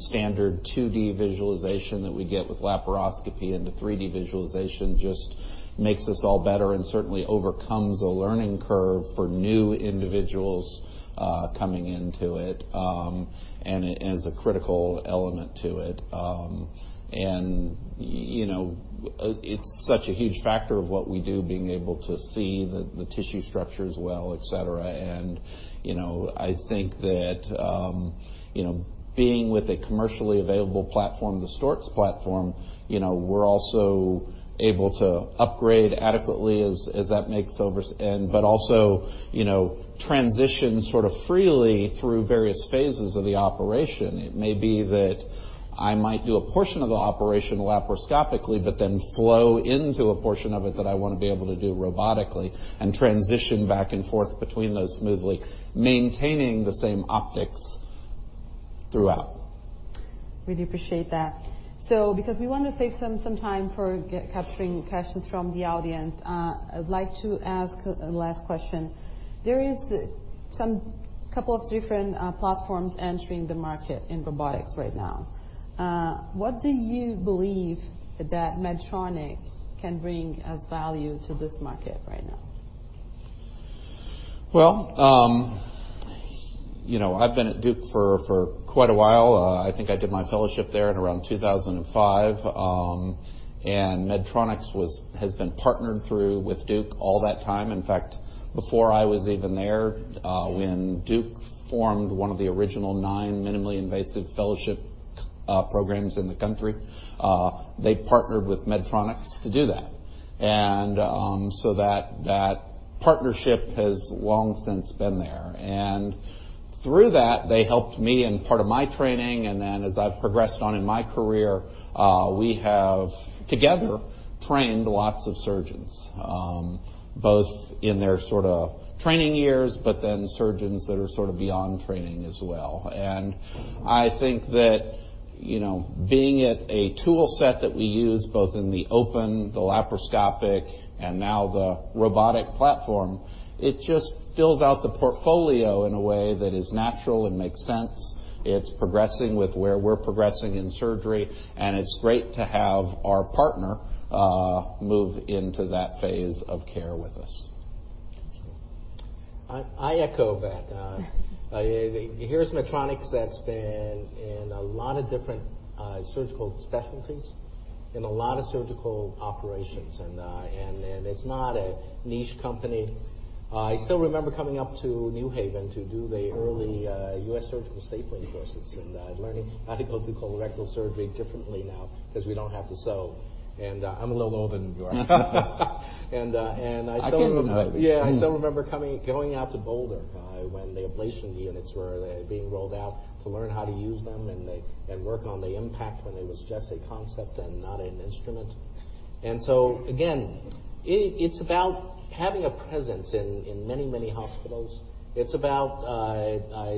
standard 2D visualization that we get with laparoscopy into 3D visualization just makes this all better and certainly overcomes a learning curve for new individuals coming into it, and is a critical element to it. It's such a huge factor of what we do, being able to see the tissue structure as well, et cetera. I think that being with a commercially available platform, the STORZ platform, we're also able to upgrade adequately as that makes over But also, transition sort of freely through various phases of the operation. It may be that I might do a portion of the operation laparoscopically, but then flow into a portion of it that I want to be able to do robotically and transition back and forth between those smoothly, maintaining the same optics throughout. Really appreciate that. Because we want to save some time for capturing questions from the audience, I'd like to ask a last question. There is some couple of different platforms entering the market in robotics right now. What do you believe that Medtronic can bring as value to this market right now? Well, I've been at Duke for quite a while. I think I did my fellowship there in around 2005. Medtronic has been partnered through with Duke all that time. In fact, before I was even there, when Duke formed one of the original nine minimally invasive fellowship programs in the country, they partnered with Medtronic to do that. That partnership has long since been there. Through that, they helped me in part of my training. As I've progressed on in my career, we have together trained lots of surgeons, both in their sort of training years, but then surgeons that are sort of beyond training as well. I think that being it a tool set that we use both in the open, the laparoscopic, and now the robotic platform, it just fills out the portfolio in a way that is natural and makes sense. It's progressing with where we're progressing in surgery. It's great to have our partner move into that phase of care with us. I echo that. Here's Medtronic that's been in a lot of different surgical specialties, in a lot of surgical operations. It's not a niche company. I still remember coming up to New Haven to do the early U.S. surgical stapling courses and learning how to go through colorectal surgery differently now because we don't have to sew. I'm a little older than you are. I can't remember. I still remember going out to Boulder when the ablation units were being rolled out to learn how to use them and work on the IN.PACT Admiral when it was just a concept and not an instrument. Again, it's about having a presence in many, many hospitals. It's about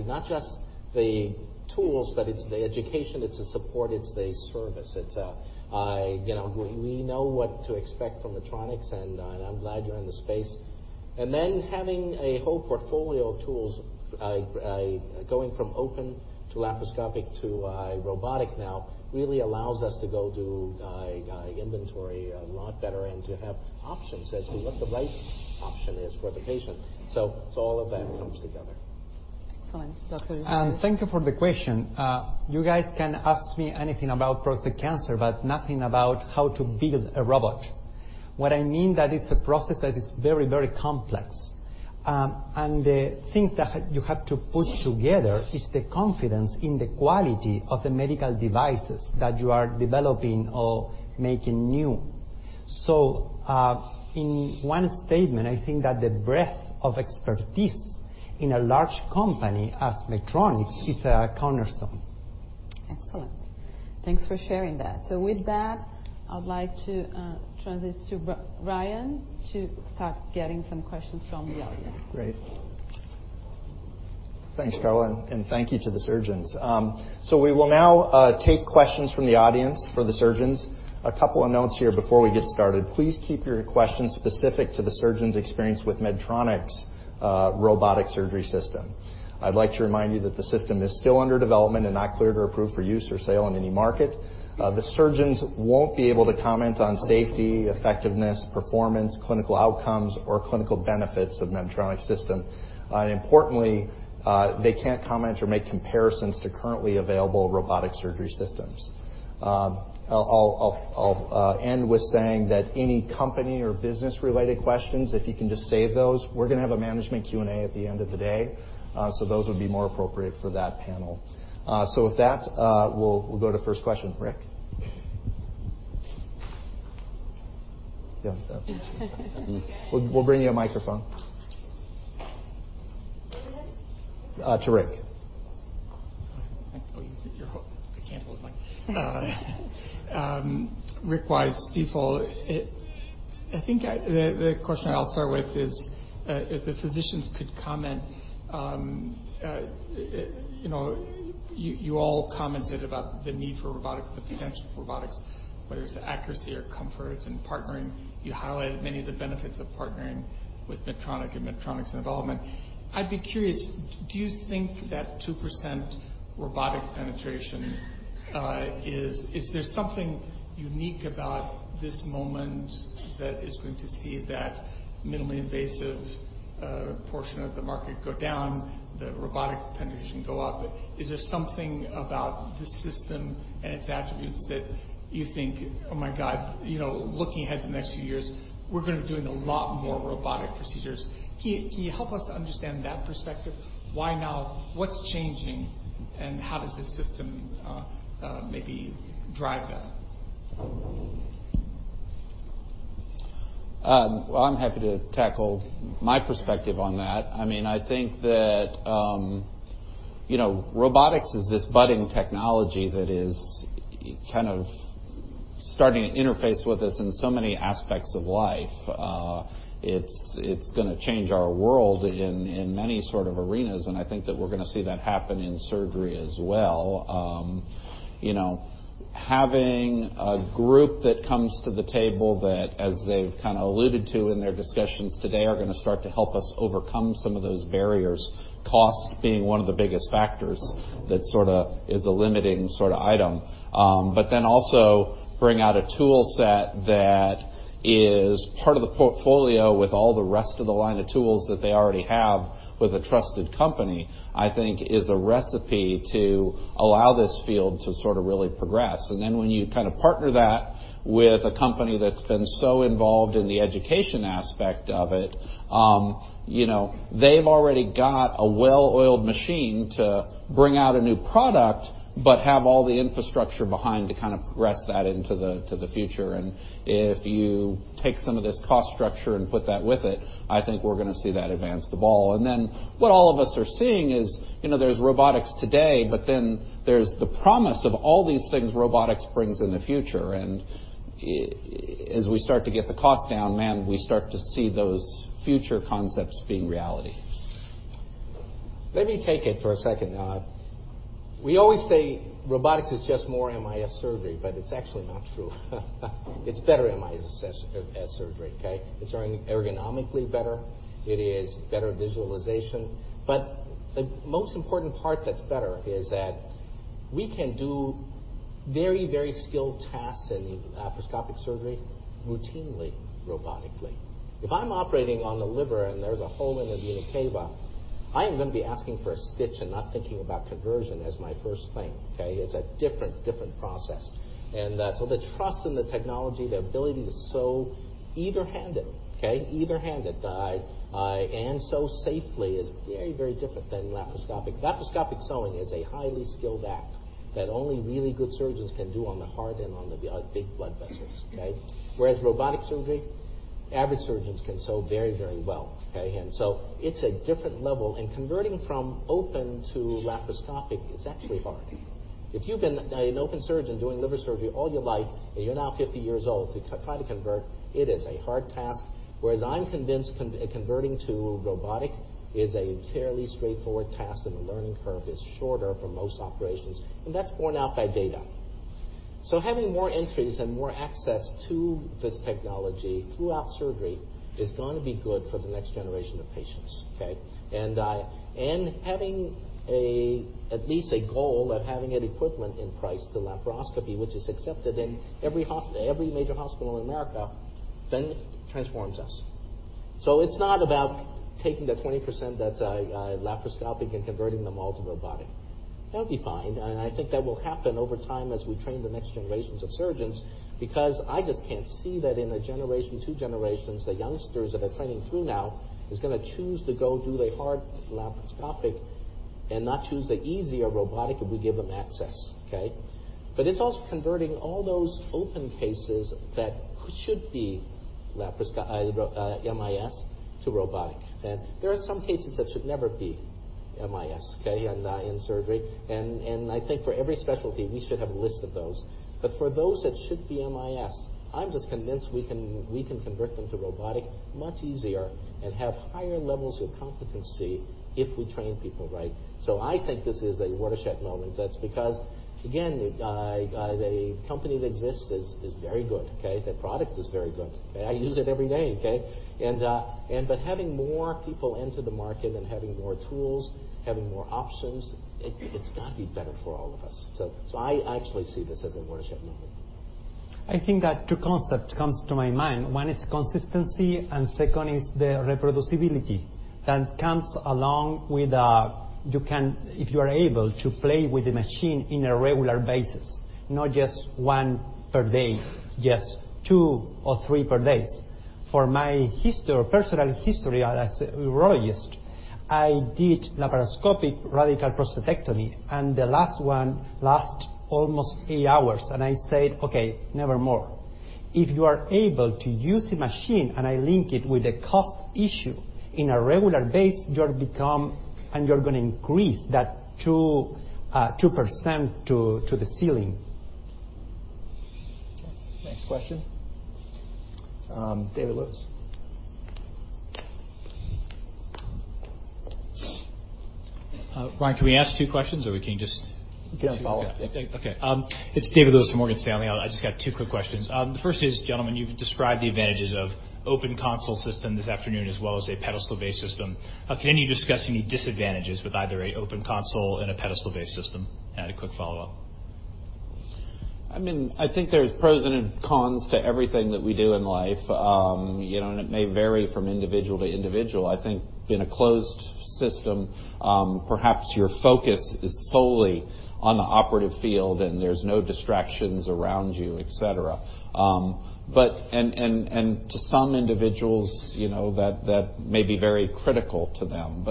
not just the tools, but it's the education, it's the support, it's the service. We know what to expect from Medtronic, I'm glad you're in the space. Having a whole portfolio of tools, going from open to laparoscopic to robotic now really allows us to go do inventory a lot better and to have options as to what the right option is for the patient. All of that comes together. Excellent. Dr. Olivares? Thank you for the question. You guys can ask me anything about prostate cancer, but nothing about how to build a robot. What I mean is that it's a process that is very, very complex. The things that you have to put together is the confidence in the quality of the medical devices that you are developing or making new. In one statement, I think that the breadth of expertise in a large company as Medtronic is a cornerstone. Excellent. Thanks for sharing that. With that, I would like to transition to Ryan to start getting some questions from the audience. Great. Thanks, Carla. Thank you to the surgeons. We will now take questions from the audience for the surgeons. A couple of notes here before we get started. Please keep your questions specific to the surgeons' experience with Medtronic's robotic surgery system. I'd like to remind you that the system is still under development and not cleared or approved for use or sale in any market. The surgeons won't be able to comment on safety, effectiveness, performance, clinical outcomes, or clinical benefits of Medtronic's system. Importantly, they can't comment or make comparisons to currently available robotic surgery systems. I'll end with saying that any company or business-related questions, if you can just save those, we're going to have a management Q&A at the end of the day. Those would be more appropriate for that panel. With that, we'll go to the first question. Rick? Yeah. We'll bring you a microphone. Who was that? To Rick. Oh, you hit your hook. I can't hold mine. Rick Wise, Stifel. I think the question I'll start with is, if the physicians could comment. You all commented about the need for robotics, the potential for robotics, whether it's accuracy or comfort in partnering. You highlighted many of the benefits of partnering with Medtronic and Medtronic's involvement. I'd be curious, do you think that 2% robotic penetration, is there something unique about this moment that is going to see that minimally invasive portion of the market go down, the robotic penetration go up? Is there something about the system and its attributes that you think, "Oh, my God," looking ahead the next few years, we're going to be doing a lot more robotic procedures? Can you help us understand that perspective? Why now? What's changing? How does this system maybe drive that? Well, I'm happy to tackle my perspective on that. I think that robotics is this budding technology that is kind of starting to interface with us in so many aspects of life. It's going to change our world in many sort of arenas, and I think that we're going to see that happen in surgery as well. Having a group that comes to the table that, as they've kind of alluded to in their discussions today, are going to start to help us overcome some of those barriers, cost being one of the biggest factors that sort of is a limiting item. Also bring out a tool set that is part of the portfolio with all the rest of the line of tools that they already have with a trusted company, I think is a recipe to allow this field to sort of really progress. When you kind of partner that with a company that's been so involved in the education aspect of it. They've already got a well-oiled machine to bring out a new product, but have all the infrastructure behind to progress that into the future. If you take some of this cost structure and put that with it, I think we're going to see that advance the ball. What all of us are seeing is there's robotics today, but then there's the promise of all these things robotics brings in the future. As we start to get the cost down, man, we start to see those future concepts being reality. Let me take it for a second. We always say robotics is just more MIS surgery, it's actually not true. It's better MIS surgery, okay? It's ergonomically better. It is better visualization. The most important part that's better is that we can do very skilled tasks in laparoscopic surgery routinely, robotically. If I'm operating on the liver and there's a hole in the vena cava, I am going to be asking for a stitch and not thinking about conversion as my first thing, okay? It's a different process. The trust in the technology, the ability to sew either-handed, okay? Either-handed, sew safely is very different than laparoscopic. Laparoscopic sewing is a highly skilled act that only really good surgeons can do on the heart and on the big blood vessels, okay? Whereas robotic surgery, average surgeons can sew very well, okay? It's a different level, and converting from open to laparoscopic is actually hard. If you've been an open surgeon doing liver surgery all your life, and you're now 50 years old, to try to convert, it is a hard task. I'm convinced converting to robotic is a fairly straightforward task, and the learning curve is shorter for most operations, and that's borne out by data. Having more entries and more access to this technology throughout surgery is going to be good for the next generation of patients, okay? Having at least a goal of having it equivalent in price to laparoscopy, which is accepted in every major hospital in America, then transforms us. It's not about taking the 20% that's laparoscopic and converting them all to robotic. That'll be fine, and I think that will happen over time as we train the next generations of surgeons because I just can't see that in one generation, 2 generations, the youngsters that are training through now is going to choose to go do the hard laparoscopic and not choose the easier robotic if we give them access, okay? It's also converting all those open cases that should be MIS to robotic. There are some cases that should never be MIS, okay? In surgery. I think for every specialty, we should have a list of those. For those that should be MIS, I'm just convinced we can convert them to robotic much easier and have higher levels of competency if we train people right. I think this is a watershed moment that's because, again, the company that exists is very good, okay? The product is very good, okay? I use it every day, okay? Having more people into the market and having more tools, having more options, it's got to be better for all of us. I actually see this as a watershed moment. I think that two concept comes to my mind. One is consistency. Second is the reproducibility that comes along with if you are able to play with the machine in a regular basis, not just one per day, just two or three per day. For my personal history as a urologist, I did laparoscopic radical prostatectomy. The last one last almost eight hours, and I said, "Okay, never more." If you are able to use a machine, and I link it with the cost issue, on a regular basis, you're going to increase that 2% to the ceiling. Okay. Next question. David Lewis. Ryan, can we ask two questions? You can follow, yeah. Okay. It's David Lewis from Morgan Stanley. I just got two quick questions. The first is, gentlemen, you've described the advantages of open console system this afternoon, as well as a pedestal-based system. Can you discuss any disadvantages with either an open console and a pedestal-based system? I had a quick follow-up. I think there's pros and cons to everything that we do in life. It may vary from individual to individual. I think in a closed system, perhaps your focus is solely on the operative field, and there's no distractions around you, et cetera. To some individuals, that may be very critical to them.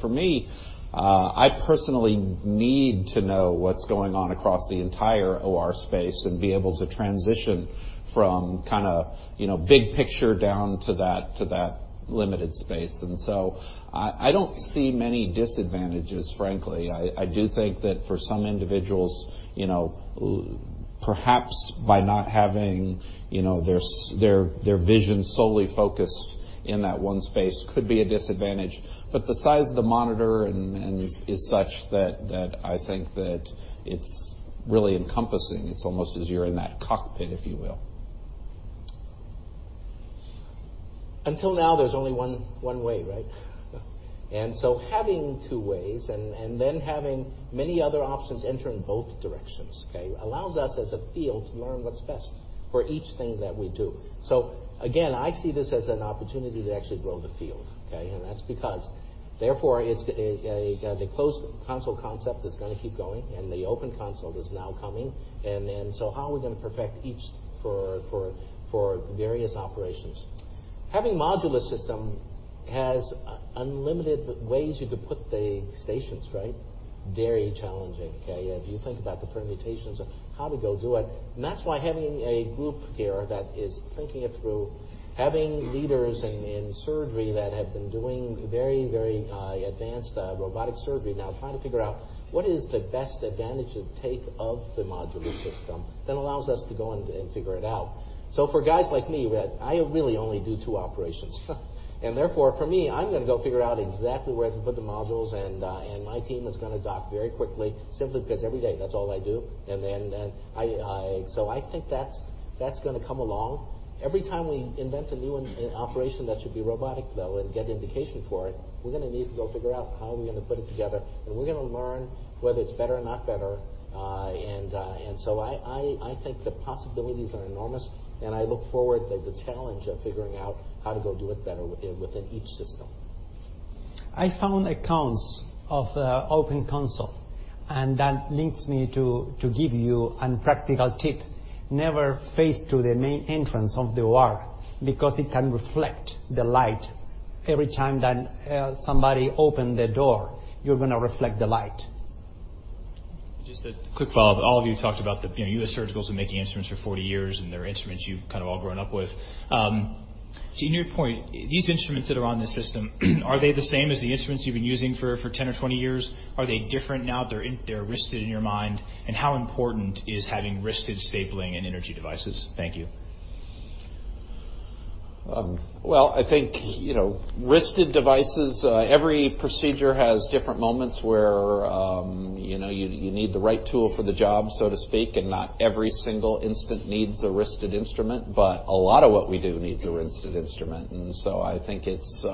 For me, I personally need to know what's going on across the entire OR space and be able to transition from big picture down to that limited space. I don't see many disadvantages, frankly. I do think that for some individuals, perhaps by not having their vision solely focused in that one space could be a disadvantage. The size of the monitor is such that I think that it's really encompassing. It's almost as you're in that cockpit, if you will. Until now, there's only one way, right? Having two ways and then having many other options enter in both directions, allows us as a field to learn what's best for each thing that we do. Again, I see this as an opportunity to actually grow the field. Okay. That's because, therefore, the closed console concept is going to keep going, and the open console is now coming. How are we going to perfect each for various operations? Having modular system has unlimited ways you could put the stations, right? Very challenging if you think about the permutations of how to go do it. That's why having a group here that is thinking it through, having leaders in surgery that have been doing very advanced robotic surgery now trying to figure out what is the best advantage to take of the modular system that allows us to go and figure it out. For guys like me, I really only do two operations. Therefore, for me, I'm going to go figure out exactly where to put the modules, and my team is going to dock very quickly simply because every day that's all I do. I think that's going to come along. Every time we invent a new operation that should be robotic, though, and get indication for it, we're going to need to go figure out how we're going to put it together, and we're going to learn whether it's better or not better. I think the possibilities are enormous, and I look forward to the challenge of figuring out how to go do it better within each system. I found accounts of the open console, and that leads me to give you an practical tip. Never face to the main entrance of the OR because it can reflect the light. Every time that somebody open the door, you're going to reflect the light. Just a quick follow-up. All of you talked about the U.S. Surgical have been making instruments for 40 years, and they're instruments you've all grown up with. To your point, these instruments that are on the system are they the same as the instruments you've been using for 10 or 20 years? Are they different now they're wristed in your mind? How important is having wristed stapling and energy devices? Thank you. I think wristed devices, every procedure has different moments where you need the right tool for the job, so to speak, and not every single instant needs a wristed instrument, but a lot of what we do needs a wristed instrument. I think it's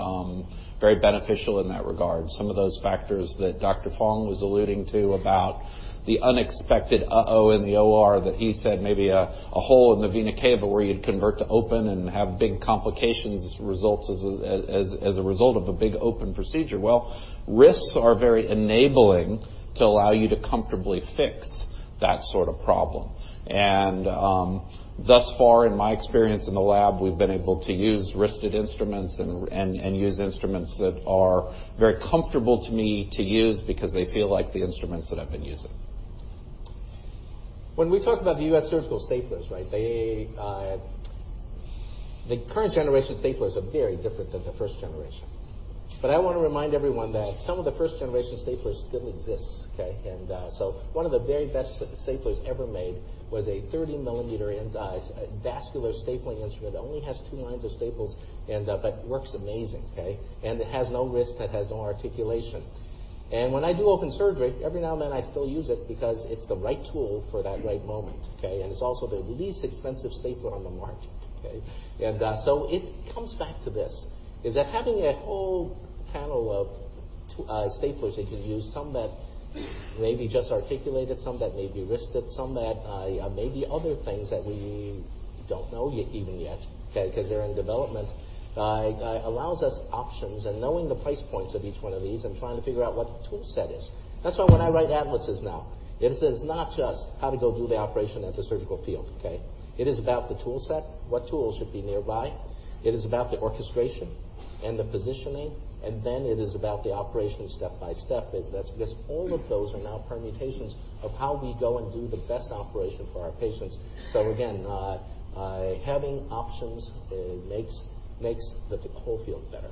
very beneficial in that regard. Some of those factors that Dr. Fong was alluding to about the unexpected uh-oh in the OR that he said maybe a hole in the vena cava where you'd convert to open and have big complications as a result of a big open procedure. Wrists are very enabling to allow you to comfortably fix that sort of problem. Thus far, in my experience in the lab, we've been able to use wristed instruments and use instruments that are very comfortable to me to use because they feel like the instruments that I've been using. When we talk about the U.S. Surgical staplers. The current generation staplers are very different than the first generation. I want to remind everyone that some of the first-generation staplers still exist. Okay. One of the very best staplers ever made was a 30-millimeter end size vascular stapling instrument, only has two lines of staples, but works amazing. Okay. It has no wrist, and it has no articulation. When I do open surgery, every now and then, I still use it because it's the right tool for that right moment. Okay. It's also the least expensive stapler on the market. Okay. It comes back to this, is that having a whole panel of staplers that you can use, some that maybe just articulated, some that may be wristed, some that maybe other things that we don't know even yet because they're in development. Allows us options and knowing the price points of each one of these and trying to figure out what the tool set is. That's why when I write atlases now, it says not just how to go do the operation at the surgical field. Okay. It is about the tool set, what tools should be nearby. It is about the orchestration and the positioning, and then it is about the operation step by step. All of those are now permutations of how we go and do the best operation for our patients. Again, having options makes the whole field better.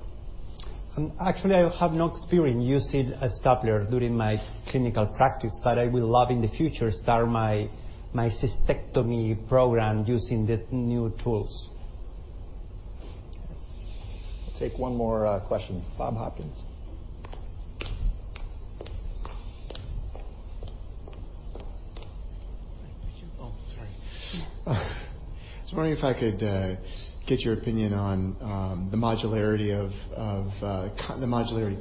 Actually, I have no experience using a stapler during my clinical practice, but I will love in the future, start my cystectomy program using the new tools. Take one more question. Bob Hopkins. Oh, sorry. I was wondering if I could get your opinion on the modularity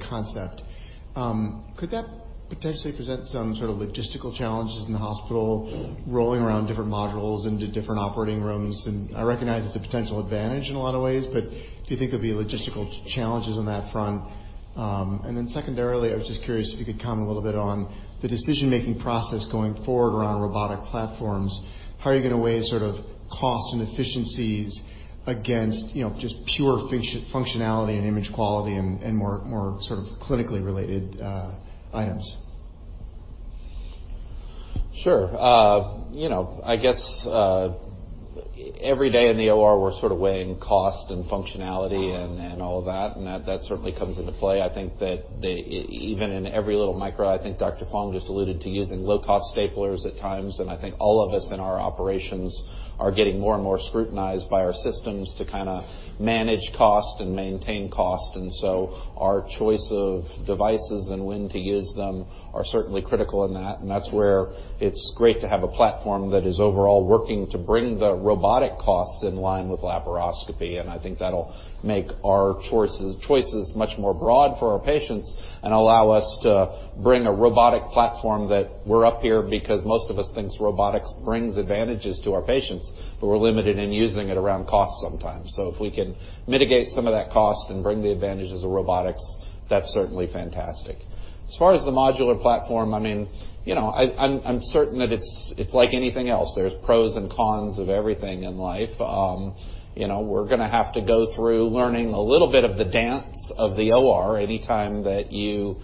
concept. Could that potentially present some sort of logistical challenges in the hospital, rolling around different modules into different operating rooms? I recognize it's a potential advantage in a lot of ways, but do you think there'll be logistical challenges on that front? Secondarily, I was just curious if you could comment a little bit on the decision-making process going forward around robotic platforms. How are you going to weigh sort of cost and efficiencies against just pure functionality and image quality and more sort of clinically related items? Sure. I guess, every day in the OR, we're sort of weighing cost and functionality and all of that, and that certainly comes into play. I think that even in every little micro, I think Dr. Fong just alluded to using low-cost staplers at times, and I think all of us in our operations are getting more and more scrutinized by our systems to kind of manage cost and maintain cost. Our choice of devices and when to use them are certainly critical in that, and that's where it's great to have a platform that is overall working to bring the robotic costs in line with laparoscopy. I think that'll make our choices much more broad for our patients and allow us to bring a robotic platform that we're up here because most of us think robotics brings advantages to our patients, but we're limited in using it around cost sometimes. If we can mitigate some of that cost and bring the advantages of robotics, that's certainly fantastic. As far as the modular platform, I'm certain that it's like anything else. There's pros and cons of everything in life. We're going to have to go through learning a little bit of the dance of the OR anytime that you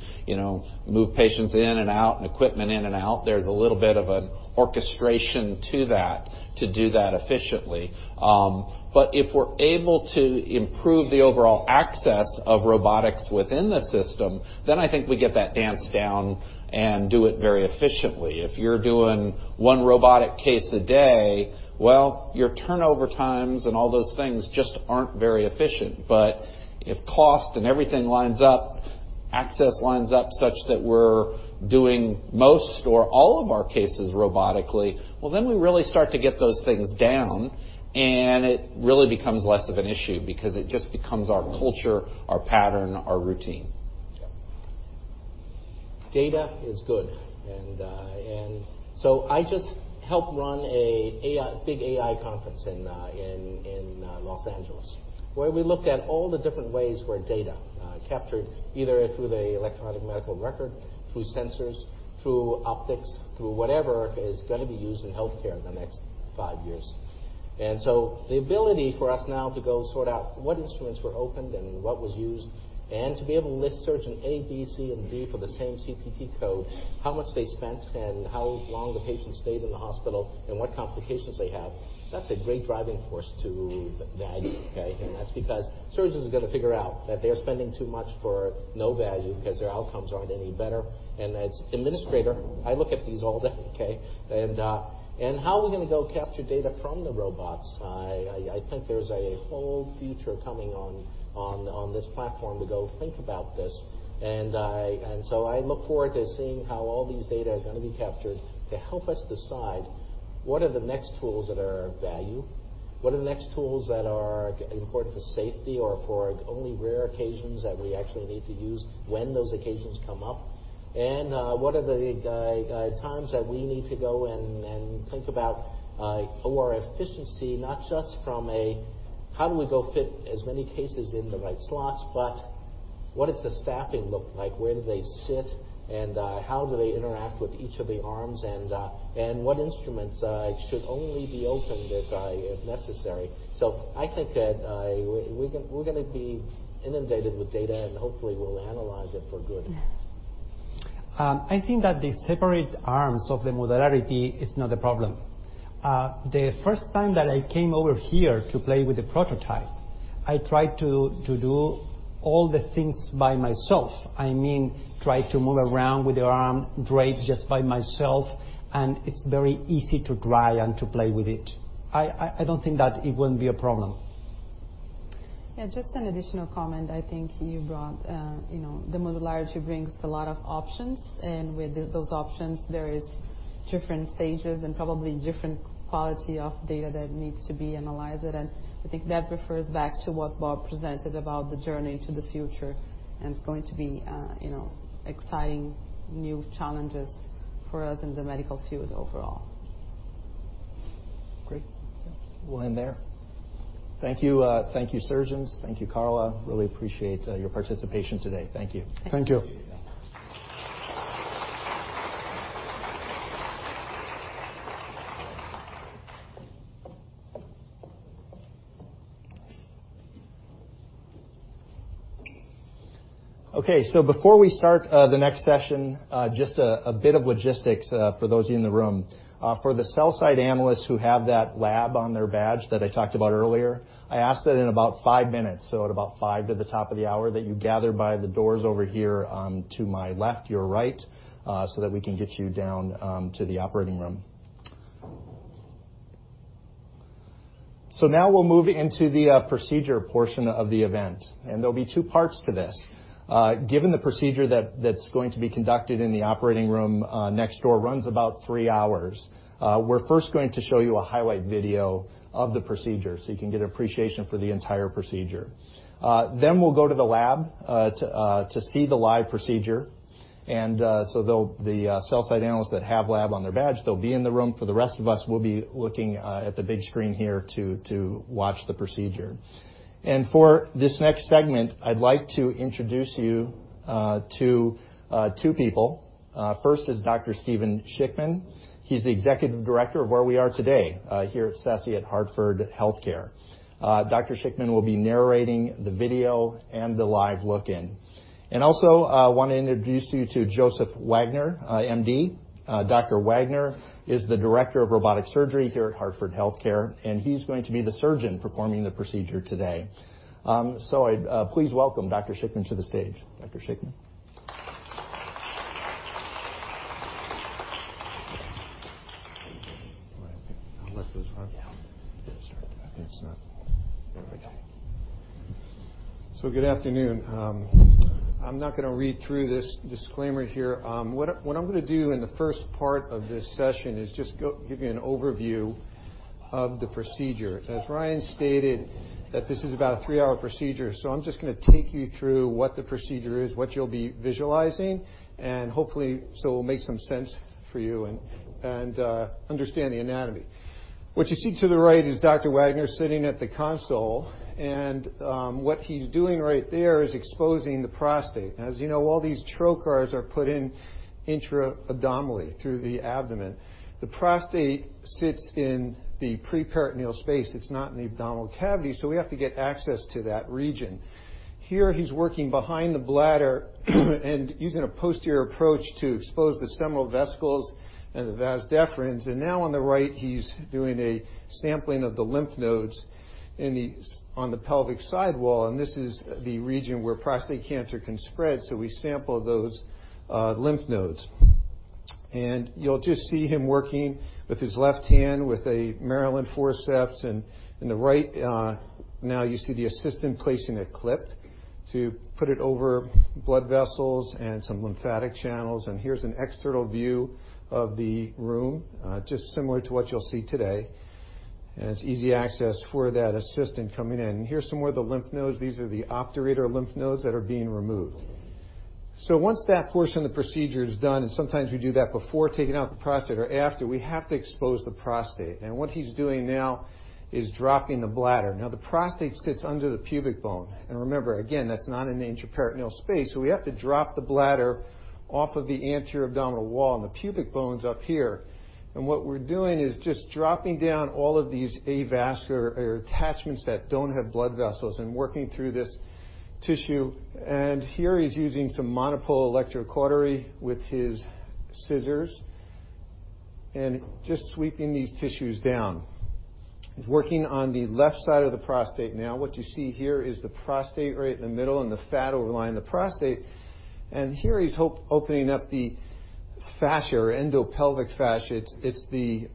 move patients in and out and equipment in and out. There's a little bit of an orchestration to that to do that efficiently. If we're able to improve the overall access of robotics within the system, then I think we get that dance down and do it very efficiently. If you're doing one robotic case a day, well, your turnover times and all those things just aren't very efficient. If cost and everything lines up, access lines up such that we're doing most or all of our cases robotically, well, we really start to get those things down, it really becomes less of an issue because it just becomes our culture, our pattern, our routine. Data is good. I just helped run a big AI conference in Los Angeles where we looked at all the different ways where data captured, either through the electronic medical record, through sensors, through optics, through whatever is going to be used in healthcare in the next five years. The ability for us now to go sort out what instruments were opened and what was used, and to be able to list surgeon A, B, C, and D for the same CPT code, how much they spent, and how long the patient stayed in the hospital, and what complications they have, that's a great driving force to value, okay? That's because surgeons are going to figure out that they're spending too much for no value because their outcomes aren't any better. As administrator, I look at these all day. Okay? How are we going to go capture data from the robots? I think there's a whole future coming on this platform to go think about this. I look forward to seeing how all these data are going to be captured to help us decide what are the next tools that are of value, what are the next tools that are important for safety or for only rare occasions that we actually need to use when those occasions come up, and what are the times that we need to go and think about OR efficiency, not just from a how do we go fit as many cases in the right slots, but what does the staffing look like? Where do they sit, and how do they interact with each of the arms, and what instruments should only be opened if necessary. I think that we're going to be inundated with data, and hopefully, we'll analyze it for good. I think that the separate arms of the modularity is not a problem. The first time that I came over here to play with the prototype, I tried to do all the things by myself. I mean, try to move around with the arm draped just by myself, and it's very easy to try and to play with it. I don't think that it will be a problem. Yeah, just an additional comment. I think you brought the modularity brings a lot of options, and with those options, there is different stages and probably different quality of data that needs to be analyzed. I think that refers back to what Bob presented about the journey to the future, and it's going to be exciting new challenges for us in the medical field overall. Great. Yeah. We'll end there. Thank you. Thank you, surgeons. Thank you, Carla. Really appreciate your participation today. Thank you. Thank you. Yeah. Okay, so before we start, the next session, just a bit of logistics, for those of you in the room. For the sell-side analysts who have that lab on their badge that I talked about earlier, I ask that in about 5 minutes, so at about 5 to the top of the hour, that you gather by the doors over here, to my left, your right, so that we can get you down, to the operating room. Now we'll move into the procedure portion of the event, and there'll be two parts to this. Given the procedure that's going to be conducted in the operating room next door runs about 3 hours. We're first going to show you a highlight video of the procedure so you can get an appreciation for the entire procedure. We'll go to the lab, to see the live procedure. The sell-side analysts that have "lab" on their badge, they'll be in the room. For the rest of us, we'll be looking at the big screen here to watch the procedure. For this next segment, I'd like to introduce you to two people. First is Dr. Steven Shichman. He's the Executive Director of where we are today, here at CESC at Hartford HealthCare. Dr. Shichman will be narrating the video and the live look-in. Also, I want to introduce you to Joseph Wagner, MD. Dr. Wagner is the Director of Robotic Surgery here at Hartford HealthCare, and he's going to be the surgeon performing the procedure today. Please welcome Dr. Shichman to the stage. Dr. Shichman. I'll let those on. Yeah. It's not There we go. Good afternoon. I'm not going to read through this disclaimer here. What I'm going to do in the first part of this session is just give you an overview of the procedure. As Ryan stated, that this is about a 3-hour procedure, I'm just going to take you through what the procedure is, what you'll be visualizing, and hopefully, it'll make some sense for you and understand the anatomy. What you see to the right is Dr. Wagner sitting at the console, and what he's doing right there is exposing the prostate. As you know, all these trocars are put in intra-abdominally, through the abdomen. The prostate sits in the peritoneal space. It's not in the abdominal cavity, we have to get access to that region. Here, he's working behind the bladder and using a posterior approach to expose the seminal vesicles and the vas deferens. Now, on the right, he's doing a sampling of the lymph nodes on the pelvic sidewall, this is the region where prostate cancer can spread. We sample those lymph nodes. You'll just see him working with his left hand with a Maryland forceps in the right, now you see the assistant placing a clip to put it over blood vessels and some lymphatic channels. Here's an external view of the room, just similar to what you'll see today. It's easy access for that assistant coming in. Here's some more of the lymph nodes. These are the obturator lymph nodes that are being removed. Once that portion of the procedure is done, sometimes we do that before taking out the prostate or after, we have to expose the prostate. What he's doing now is dropping the bladder. Now, the prostate sits under the pubic bone. Remember, again, that's not in the intraperitoneal space, so we have to drop the bladder off of the anterior abdominal wall, and the pubic bone's up here. What we're doing is just dropping down all of these avascular attachments that don't have blood vessels and working through this tissue. Here, he's using some monopole electrocautery with his scissors and just sweeping these tissues down. He's working on the left side of the prostate. Now, what you see here is the prostate right in the middle and the fat overlying the prostate. Here, he's opening up the fascia or endopelvic fascia. It's the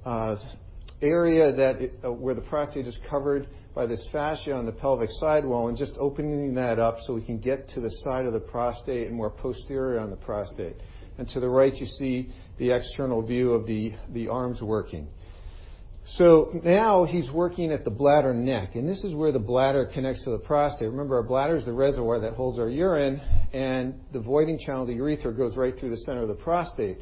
area where the prostate is covered by this fascia on the pelvic sidewall and just opening that up so we can get to the side of the prostate and more posterior on the prostate. To the right, you see the external view of the arms working. Now he's working at the bladder neck, and this is where the bladder connects to the prostate. Remember, our bladder is the reservoir that holds our urine, and the voiding channel of the urethra goes right through the center of the prostate.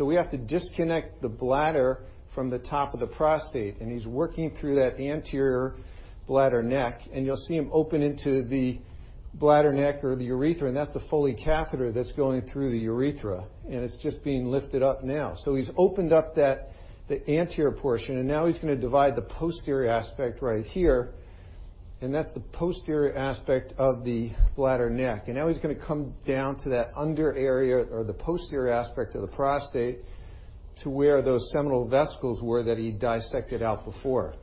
We have to disconnect the bladder from the top of the prostate, and he's working through that anterior bladder neck, and you'll see him open into the bladder neck or the urethra, and that's the Foley catheter that's going through the urethra, and it's just being lifted up now. He's opened up the anterior portion, and now he's going to divide the posterior aspect right here, and that's the posterior aspect of the bladder neck. Now he's going to come down to that under area or the posterior aspect of the prostate to where those seminal vesicles were that he dissected out before.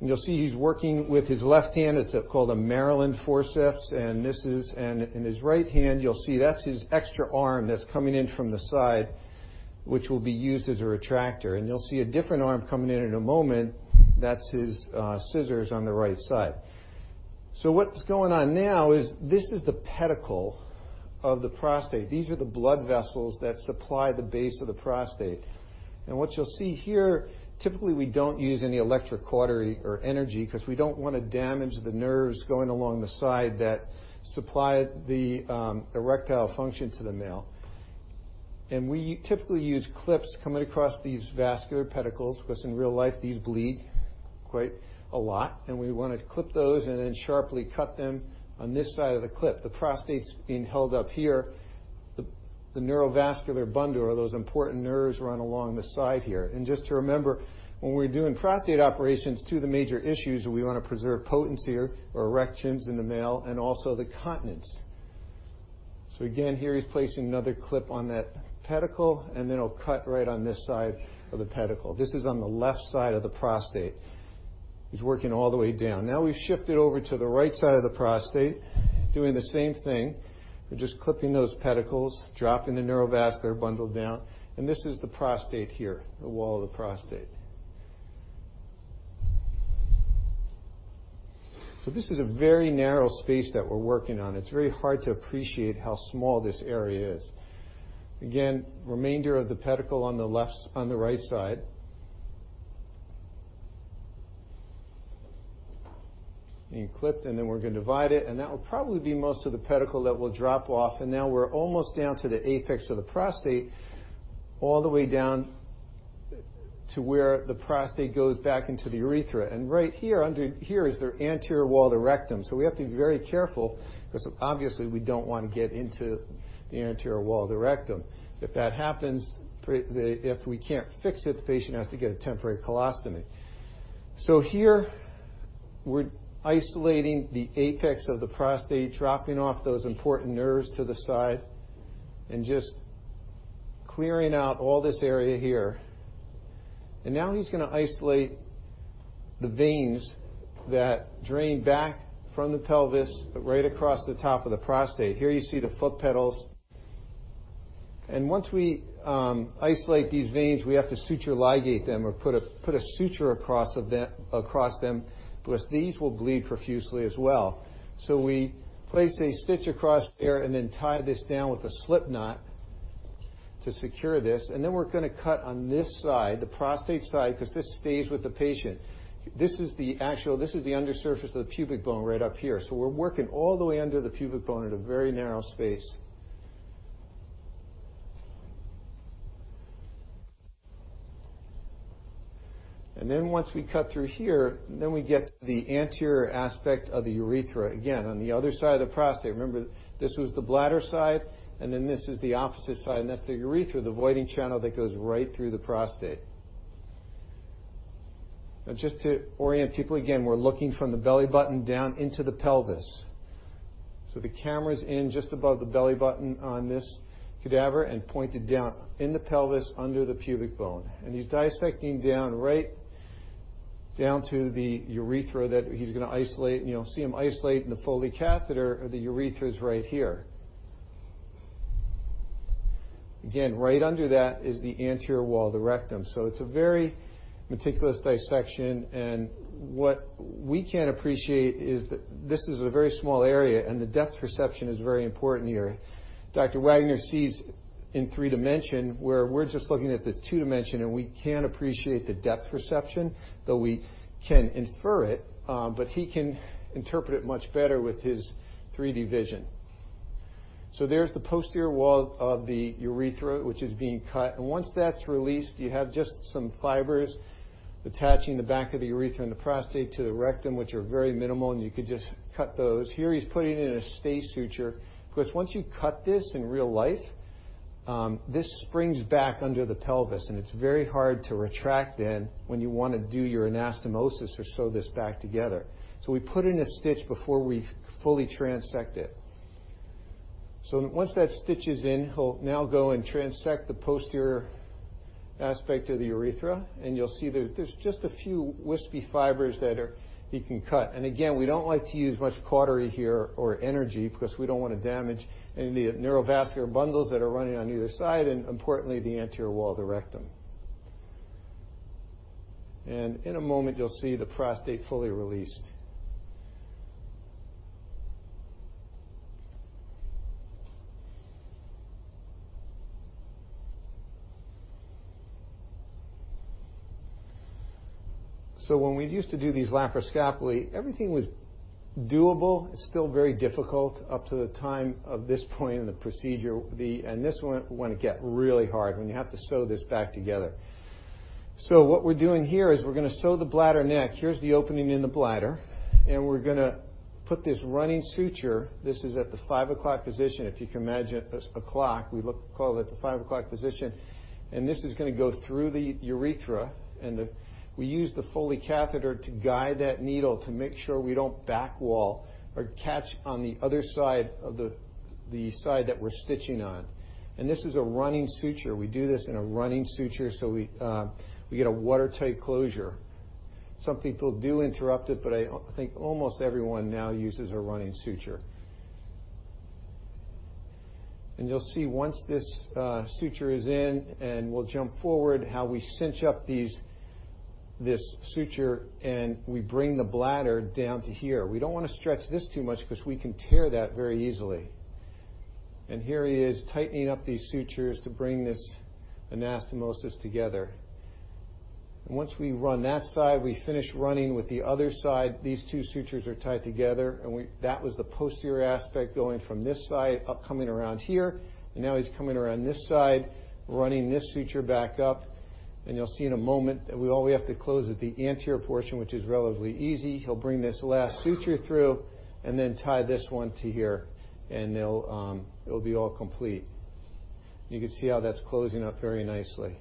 You'll see he's working with his left hand. It's called a Maryland forceps. In his right hand, you'll see that's his extra arm that's coming in from the side, which will be used as a retractor. You'll see a different arm coming in in a moment. That's his scissors on the right side. What's going on now is this is the pedicle of the prostate. These are the blood vessels that supply the base of the prostate. What you'll see here, typically, we don't use any electrocautery or energy because we don't want to damage the nerves going along the side that supply the erectile function to the male. We typically use clips coming across these vascular pedicles, because in real life, these bleed quite a lot, and we want to clip those and then sharply cut them on this side of the clip. The prostate's being held up here. The neurovascular bundle, or those important nerves, run along the side here. Just to remember, when we're doing prostate operations, two of the major issues are we want to preserve potency, or erections in the male, and also the continence. Again, here he's placing another clip on that pedicle, and then he'll cut right on this side of the pedicle. This is on the left side of the prostate. He's working all the way down. We've shifted over to the right side of the prostate, doing the same thing. We're just clipping those pedicles, dropping the neurovascular bundle down. This is the prostate here, the wall of the prostate. This is a very narrow space that we're working on. It's very hard to appreciate how small this area is. Again, remainder of the pedicle on the right side being clipped. We're going to divide it, that will probably be most of the pedicle that we'll drop off. We're almost down to the apex of the prostate, all the way down to where the prostate goes back into the urethra. Right here is the anterior wall of the rectum. We have to be very careful, because obviously, we don't want to get into the anterior wall of the rectum. If that happens, if we can't fix it, the patient has to get a temporary colostomy. Here we're isolating the apex of the prostate, dropping off those important nerves to the side and just clearing out all this area here. Now he's going to isolate the veins that drain back from the pelvis right across the top of the prostate. Here you see the foot pedals. Once we isolate these veins, we have to suture ligate them or put a suture across them, because these will bleed profusely as well. We place a stitch across there and then tie this down with a slipknot to secure this, and then we're going to cut on this side, the prostate side, because this stays with the patient. This is the undersurface of the pubic bone right up here. We're working all the way under the pubic bone at a very narrow space. Once we cut through here, then we get the anterior aspect of the urethra, again, on the other side of the prostate. Remember, this was the bladder side, and then this is the opposite side, and that's the urethra, the voiding channel that goes right through the prostate. Just to orient people again, we're looking from the belly button down into the pelvis. The camera's in just above the belly button on this cadaver and pointed down in the pelvis under the pubic bone. He's dissecting down right down to the urethra that he's going to isolate, and you'll see him isolate. The Foley catheter of the urethra is right here. Again, right under that is the anterior wall of the rectum. It's a very meticulous dissection, and what we can't appreciate is that this is a very small area, and the depth perception is very important here. Dr. Wagner sees in three dimension, where we're just looking at this two dimension, and we can't appreciate the depth perception, though we can infer it. But he can interpret it much better with his 3D vision. There's the posterior wall of the urethra, which is being cut. Once that's released, you have just some fibers attaching the back of the urethra and the prostate to the rectum, which are very minimal, and you could just cut those. Here he's putting in a stay suture, because once you cut this in real life, this springs back under the pelvis, and it's very hard to retract then when you want to do your anastomosis or sew this back together. We put in a stitch before we fully transect it. Once that stitch is in, he'll now go and transect the posterior aspect of the urethra, and you'll see there's just a few wispy fibers that he can cut. Again, we don't like to use much cautery here or energy because we don't want to damage any of the neurovascular bundles that are running on either side, and importantly, the anterior wall of the rectum. In a moment, you'll see the prostate fully released. When we used to do these laparoscopically, everything was doable. It's still very difficult up to the time of this point in the procedure. This is when it gets really hard, when you have to sew this back together. What we're doing here is we're going to sew the bladder neck. Here's the opening in the bladder, and we're going to put this running suture. This is at the 5:00 position. If you can imagine a clock, we call it the 5:00 position. This is going to go through the urethra. We use the Foley catheter to guide that needle to make sure we don't back wall or catch on the other side of the side that we're stitching on. This is a running suture. We do this in a running suture, so we get a watertight closure. Some people do interrupt it, but I think almost everyone now uses a running suture. You'll see once this suture is in, and we'll jump forward, how we cinch up this suture, and we bring the bladder down to here. We don't want to stretch this too much because we can tear that very easily. Here he is tightening up these sutures to bring this anastomosis together. Once we run that side, we finish running with the other side. These two sutures are tied together, and that was the posterior aspect going from this side, up coming around here. Now he's coming around this side, running this suture back up. You'll see in a moment that all we have to close is the anterior portion, which is relatively easy. He'll bring this last suture through and then tie this one to here, and it'll be all complete. You can see how that's closing up very nicely.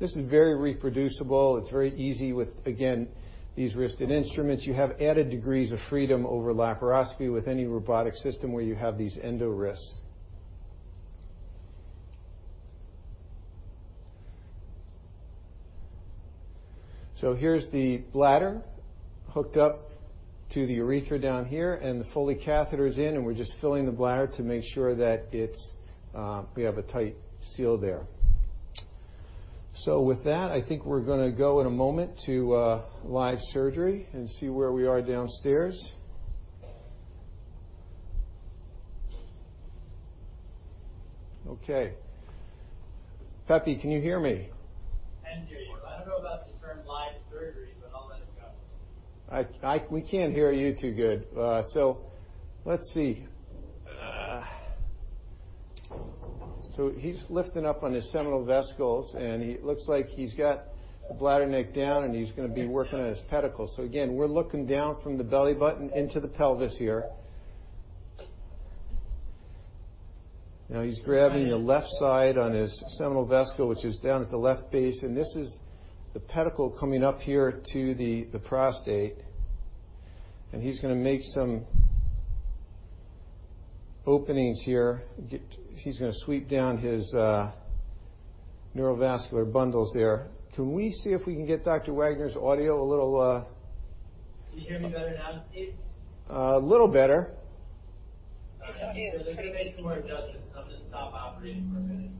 This is very reproducible. It's very easy with, again, these wristed instruments. You have added degrees of freedom over laparoscopy with any robotic system where you have these endo wrists. Here's the bladder hooked up to the urethra down here, and the Foley catheter is in, and we're just filling the bladder to make sure that we have a tight seal there. With that, I think we're going to go in a moment to live surgery and see where we are downstairs. Okay. Pepe, can you hear me? can hear you. I don't know about the term live surgery, but I'll let it go. We can't hear you too good. Let's see. He's lifting up on his seminal vesicles, and he looks like he's got the bladder neck down, and he's going to be working on his pedicle. Again, we're looking down from the belly button into the pelvis here. Now he's grabbing the left side on his seminal vesicle, which is down at the left base. This is the pedicle coming up here to the prostate. He's going to make some openings here. He's going to sweep down his neurovascular bundles there. Can we see if we can get Dr. Wagner's audio a little? Can you hear me better now, Steve? A little better. Okay. They're going to make some more adjustments. I'm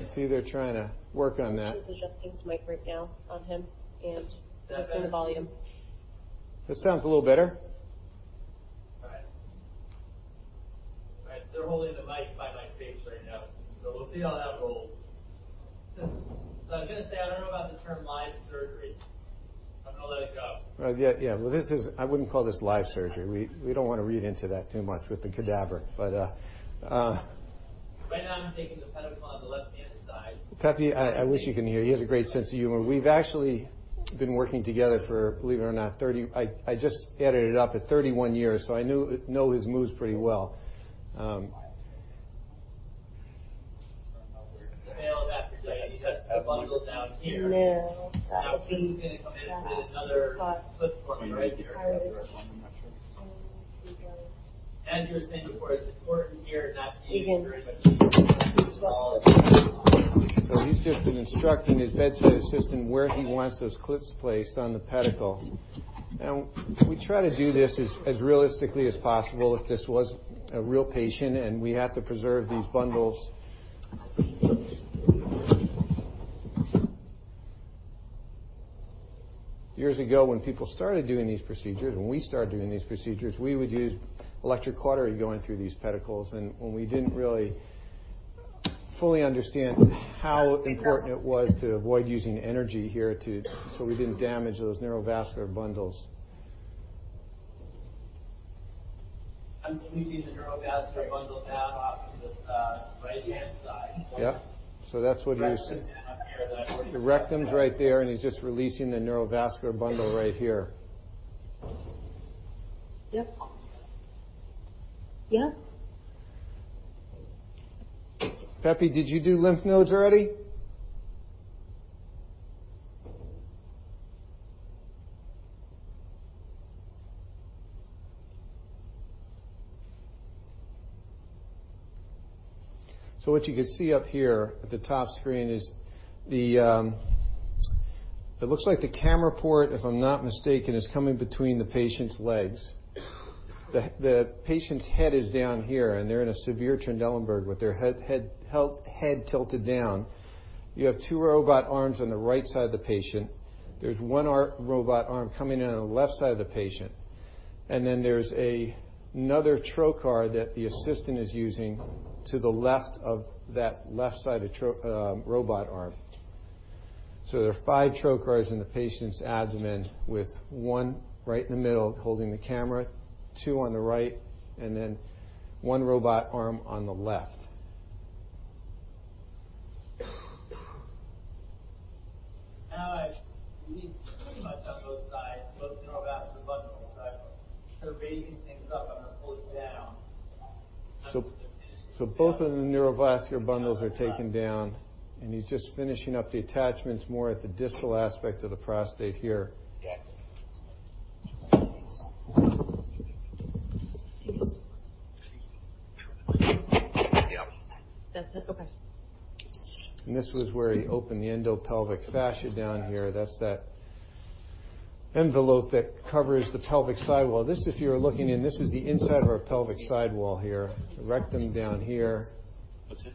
going to stop operating for a minute. I see they're trying to work on that. He's adjusting his mic right now on him and adjusting the volume. That sounds a little better. All right. They're holding the mic by my face right now, so we'll see how that rolls. I was going to say, I don't know about the term live surgery. I'm going to let it go. Yeah. I wouldn't call this live surgery. We don't want to read into that too much with the cadaver. Right now, I'm taking the pedicle on the left-hand side. Pepe, I wish you can hear. He has a great sense of humor. We've actually been working together for, believe it or not, I just added it up at 31 years. I know his moves pretty well. All that. Like I said, the bundle down here. Pete is going to come in and put another clip for me right here. You were saying before, it's important here not to use very much force at all. He's just instructing his bedside assistant where he wants those clips placed on the pedicle. We try to do this as realistically as possible if this was a real patient, and we have to preserve these bundles. Years ago, when people started doing these procedures, when we started doing these procedures, we would use electric cautery going through these pedicles. When we didn't really fully understand how important it was to avoid using energy here, so we didn't damage those neurovascular bundles. I'm sweeping the neurovascular bundle down off of the right-hand side. Yep. That's what you're. Rectum down here that I've already- The rectum's right there, and he's just releasing the neurovascular bundle right here. Yep. Yeah. Pepe, did you do lymph nodes already? What you can see up here at the top screen is, it looks like the camera port, if I'm not mistaken, is coming between the patient's legs. The patient's head is down here, and they're in a severe Trendelenburg with their head tilted down. You have two robot arms on the right side of the patient. There's one robot arm coming in on the left side of the patient. There's another trocar that the assistant is using to the left of that left-sided robot arm. There are five trocars in the patient's abdomen with one right in the middle holding the camera, two on the right, and then one robot arm on the left. I've squeezed pretty much on both sides, both neurovascular bundles. I've started raising things up. I'm going to pull it down. Both of the neurovascular bundles are taken down, and he's just finishing up the attachments more at the distal aspect of the prostate here. Yeah. That's it? Okay. This was where he opened the endopelvic fascia down here. That's that envelope that covers the pelvic sidewall. This, if you're looking in, this is the inside of our pelvic sidewall here. The rectum down here. What's it?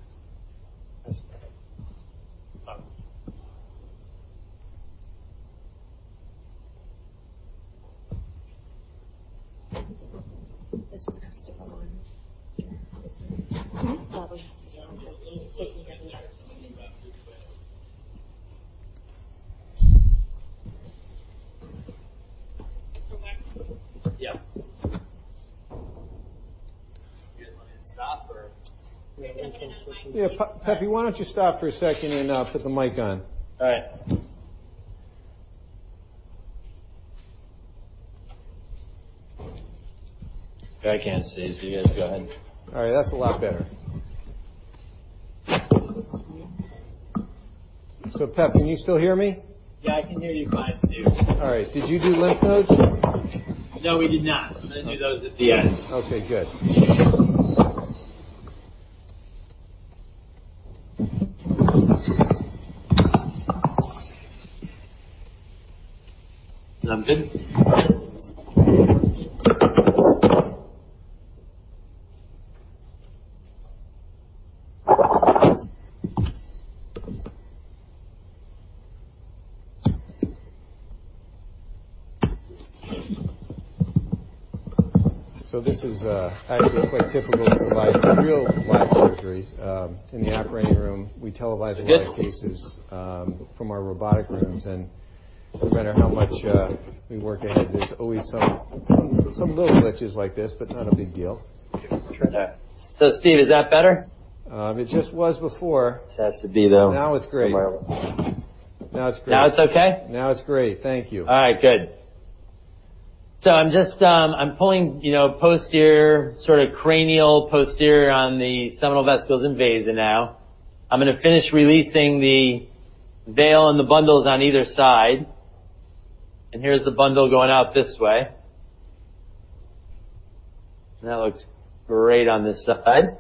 This one has to go on here. Probably. Yeah. A little closer to the. Okay. Yeah. You guys want me to stop or? We have to change the switch. Yeah, Pepe, why don't you stop for a second and put the mic on? All right. I can't see, so you guys go ahead. All right. That's a lot better. Pepe, can you still hear me? Yeah, I can hear you fine, Steve. All right. Did you do lymph nodes? No, we did not. I'm going to do those at the end. Okay, good. Sounds good. This is actually quite typical in real live surgery. In the operating room, we televise a lot of cases. It's good? from our robotic rooms, and no matter how much we work at it, there's always some little glitches like this, but not a big deal. Steve, is that better? It just was before. It has to be, though. Now it's great. Somewhere. Now it's great. Now it's okay? Now it's great. Thank you. All right, good. I'm pulling posterior, sort of cranial posterior on the seminal vesicles and vas now. I'm going to finish releasing the veil and the bundles on either side. Here's the bundle going out this way. That looks great on this side.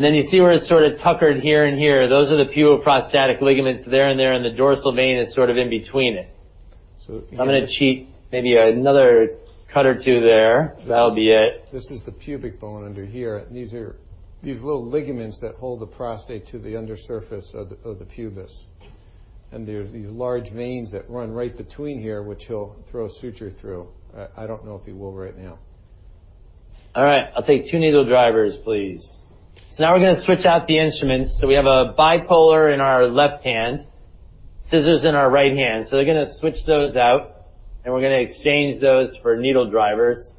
You see where it's sort of tuckered here and here. Those are the puboprostatic ligaments there and there, and the dorsal vein is sort of in between it. So- I'm going to cheat maybe another cut or two there. That'll be it. This is the pubic bone under here, and these are these little ligaments that hold the prostate to the under surface of the pubis. There's these large veins that run right between here, which he'll throw a suture through. I don't know if he will right now. All right. I'll take two needle drivers, please. Now we're going to switch out the instruments, so we have a bipolar in our left hand, scissors in our right hand. They're going to switch those out, and we're going to exchange those for needle drivers.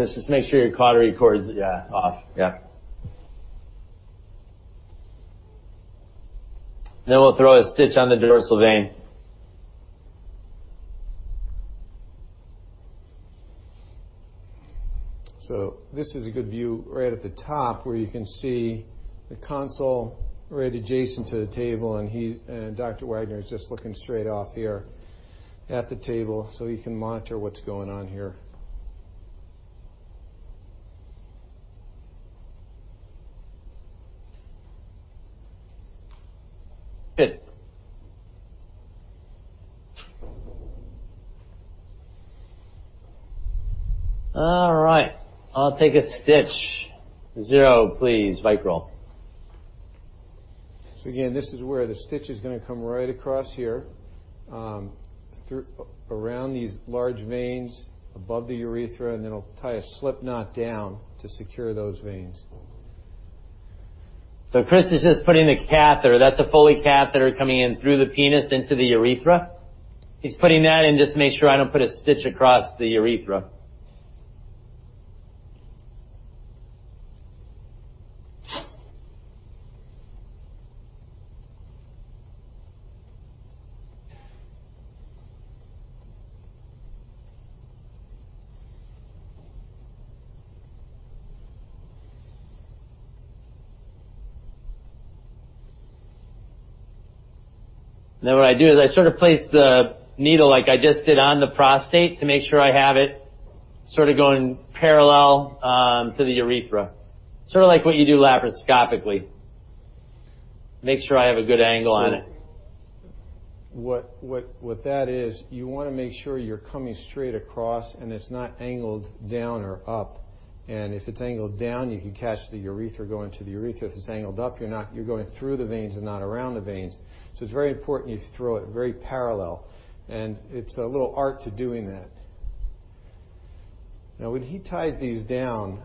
Chris, just make sure your cautery cord is, yeah, off. Yeah. We'll throw a stitch on the dorsal vein. This is a good view right at the top where you can see the console right adjacent to the table, and Dr. Wagner is just looking straight off here at the table so he can monitor what's going on here. Good. All right. I'll take a stitch. 0, please. Vicryl. Again, this is where the stitch is going to come right across here, around these large veins above the urethra, and then he'll tie a slipknot down to secure those veins. Chris is just putting a catheter. That's a Foley catheter coming in through the penis into the urethra. He's putting that in just to make sure I don't put a stitch across the urethra. What I do is I sort of place the needle like I just did on the prostate to make sure I have it sort of going parallel to the urethra. Sort of like what you do laparoscopically. Make sure I have a good angle on it. What that is, you want to make sure you're coming straight across, and it's not angled down or up. If it's angled down, you can catch the urethra going to the urethra. If it's angled up, you're going through the veins and not around the veins. It's very important you throw it very parallel, and it's a little art to doing that. When he ties these down,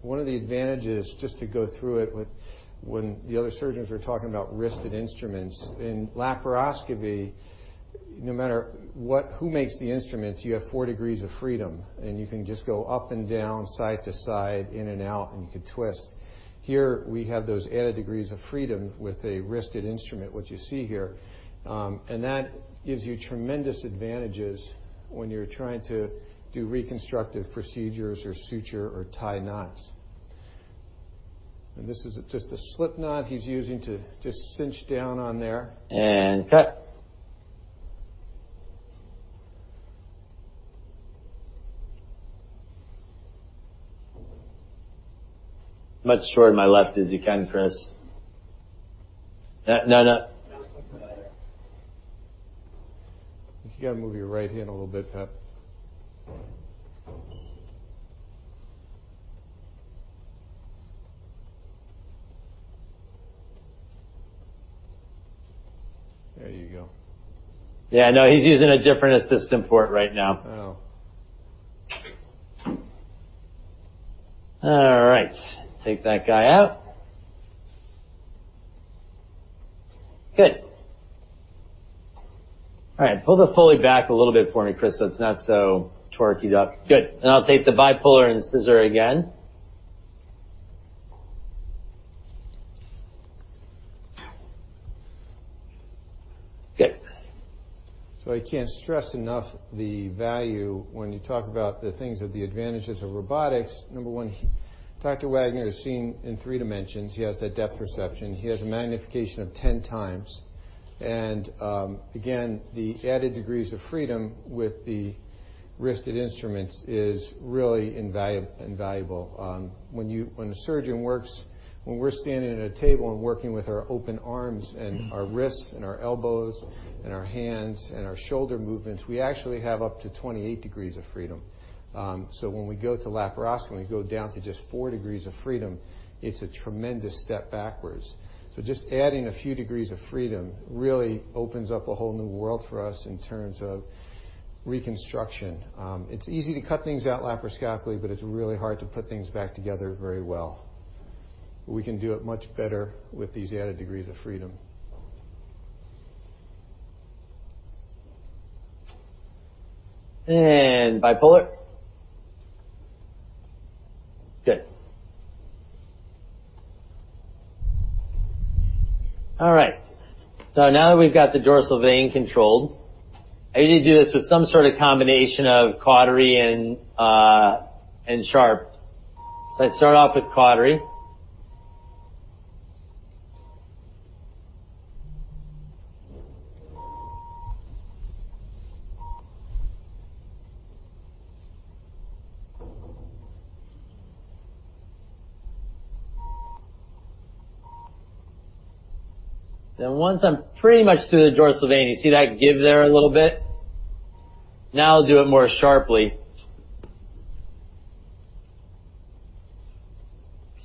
one of the advantages, just to go through it, when the other surgeons were talking about wristed instruments. In laparoscopy, no matter who makes the instruments, you have four degrees of freedom, and you can just go up and down, side to side, in and out, and you can twist. Here, we have those added degrees of freedom with a wristed instrument, what you see here. That gives you tremendous advantages when you're trying to do reconstructive procedures or suture or tie knots. This is just a slipknot he's using to just cinch down on there. Cut. Much toward my left as you can, Chris. No, no. You got to move your right hand a little bit, Pepe. There you go. Yeah, no. He's using a different assistant port right now. Oh. All right. Take that guy out. Good. All right, pull the Foley back a little bit for me, Chris, so it's not so torqued up. Good. I'll take the bipolar and scissor again. Good. I can't stress enough the value when you talk about the things of the advantages of robotics. Number one, Dr. Wagner is seeing in three dimensions. He has that depth perception. He has a magnification of 10 times. Again, the added degrees of freedom with the wristed instruments is really invaluable. When a surgeon works, when we're standing at a table and working with our open arms and our wrists and our elbows and our hands and our shoulder movements, we actually have up to 28 degrees of freedom. When we go to laparoscopy, we go down to just four degrees of freedom, it's a tremendous step backwards. Just adding a few degrees of freedom really opens up a whole new world for us in terms of reconstruction. It's easy to cut things out laparoscopically, but it's really hard to put things back together very well. We can do it much better with these added degrees of freedom. Bipolar. Good. All right. Now that we've got the dorsal vein controlled, I usually do this with some sort of combination of cautery and sharp. I start off with cautery. Once I'm pretty much through the dorsal vein, you see that give there a little bit? Now I'll do it more sharply.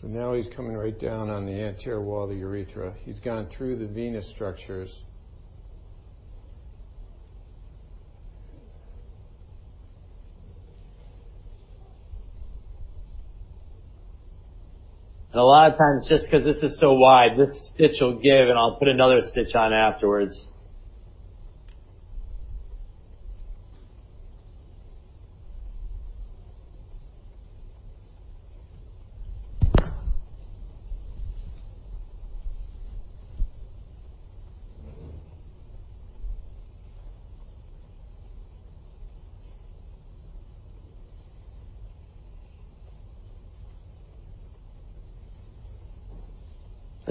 Now he's coming right down on the anterior wall of the urethra. He's gone through the venous structures. A lot of times, just because this is so wide, this stitch will give, I'll put another stitch on afterwards.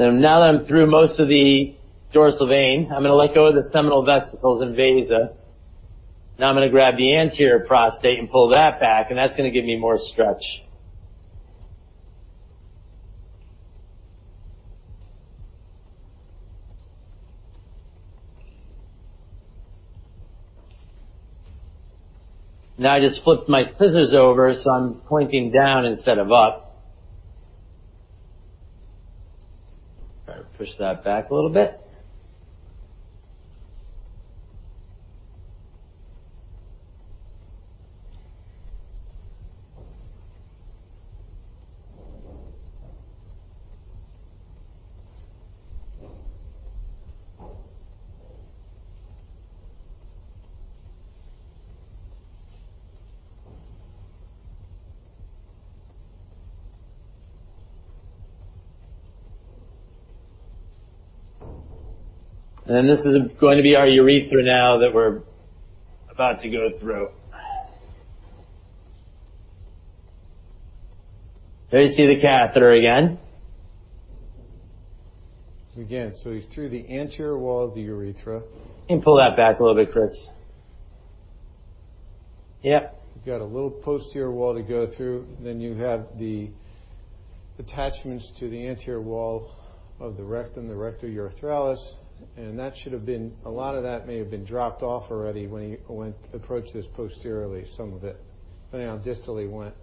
Now that I'm through most of the dorsal vein, I'm going to let go of the seminal vesicles and vasa. Now I'm going to grab the anterior prostate and pull that back, that's going to give me more stretch. Now I just flipped my scissors over so I'm pointing down instead of up. Try to push that back a little bit. This is going to be our urethra now that we're about to go through. There you see the catheter again. Again, he's through the anterior wall of the urethra. You can pull that back a little bit, Chris. Yep. You've got a little posterior wall to go through, then you have the attachments to the anterior wall of the rectum, the rectourethralis, and a lot of that may have been dropped off already when he approached this posteriorly, some of it, depending on distally went.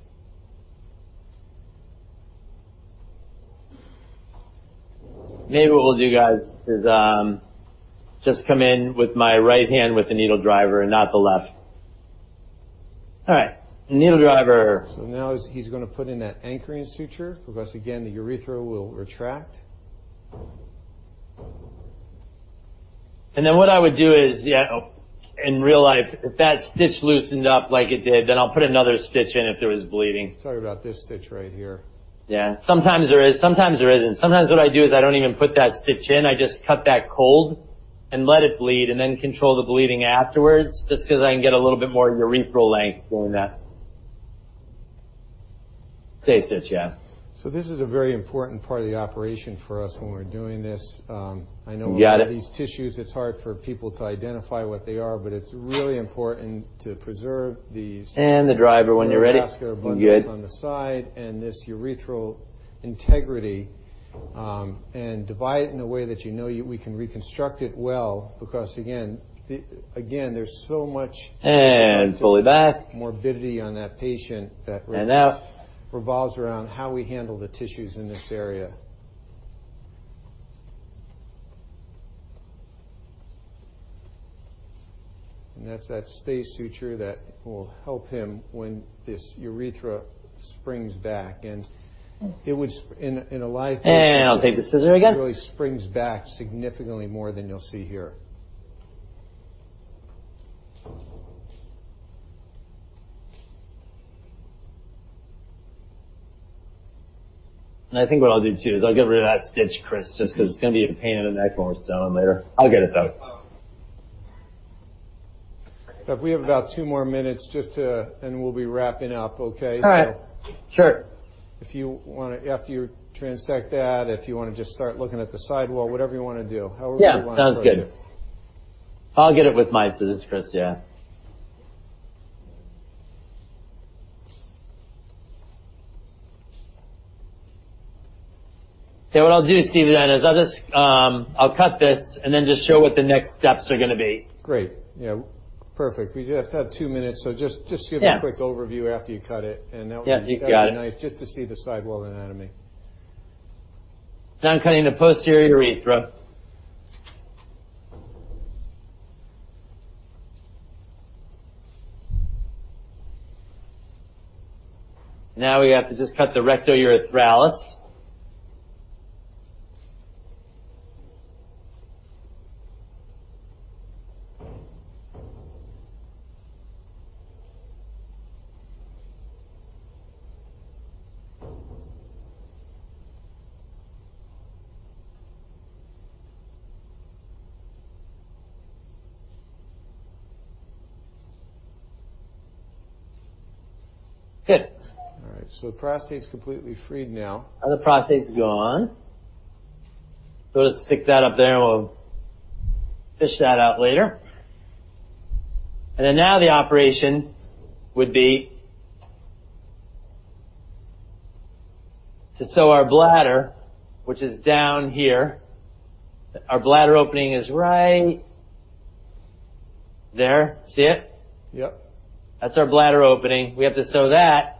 Maybe what we'll do, guys, is just come in with my right hand with the needle driver and not the left. All right. Needle driver. Now he's going to put in that anchoring suture because, again, the urethra will retract. What I would do is, in real life, if that stitch loosened up like it did, then I'll put another stitch in if there was bleeding. Talking about this stitch right here. Yeah. Sometimes there is, sometimes there isn't. Sometimes what I do is I don't even put that stitch in. I just cut that cold and let it bleed, and then control the bleeding afterwards, just because I can get a little bit more urethral length doing that. Stay stitch, yeah. This is a very important part of the operation for us when we're doing this. You got it. I know a lot of these tissues, it's hard for people to identify what they are, but it's really important to preserve these. The driver when you're ready. vascular bundles on the side, and this urethral integrity, and divide it in a way that you know we can reconstruct it well. Because again, there's so much. Fully back morbidity on that patient. And out. revolves around how we handle the tissues in this area. That's that stay suture that will help him when this urethra springs back. In a live patient. I'll take the scissors again it really springs back significantly more than you'll see here. I think what I'll do too is I'll get rid of that stitch, Chris, just because it's going to be a pain in the neck when we're sewing later. I'll get it, though. We have about two more minutes, and we'll be wrapping up, okay? All right. Sure. After you transect that, if you want to just start looking at the sidewall, whatever you want to do. However you want to approach it. Yeah. Sounds good. I'll get it with my scissors, Chris, yeah. What I'll do, Steve, then is I'll cut this and then just show what the next steps are going to be. Great. Yeah. Perfect. We just have two minutes, so just give a quick overview after you cut it. Yeah. You got it. nice just to see the sidewall anatomy. Now I'm cutting the posterior urethra. Now we have to just cut the rectourethralis. Good. All right. The prostate's completely freed now. The prostate's gone. We'll just pick that up there, and we'll fish that out later. Then now the operation would be to sew our bladder, which is down here. Our bladder opening is right there. See it? Yep. That's our bladder opening. We have to sew that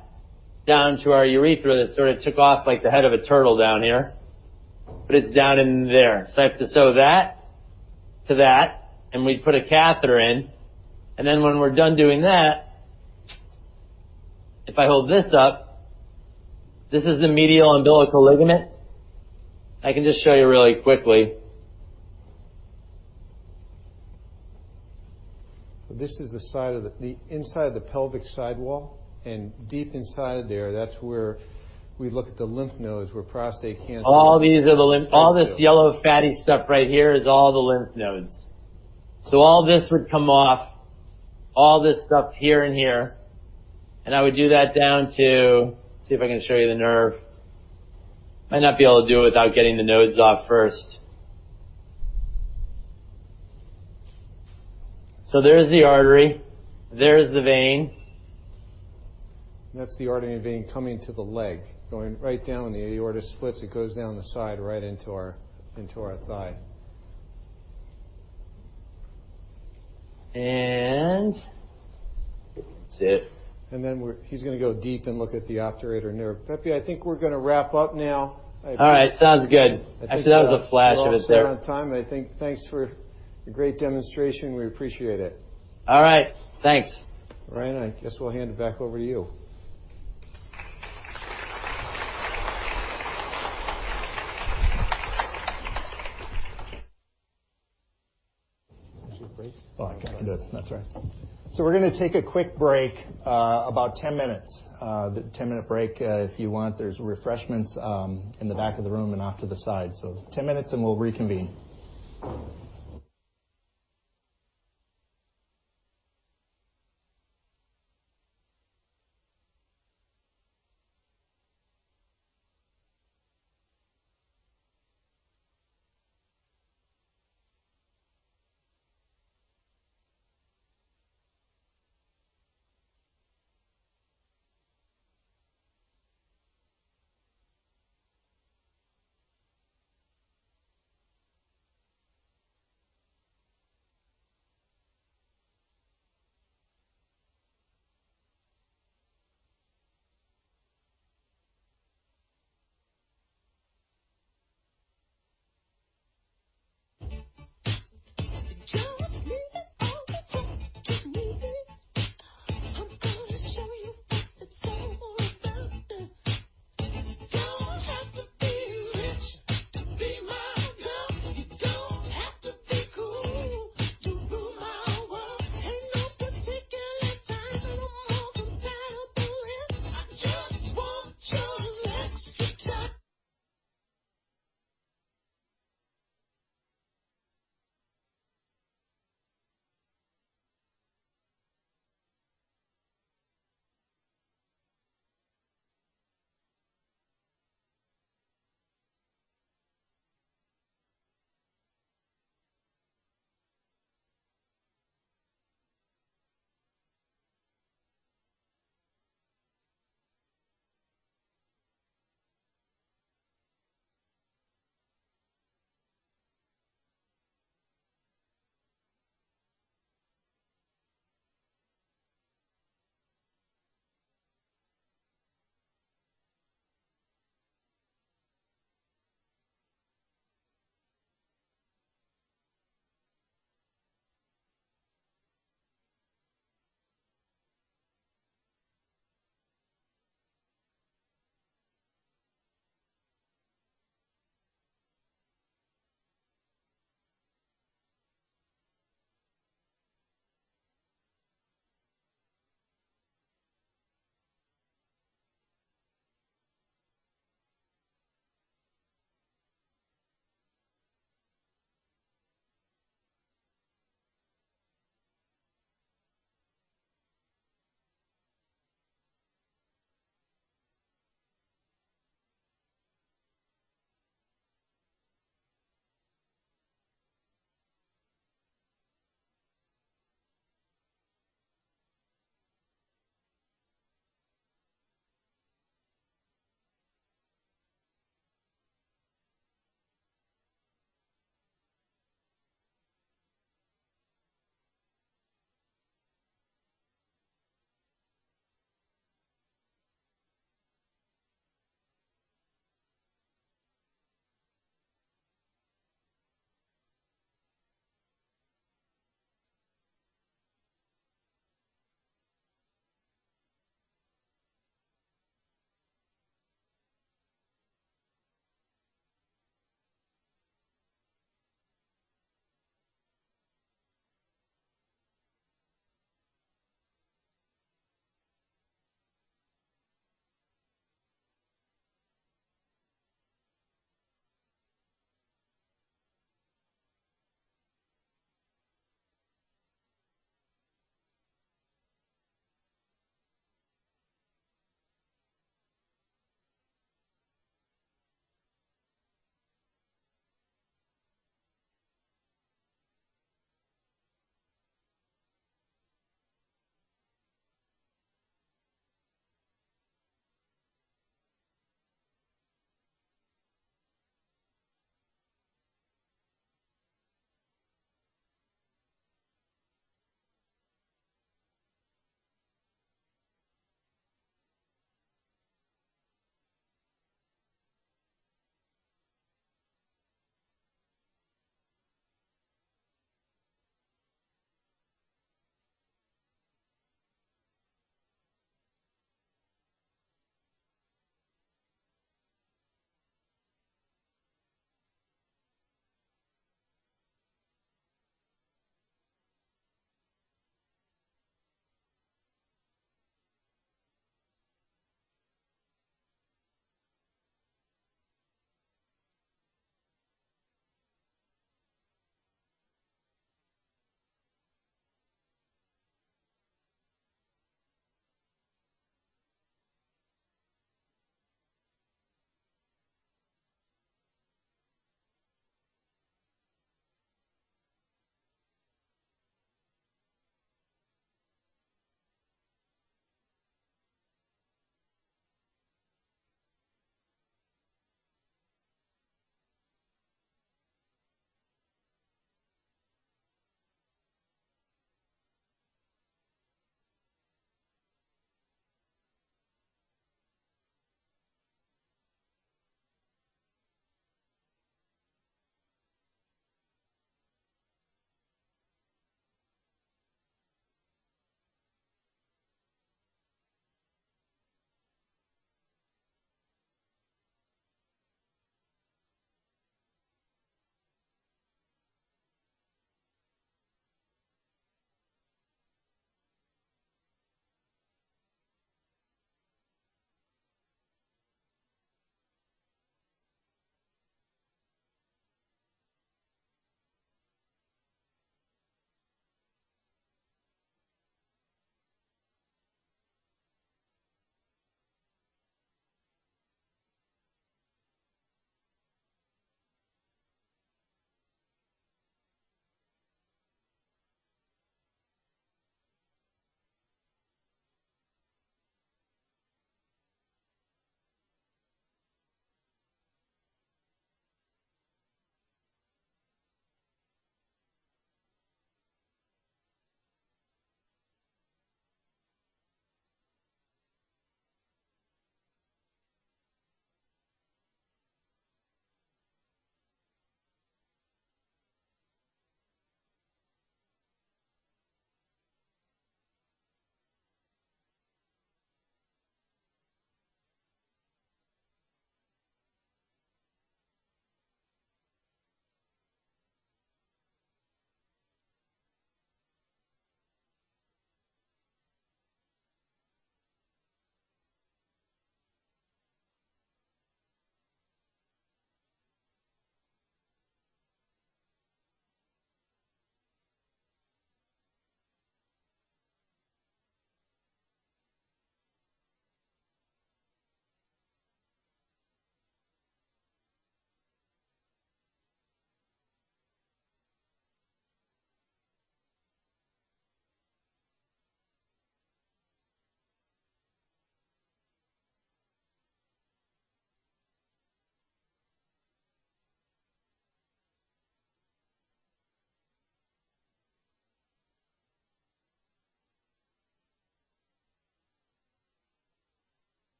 down to our urethra that sort of took off like the head of a turtle down here, but it's down in there. I have to sew that to that, and we put a catheter in, and then when we're done doing that, if I hold this up, this is the medial umbilical ligament. I can just show you really quickly. This is the inside of the pelvic sidewall, and deep inside of there, that's where we look at the lymph nodes where prostate cancer. All this yellow fatty stuff right here is all the lymph nodes. All this would come off, all this stuff here and here, and I would do that down to See if I can show you the nerve. Might not be able to do it without getting the nodes off first. There's the artery. There's the vein. That's the artery and vein coming to the leg. Going right down when the aorta splits, it goes down the side, right into our thigh. That's it. He's going to go deep and look at the obturator nerve. Pepe, I think we're going to wrap up now. All right. Sounds good. Actually, that was a flash of it there. We're all set on time, I think. Thanks for the great demonstration. We appreciate it. All right. Thanks. Ryan, I guess we'll hand it back over to you. Should we break? Oh, okay. Good. That's all right. We're going to take a quick break, about 10 minutes. 10-minute break. If you want, there's refreshments in the back of the room and off to the side. 10 minutes, and we'll reconvene.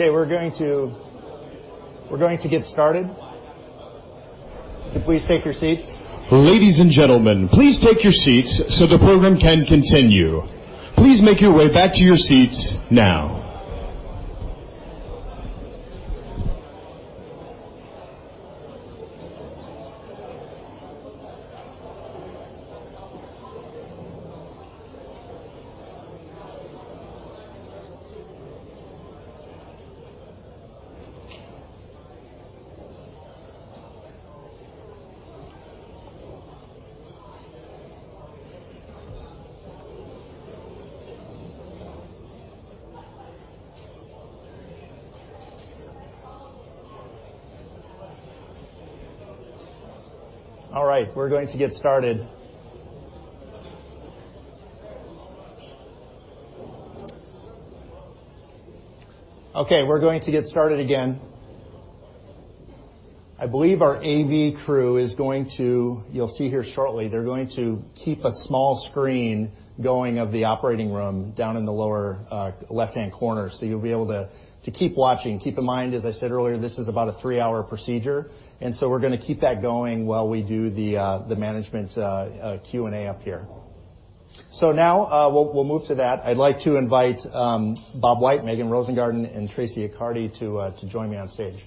Okay, we're going to get started. Could you please take your seats? Ladies and gentlemen, please take your seats so the program can continue. Please make your way back to your seats now. All right. We're going to get started. We're going to get started again. I believe our AV crew is going to, you'll see here shortly, they're going to keep a small screen going of the operating room down in the lower left-hand corner. You'll be able to keep watching. Keep in mind, as I said earlier, this is about a three-hour procedure. We're going to keep that going while we do the management Q&A up here. Now, we'll move to that. I'd like to invite Bob White, Megan Rosengarten, and Tracy Accardi to join me on stage.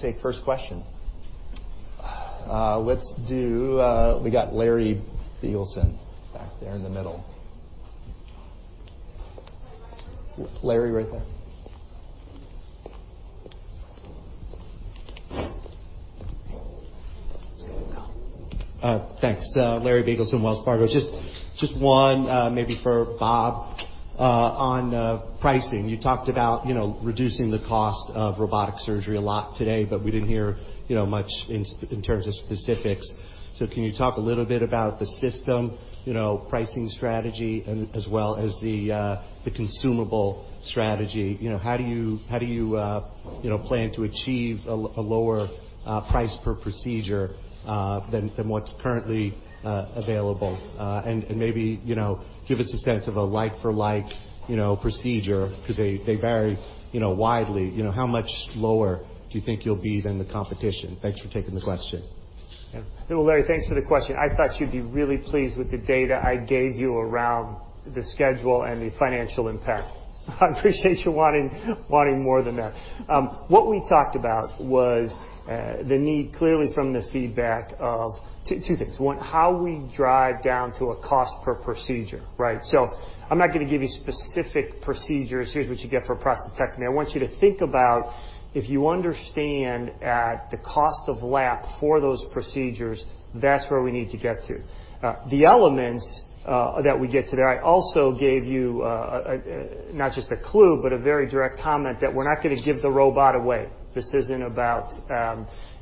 You need thread? It's fine. Okay, we'll take first question. Let's do We got Larry Biegelsen back there in the middle. To my right or your right? Larry, right there. This one's good to go. Thanks. Larry Biegelsen, Wells Fargo. Just one, maybe for Bob, on pricing. You talked about reducing the cost of robotic surgery a lot today, but we didn't hear much in terms of specifics. Can you talk a little bit about the system pricing strategy, as well as the consumable strategy? How do you plan to achieve a lower price per procedure than what's currently available? Maybe give us a sense of a like for like procedure, because they vary widely. How much lower do you think you'll be than the competition? Thanks for taking the question. Yeah. Well, Larry, thanks for the question. I thought you'd be really pleased with the data I gave you around the schedule and the financial impact. I appreciate you wanting more than that. What we talked about was the need, clearly from the feedback of two things. One, how we drive down to a cost per procedure, right? I'm not going to give you specific procedures. Here's what you get for a prostatectomy. I want you to think about if you understand at the cost of lap for those procedures, that's where we need to get to. The elements that we get to there, I also gave you not just a clue, but a very direct comment that we're not going to give the robot away. This isn't about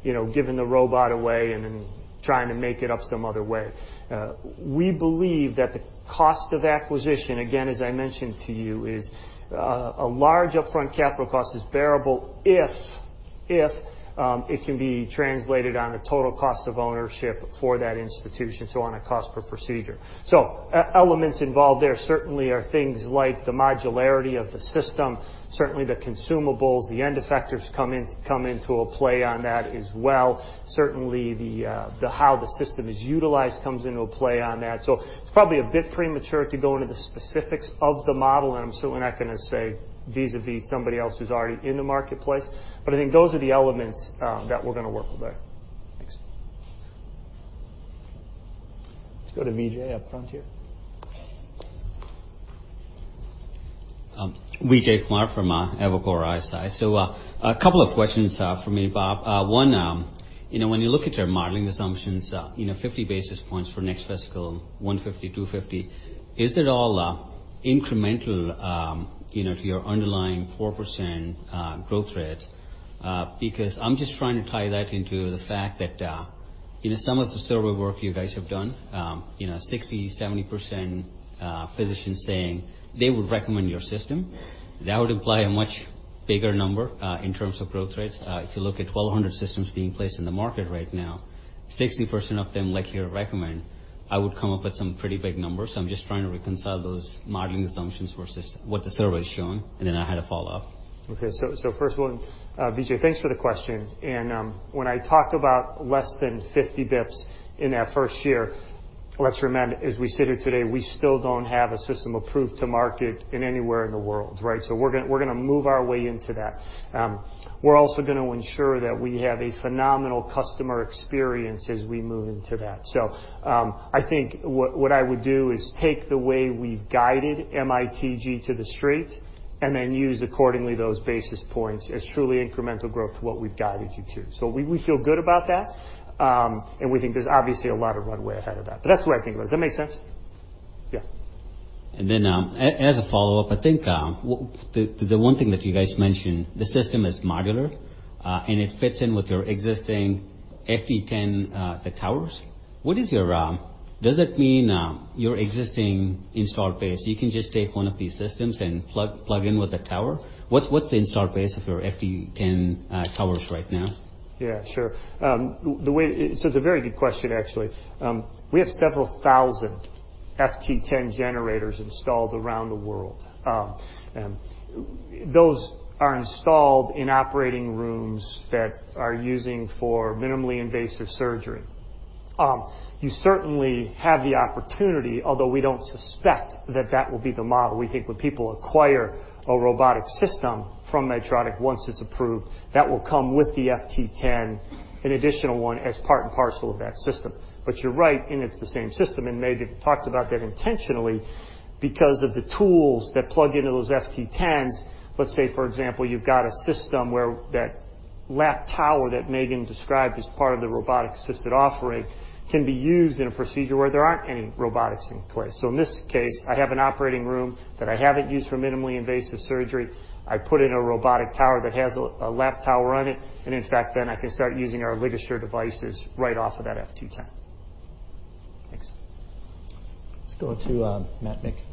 giving the robot away and then trying to make it up some other way. We believe that the cost of acquisition, again, as I mentioned to you, is a large upfront capital cost is bearable if it can be translated on a total cost of ownership for that institution, so on a cost per procedure. Elements involved there certainly are things like the modularity of the system, certainly the consumables. The end effectors come into a play on that as well. Certainly, how the system is utilized comes into a play on that. It's probably a bit premature to go into the specifics of the model, and I'm certainly not going to say vis-a-vis somebody else who's already in the marketplace. I think those are the elements that we're going to work with there. Thanks. Let's go to Vijay up front here. Vijay Kumar from Evercore ISI. A couple of questions from me, Bob. One, when you look at your modeling assumptions, 50 basis points for next fiscal, 150, 250, is that all incremental to your underlying 4% growth rate? I'm just trying to tie that into the fact that some of the survey work you guys have done, 60%-70% physicians saying they would recommend your system. That would imply a much bigger number, in terms of growth rates. If you look at 1,200 systems being placed in the market right now, 60% of them likely to recommend, I would come up with some pretty big numbers. I'm just trying to reconcile those modeling assumptions versus what the survey is showing. Then I had a follow-up. Okay. First one, Vijay, thanks for the question. When I talked about less than 50 bips in that first year, let's remember, as we sit here today, we still don't have a system approved to market in anywhere in the world, right? We're going to move our way into that. We're also going to ensure that we have a phenomenal customer experience as we move into that. I think what I would do is take the way we've guided MITG to the street, and then use accordingly those basis points as truly incremental growth to what we've guided you to. We feel good about that, and we think there's obviously a lot of runway ahead of that. That's the way I think about it. Does that make sense? Yeah. As a follow-up, I think the one thing that you guys mentioned, the system is modular, and it fits in with your existing FT-10, the towers. Does it mean your existing installed base, you can just take one of these systems and plug in with the tower? What's the installed base of your FT-10 towers right now? Yeah, sure. It's a very good question, actually. We have several thousand FT-10 generators installed around the world. Those are installed in operating rooms that are using for minimally invasive surgery. You certainly have the opportunity, although we don't suspect that that will be the model. We think when people acquire a robotic system from Medtronic, once it's approved, that will come with the FT-10, an additional one as part and parcel of that system. You're right, and it's the same system, and Megan talked about that intentionally because of the tools that plug into those FT-10s. Let's say, for example, you've got a system where thatLap tower that Megan described as part of the robotic-assisted offering can be used in a procedure where there aren't any robotics in place. In this case, I have an operating room that I haven't used for minimally invasive surgery. I put in a robotic tower that has a lap tower on it, and in fact, then I can start using our LigaSure devices right off of that FT10. Thanks. Let's go to Matt Miksic.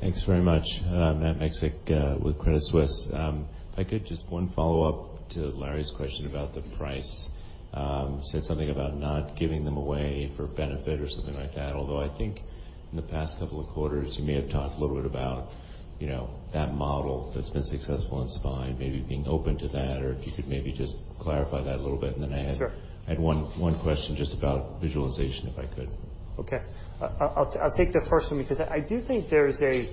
Thanks very much. Matt Miksic with Credit Suisse. If I could, just one follow-up to Larry's question about the price. You said something about not giving them away for benefit or something like that. I think in the past couple of quarters, you may have talked a little bit about that model that's been successful in spine, maybe being open to that, or if you could maybe just clarify that a little bit. Sure. I had one question just about visualization, if I could. Okay. I'll take the first one because I do think there's a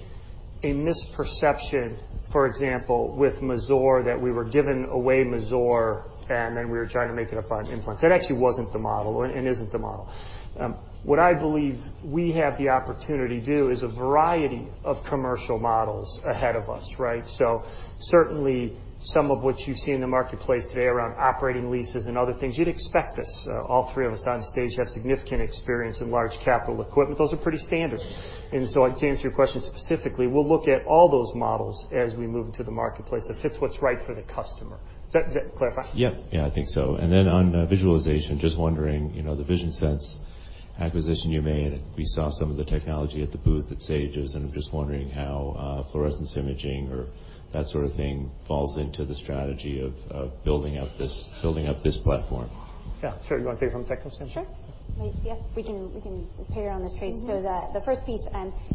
misperception, for example, with Mazor, that we were giving away Mazor, and then we were trying to make it up on implants. That actually wasn't the model and isn't the model. What I believe we have the opportunity to do is a variety of commercial models ahead of us, right? Certainly, some of what you see in the marketplace today around operating leases and other things, you'd expect this. All three of us on stage have significant experience in large capital equipment. Those are pretty standard. To answer your question specifically, we'll look at all those models as we move into the marketplace that fits what's right for the customer. Does that clarify? Yeah, I think so. On visualization, just wondering, the VisionSense acquisition you made. We saw some of the technology at the booth at SAGES, and I'm just wondering how fluorescence imaging or that sort of thing falls into the strategy of building up this platform. Yeah, sure. You want to take it from the tech perspective? Sure. Yes, we can pair on this, Tracy. The first piece,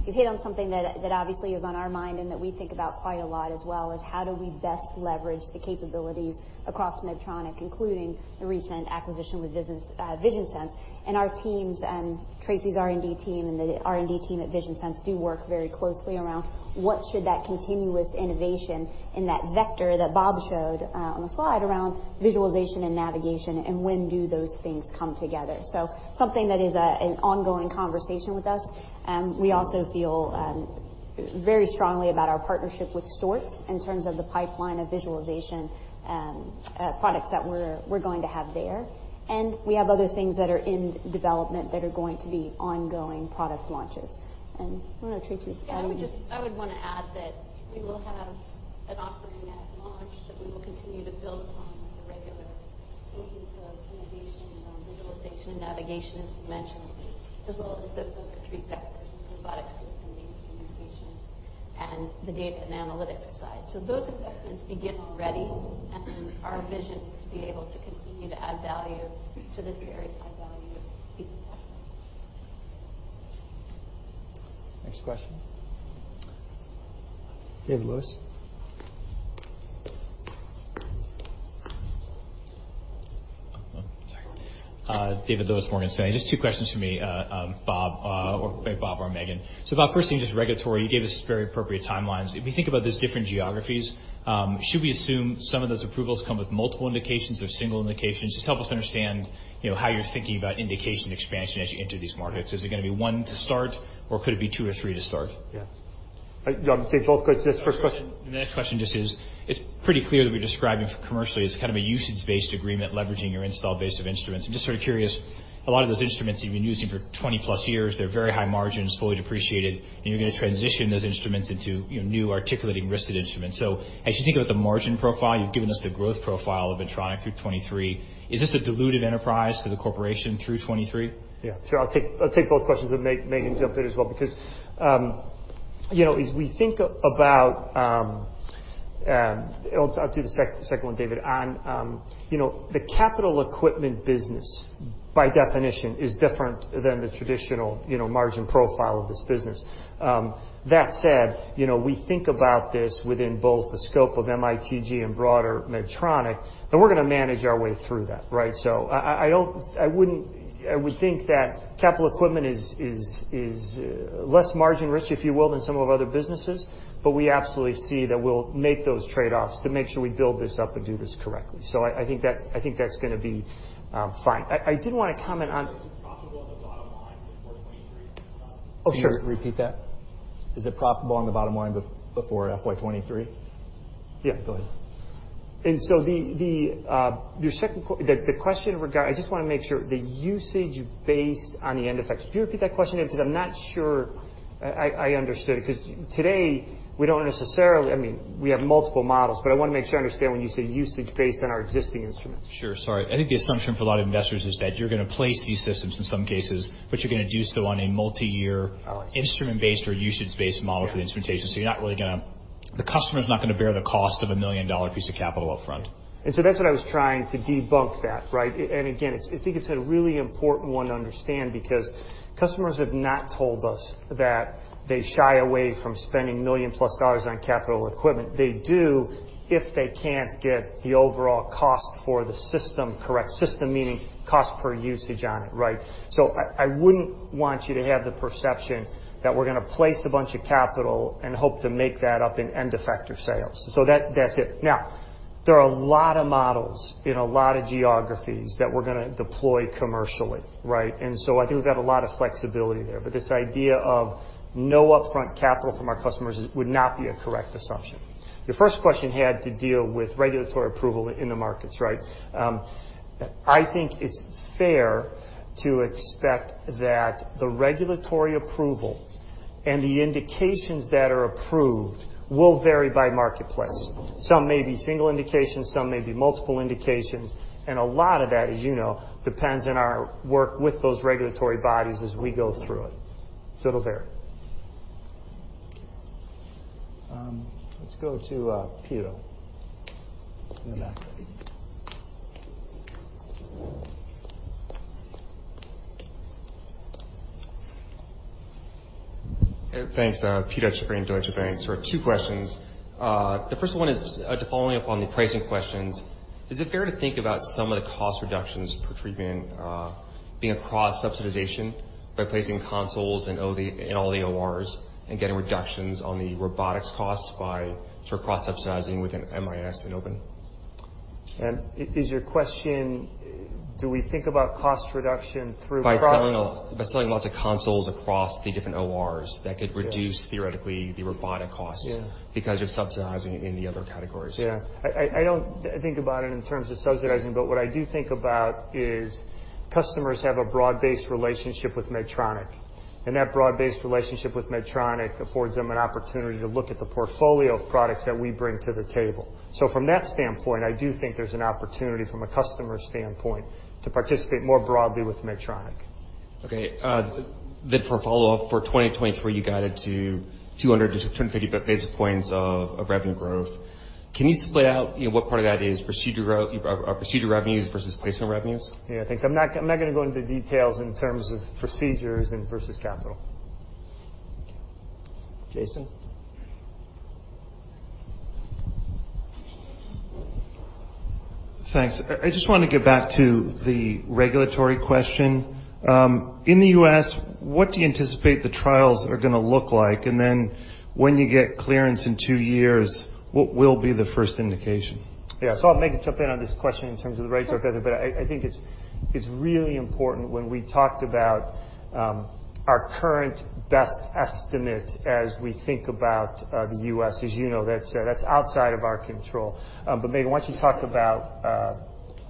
you've hit on something that obviously is on our mind and that we think about quite a lot as well is how do we best leverage the capabilities across Medtronic, including the recent acquisition with VisionSense. Our teams, Tracy's R&D team, and the R&D team at VisionSense do work very closely around what should that continuous innovation in that vector that Bob showed on the slide around visualization and navigation, and when do those things come together. Something that is an ongoing conversation with us. We also feel very strongly about our partnership with STORZ in terms of the pipeline of visualization products that we're going to have there. We have other things that are in development that are going to be ongoing product launches. I don't know, Tracy, do you. I would want to add that we will have an offering at launch that we will continue to build upon with the regular themes of innovation around visualization and navigation, as we mentioned, as well as those other three vectors, robotic system-based innovations and the data and analytics side. Those investments begin already, and our vision is to be able to continue to add value to this very high-value piece of technology. Next question. David Lewis. Oh, sorry. David Lewis, Morgan Stanley. Just two questions for me, Bob or Megan. Bob, first thing, just regulatory. You gave us very appropriate timelines. If we think about these different geographies, should we assume some of those approvals come with multiple indications or single indications? Just help us understand how you're thinking about indication expansion as you enter these markets. Is it going to be one to start, or could it be two or three to start? Yeah. Do you want me to take both, this first question? The next question just is, it is pretty clear that we are describing commercially as kind of a usage-based agreement leveraging your install base of instruments. I am just sort of curious, a lot of those instruments you have been using for 20-plus years, they are very high margins, fully depreciated, and you are going to transition those instruments into new articulating-wristed instruments. As you think about the margin profile, you have given us the growth profile of Medtronic through 2023. Is this a diluted enterprise to the corporation through 2023? Yeah. Sure. I'll take both questions, and Megan can jump in as well because as we think about I'll do the second one, David. On the capital equipment business, by definition, is different than the traditional margin profile of this business. That said, we think about this within both the scope of MITG and broader Medtronic, and we're going to manage our way through that, right? I would think that capital equipment is less margin-rich, if you will, than some of our other businesses. We absolutely see that we'll make those trade-offs to make sure we build this up and do this correctly. I think that's going to be fine. Is it profitable on the bottom line before 2023? Oh, sure. Can you repeat that? Is it profitable on the bottom line before FY 2023? Yeah. Go ahead. The question regard I just want to make sure the usage based on the end effect. Could you repeat that question again? I'm not sure I understood it, because today we don't necessarily have multiple models, but I want to make sure I understand when you say usage based on our existing instruments. Sure. Sorry. I think the assumption for a lot of investors is that you're going to place these systems in some cases, but you're going to do so on a multi-year- Oh, I see. instrument-based or usage-based model for the instrumentation. The customer's not going to bear the cost of a $1 million piece of capital up front. That's what I was trying to debunk that, right? Again, I think it's a really important one to understand because customers have not told us that they shy away from spending $1 million-plus on capital equipment. They do if they can't get the overall cost for the system correct. System meaning cost per usage on it, right? I wouldn't want you to have the perception that we're going to place a bunch of capital and hope to make that up in end effector sales. That's it. Now, there are a lot of models in a lot of geographies that we're going to deploy commercially, right? I think we've got a lot of flexibility there. This idea of no upfront capital from our customers would not be a correct assumption. Your first question had to deal with regulatory approval in the markets, right? I think it's fair to expect that the regulatory approval and the indications that are approved will vary by marketplace. Some may be single indications, some may be multiple indications, and a lot of that, as you know, depends on our work with those regulatory bodies as we go through it. It'll vary. Okay. Let's go to Peter in the back. Thanks. Pito Chickering, Deutsche Bank. Sort of two questions. The first one is to following up on the pricing questions. Is it fair to think about some of the cost reductions per treatment being across subsidization by placing consoles in all the ORs and getting reductions on the robotics costs by sort of cross-subsidizing within MIS and open? Is your question, do we think about cost reduction? By selling lots of consoles across the different ORs that could reduce, theoretically, the robotic costs. Yeah. because you're subsidizing in the other categories. Yeah. I don't think about it in terms of subsidizing, but what I do think about is customers have a broad-based relationship with Medtronic, and that broad-based relationship with Medtronic affords them an opportunity to look at the portfolio of products that we bring to the table. From that standpoint, I do think there's an opportunity from a customer standpoint to participate more broadly with Medtronic. Okay. For a follow-up, for 2023, you guided to 200-250 basis points of revenue growth. Can you split out what part of that is procedure revenues versus placement revenues? Yeah. Thanks. I'm not going to go into details in terms of procedures versus capital. Okay. Jason? Thanks. I just wanted to get back to the regulatory question. In the U.S., what do you anticipate the trials are going to look like? Then when you get clearance in two years, what will be the first indication? Yeah. I'll have Megan jump in on this question in terms of the regulatory, I think it's really important when we talked about our current best estimate as we think about the U.S. As you know, that's outside of our control. Megan, why don't you talk about.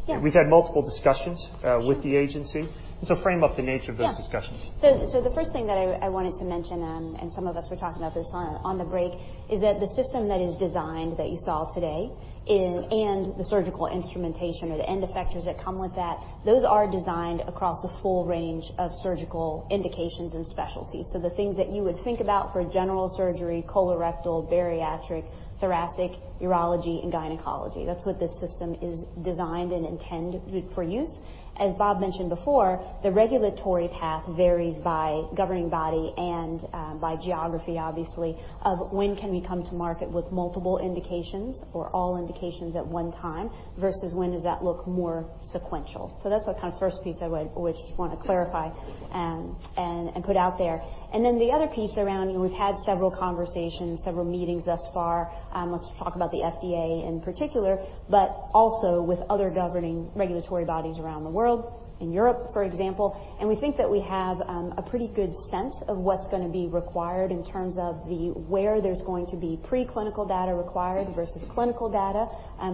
Yeah. We've had multiple discussions with the agency, and so frame up the nature of those discussions. The first thing that I wanted to mention, and some of us were talking about this on the break, is that the system that is designed that you saw today and the surgical instrumentation or the end effectors that come with that, those are designed across a full range of surgical indications and specialties. The things that you would think about for general surgery, colorectal, bariatric, thoracic, urology, and gynecology. That's what this system is designed and intended for use. As Bob mentioned before, the regulatory path varies by governing body and by geography, obviously, of when can we come to market with multiple indications or all indications at one time versus when does that look more sequential. That's the kind of first piece I would just want to clarify and put out there. The other piece around, we've had several conversations, several meetings thus far. Let's talk about the FDA in particular, but also with other governing regulatory bodies around the world, in Europe, for example. We think that we have a pretty good sense of what's going to be required in terms of where there's going to be preclinical data required versus clinical data.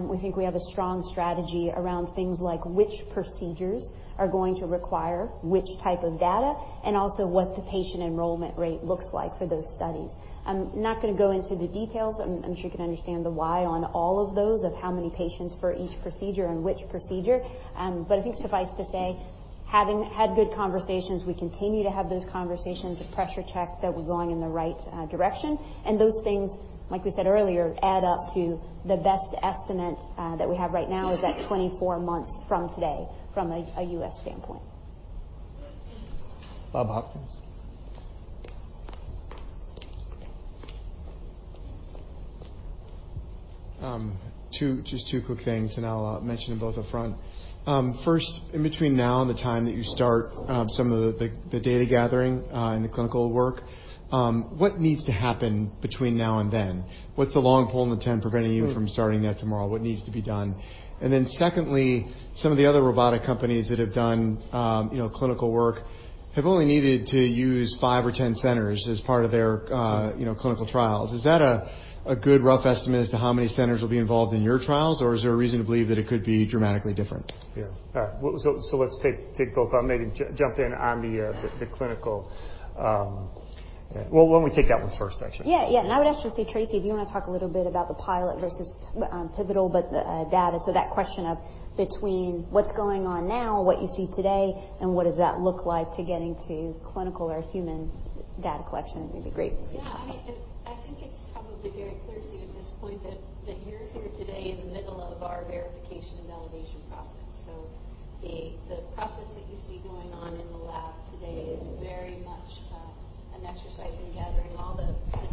We think we have a strong strategy around things like which procedures are going to require which type of data and also what the patient enrollment rate looks like for those studies. I'm not going to go into the details. I'm sure you can understand the why on all of those, of how many patients for each procedure and which procedure. I think suffice to say, having had good conversations, we continue to have those conversations to pressure check that we're going in the right direction. Those things, like we said earlier, add up to the best estimate that we have right now is that 24 months from today from a U.S. standpoint. Bob Hopkins. Just two quick things and I'll mention them both up front. First, in between now and the time that you start some of the data gathering and the clinical work, what needs to happen between now and then? What's the long pole in the tent preventing you from starting that tomorrow? What needs to be done? Secondly, some of the other robotic companies that have done clinical work have only needed to use five or 10 centers as part of their clinical trials. Is that a good rough estimate as to how many centers will be involved in your trials? Or is there a reason to believe that it could be dramatically different? Yeah. Let's take both. I'll have Megan jump in on the clinical. Well, why don't we take that one first, actually. Yeah. I would actually say, Tracy, if you want to talk a little bit about the pilot versus pivotal, but the data. That question of between what's going on now, what you see today, and what does that look like to getting to clinical or human data collection, I think would be great. Yeah. I think it's probably very clear to you at this point that you're here today in the middle of our verification and validation process. The process that you see going on in the lab today is very much an exercise in gathering all the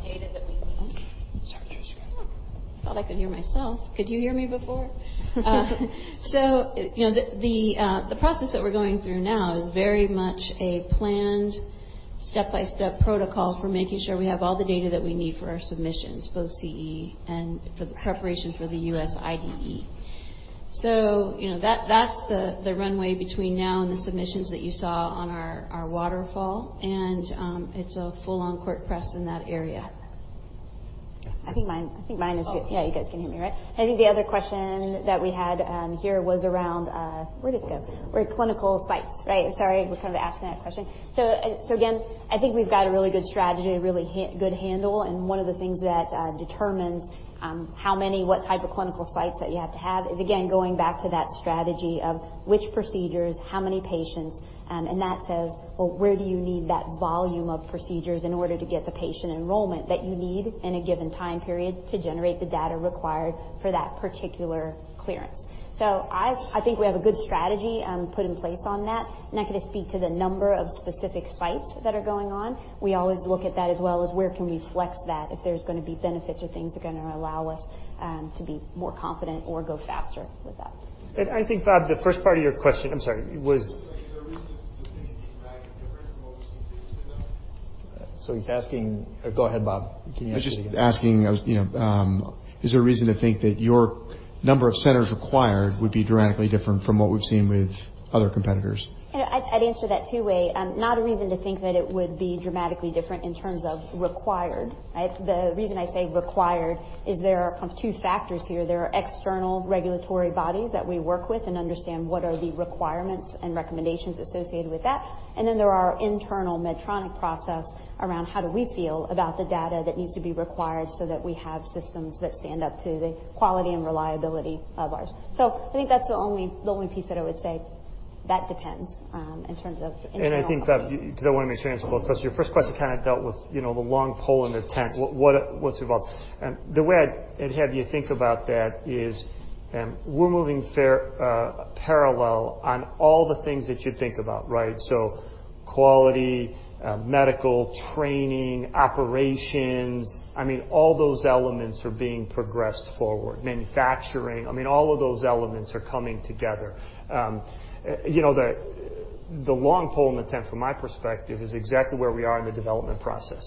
data that we need. Sorry, Tracy. Oh. I thought I could hear myself. Could you hear me before? The process that we're going through now is very much a planned step-by-step protocol for making sure we have all the data that we need for our submissions, both CE and for the preparation for the U.S. IDE. That's the runway between now and the submissions that you saw on our waterfall, and it's a full-on court press in that area. I think mine is good. Yeah, you guys can hear me, right? I think the other question that we had here was around, where did it go? Where clinical sites. Right. Sorry, we're kind of asking that question. Again, I think we've got a really good strategy, a really good handle. One of the things that determines how many, what type of clinical sites that you have to have is, again, going back to that strategy of which procedures, how many patients. That says, well, where do you need that volume of procedures in order to get the patient enrollment that you need in a given time period to generate the data required for that particular clearance? I think we have a good strategy put in place on that. I'm not going to speak to the number of specific sites that are going on. We always look at that as well as where can we flex that if there's going to be benefits or things are going to allow us, to be more confident or go faster with that. I think, Bob, the first part of your question, I'm sorry, was. Is there a reason to think it'd be dramatically different from what we've seen previously, though? He's asking Or go ahead, Bob. Can you ask it again? I was just asking, is there a reason to think that your number of centers required would be dramatically different from what we've seen with other competitors? I'd answer that two way. Not a reason to think that it would be dramatically different in terms of required, right. The reason I say required is there are kind of two factors here. There are external regulatory bodies that we work with and understand what are the requirements and recommendations associated with that. Then there are internal Medtronic process around how do we feel about the data that needs to be required so that we have systems that stand up to the quality and reliability of ours. I think that's the only piece that I would say that depends, in terms of internal. I think that, because I want to make sure I answer both questions. Your first question kind of dealt with the long pole in the tent. What's involved? The way I'd have you think about that is, we're moving parallel on all the things that you'd think about, right? Quality, medical training, operations, all those elements are being progressed forward. Manufacturing, all of those elements are coming together. The long pole in the tent from my perspective is exactly where we are in the development process.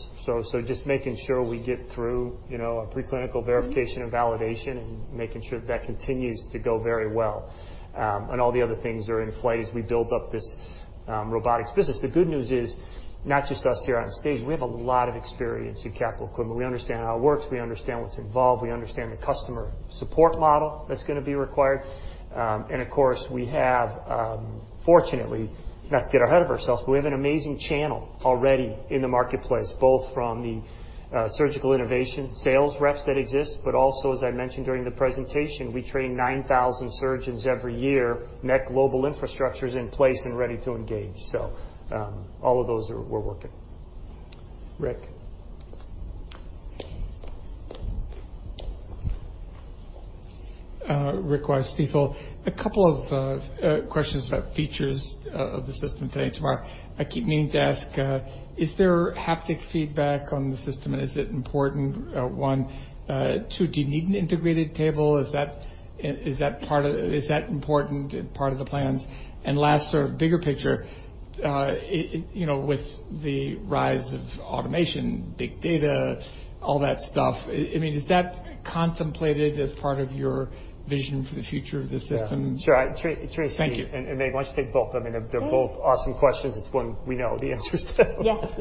Just making sure we get through a pre-clinical verification and validation and making sure that continues to go very well. All the other things are in play as we build up this robotics business. The good news is, not just us here on stage, we have a lot of experience in capital equipment. We understand how it works. We understand what's involved. We understand the customer support model that's going to be required. Of course, we have, fortunately, not to get ahead of ourselves, but we have an amazing channel already in the marketplace, both from the surgical innovation sales reps that exist, but also, as I mentioned during the presentation, we train 9,000 surgeons every year. Net global infrastructure's in place and ready to engage. All of those we're working. Rick. A couple of questions about features of the system today, [tomorrow]. I keep meaning to ask, is there haptic feedback on the system and is it important, one? Two, do you need an integrated table? Is that important and part of the plans? Last sort of bigger picture, with the rise of automation, big data, all that stuff, is that contemplated as part of your vision for the future of the system? Yeah. Sure. Tracy. Thank you. Why don't you take both? I mean, they're both awesome questions. It's one we know the answers to. Yes.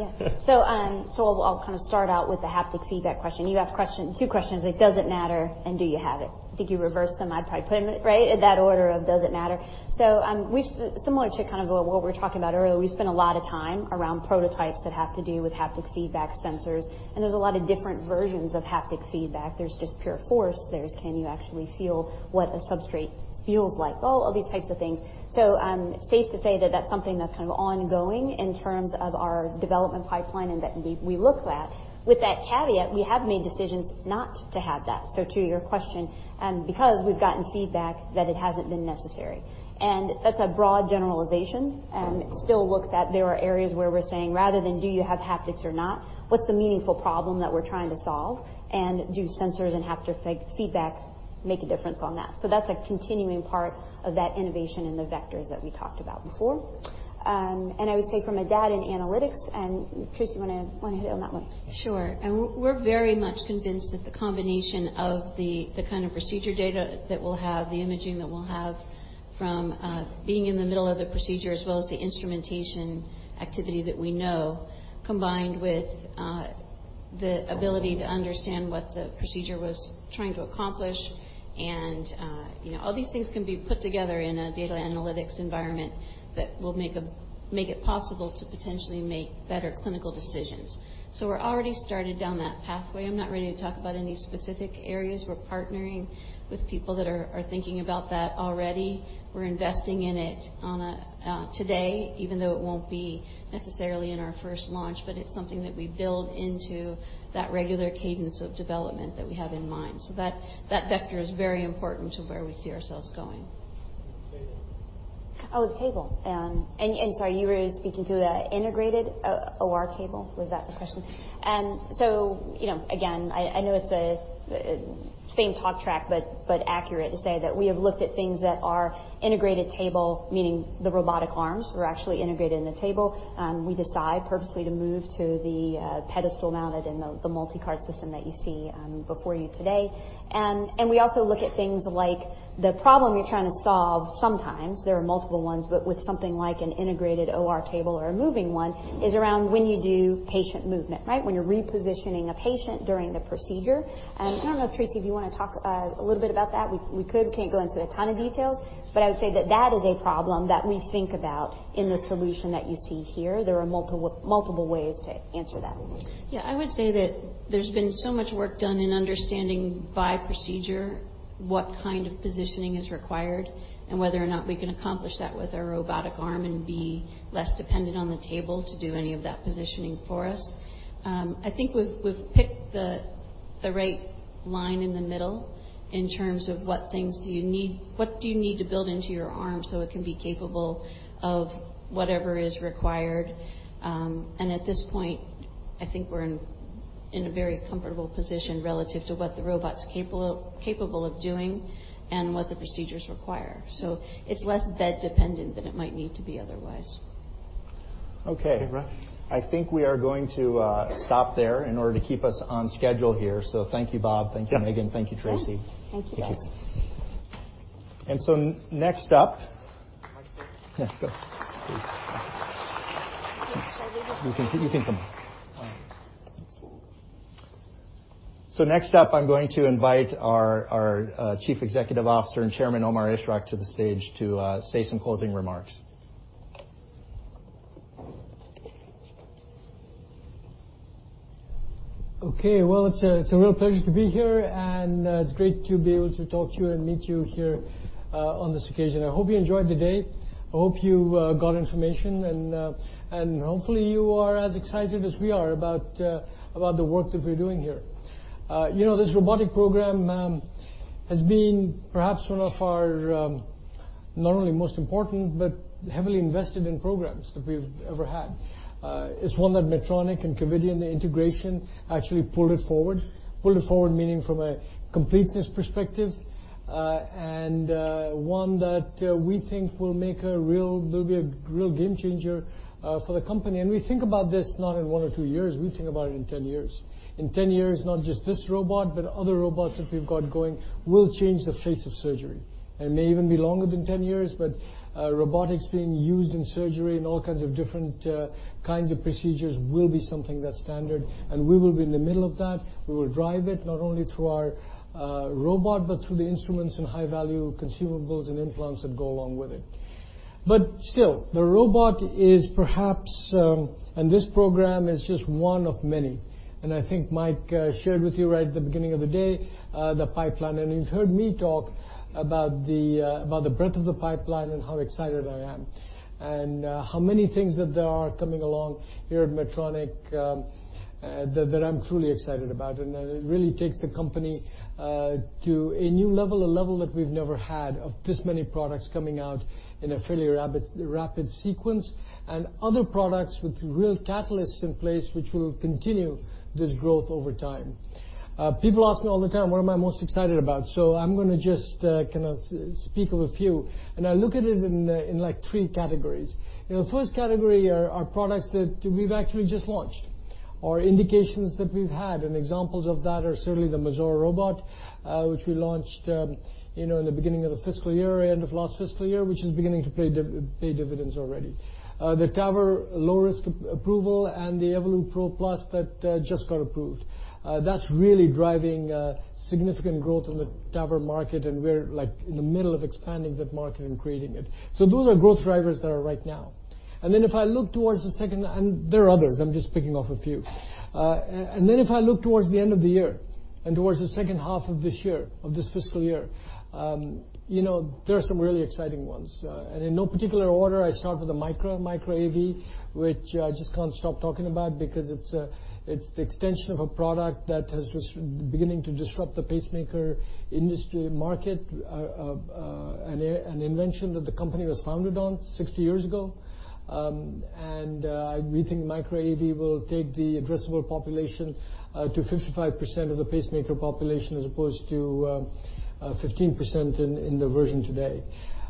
I'll kind of start out with the haptic feedback question. You asked two questions, like does it matter and do you have it? I think you reversed them. I'd probably put them right at that order of does it matter. Similar to kind of what we were talking about earlier, we spent a lot of time around prototypes that have to do with haptic feedback sensors, and there's a lot of different versions of haptic feedback. There's just pure force. There's can you actually feel what a substrate feels like? All of these types of things. Safe to say that that's something that's kind of ongoing in terms of our development pipeline and that indeed we look at. With that caveat, we have made decisions not to have that, so to your question, because we've gotten feedback that it hasn't been necessary. That's a broad generalization, and still looks at there are areas where we're saying, rather than do you have haptics or not, what's the meaningful problem that we're trying to solve? Do sensors and haptic feedback make a difference on that? That's a continuing part of that innovation in the vectors that we talked about before. I would say from a data and analytics, and Tracy, you want to hit on that one? Sure. We're very much convinced that the combination of the kind of procedure data that we'll have, the imaging that we'll have from being in the middle of the procedure, as well as the instrumentation activity that we know, combined with the ability to understand what the procedure was trying to accomplish and all these things can be put together in a data analytics environment that will make it possible to potentially make better clinical decisions. We're already started down that pathway. I'm not ready to talk about any specific areas. We're partnering with people that are thinking about that already. We're investing in it today, even though it won't be necessarily in our first launch, but it's something that we build into that regular cadence of development that we have in mind. That vector is very important to where we see ourselves going. The table. Oh, the table. Sorry, you were speaking to the integrated OR table, was that the question? Again, I know it's the same talk track, but accurate to say that we have looked at things that are integrated table, meaning the robotic arms are actually integrated in the table. We decide purposely to move to the pedestal mounted and the multi-cart system that you see before you today. We also look at things like the problem you're trying to solve sometimes, there are multiple ones, but with something like an integrated OR table or a moving one, is around when you do patient movement, right? When you're repositioning a patient during the procedure. I don't know if Tracy, if you want to talk a little bit about that. We can't go into a ton of detail. I would say that that is a problem that we think about in the solution that you see here. There are multiple ways to answer that. Yeah, I would say that there's been so much work done in understanding by procedure what kind of positioning is required, and whether or not we can accomplish that with our robotic arm and be less dependent on the table to do any of that positioning for us. I think we've picked the right line in the middle in terms of what do you need to build into your arm so it can be capable of whatever is required. At this point, I think we're in a very comfortable position relative to what the robot's capable of doing and what the procedures require. It's less bed dependent than it might need to be otherwise. Okay. Okay, Rob. I think we are going to stop there in order to keep us on schedule here. Thank you, Bob. Thank you, Megan. Thank you, Tracy. Thank you, guys. Thank you. Next up. Mike, stay. Yeah, go please. Should I leave it? You can come. Next up, I'm going to invite our Chief Executive Officer and Chairman, Omar Ishrak, to the stage to say some closing remarks. Okay. Well, it's a real pleasure to be here. It's great to be able to talk to you and meet you here on this occasion. I hope you enjoyed the day. I hope you got information, and hopefully, you are as excited as we are about the work that we're doing here. This robotic program has been perhaps one of our, not only most important, but heavily invested in programs that we've ever had. It's one that Medtronic and Covidien, the integration actually pulled it forward. Pulled it forward, meaning from a completeness perspective, and one that we think will be a real game changer for the company. We think about this not in one or two years, we think about it in 10 years. In 10 years, not just this robot, but other robots that we've got going will change the face of surgery. It may even be longer than 10 years, but robotics being used in surgery and all kinds of different kinds of procedures will be something that's standard, and we will be in the middle of that. We will drive it not only through our robot, but through the instruments and high-value consumables and implants that go along with it. Still, the robot is perhaps, and this program is just one of many, and I think Mike shared with you right at the beginning of the day, the pipeline. You've heard me talk about the breadth of the pipeline and how excited I am, and how many things that there are coming along here at Medtronic, that I'm truly excited about. It really takes the company to a new level, a level that we've never had of this many products coming out in a fairly rapid sequence. Other products with real catalysts in place which will continue this growth over time. People ask me all the time, what am I most excited about? I'm going to just speak of a few. I look at it in three categories. The first category are products that we've actually just launched or indications that we've had. Examples of that are certainly the Mazor Robot, which we launched in the beginning of the fiscal year, end of last fiscal year, which is beginning to pay dividends already. The TAVR low-risk approval and the Evolut PRO+ that just got approved. That's really driving significant growth in the TAVR market, and we're in the middle of expanding that market and creating it. Those are growth drivers that are right now. There are others, I'm just picking off a few. If I look towards the end of the year and towards the second half of this fiscal year, there are some really exciting ones. In no particular order, I start with the Micra AV, which I just can't stop talking about because it's the extension of a product that has just beginning to disrupt the pacemaker industry market, an invention that the company was founded on 60 years ago. We think Micra AV will take the addressable population to 55% of the pacemaker population as opposed to 15% in the version today.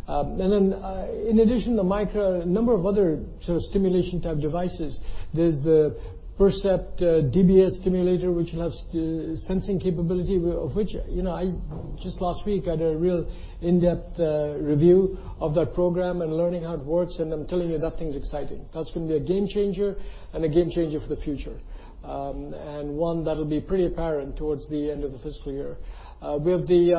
In addition, the Micra, a number of other sort of stimulation type devices. There's the Percept DBS stimulator, which has the sensing capability of which I just last week had a real in-depth review of that program and learning how it works, and I'm telling you, that thing's exciting. That's going to be a game changer and a game changer for the future. One that'll be pretty apparent towards the end of the fiscal year. We have the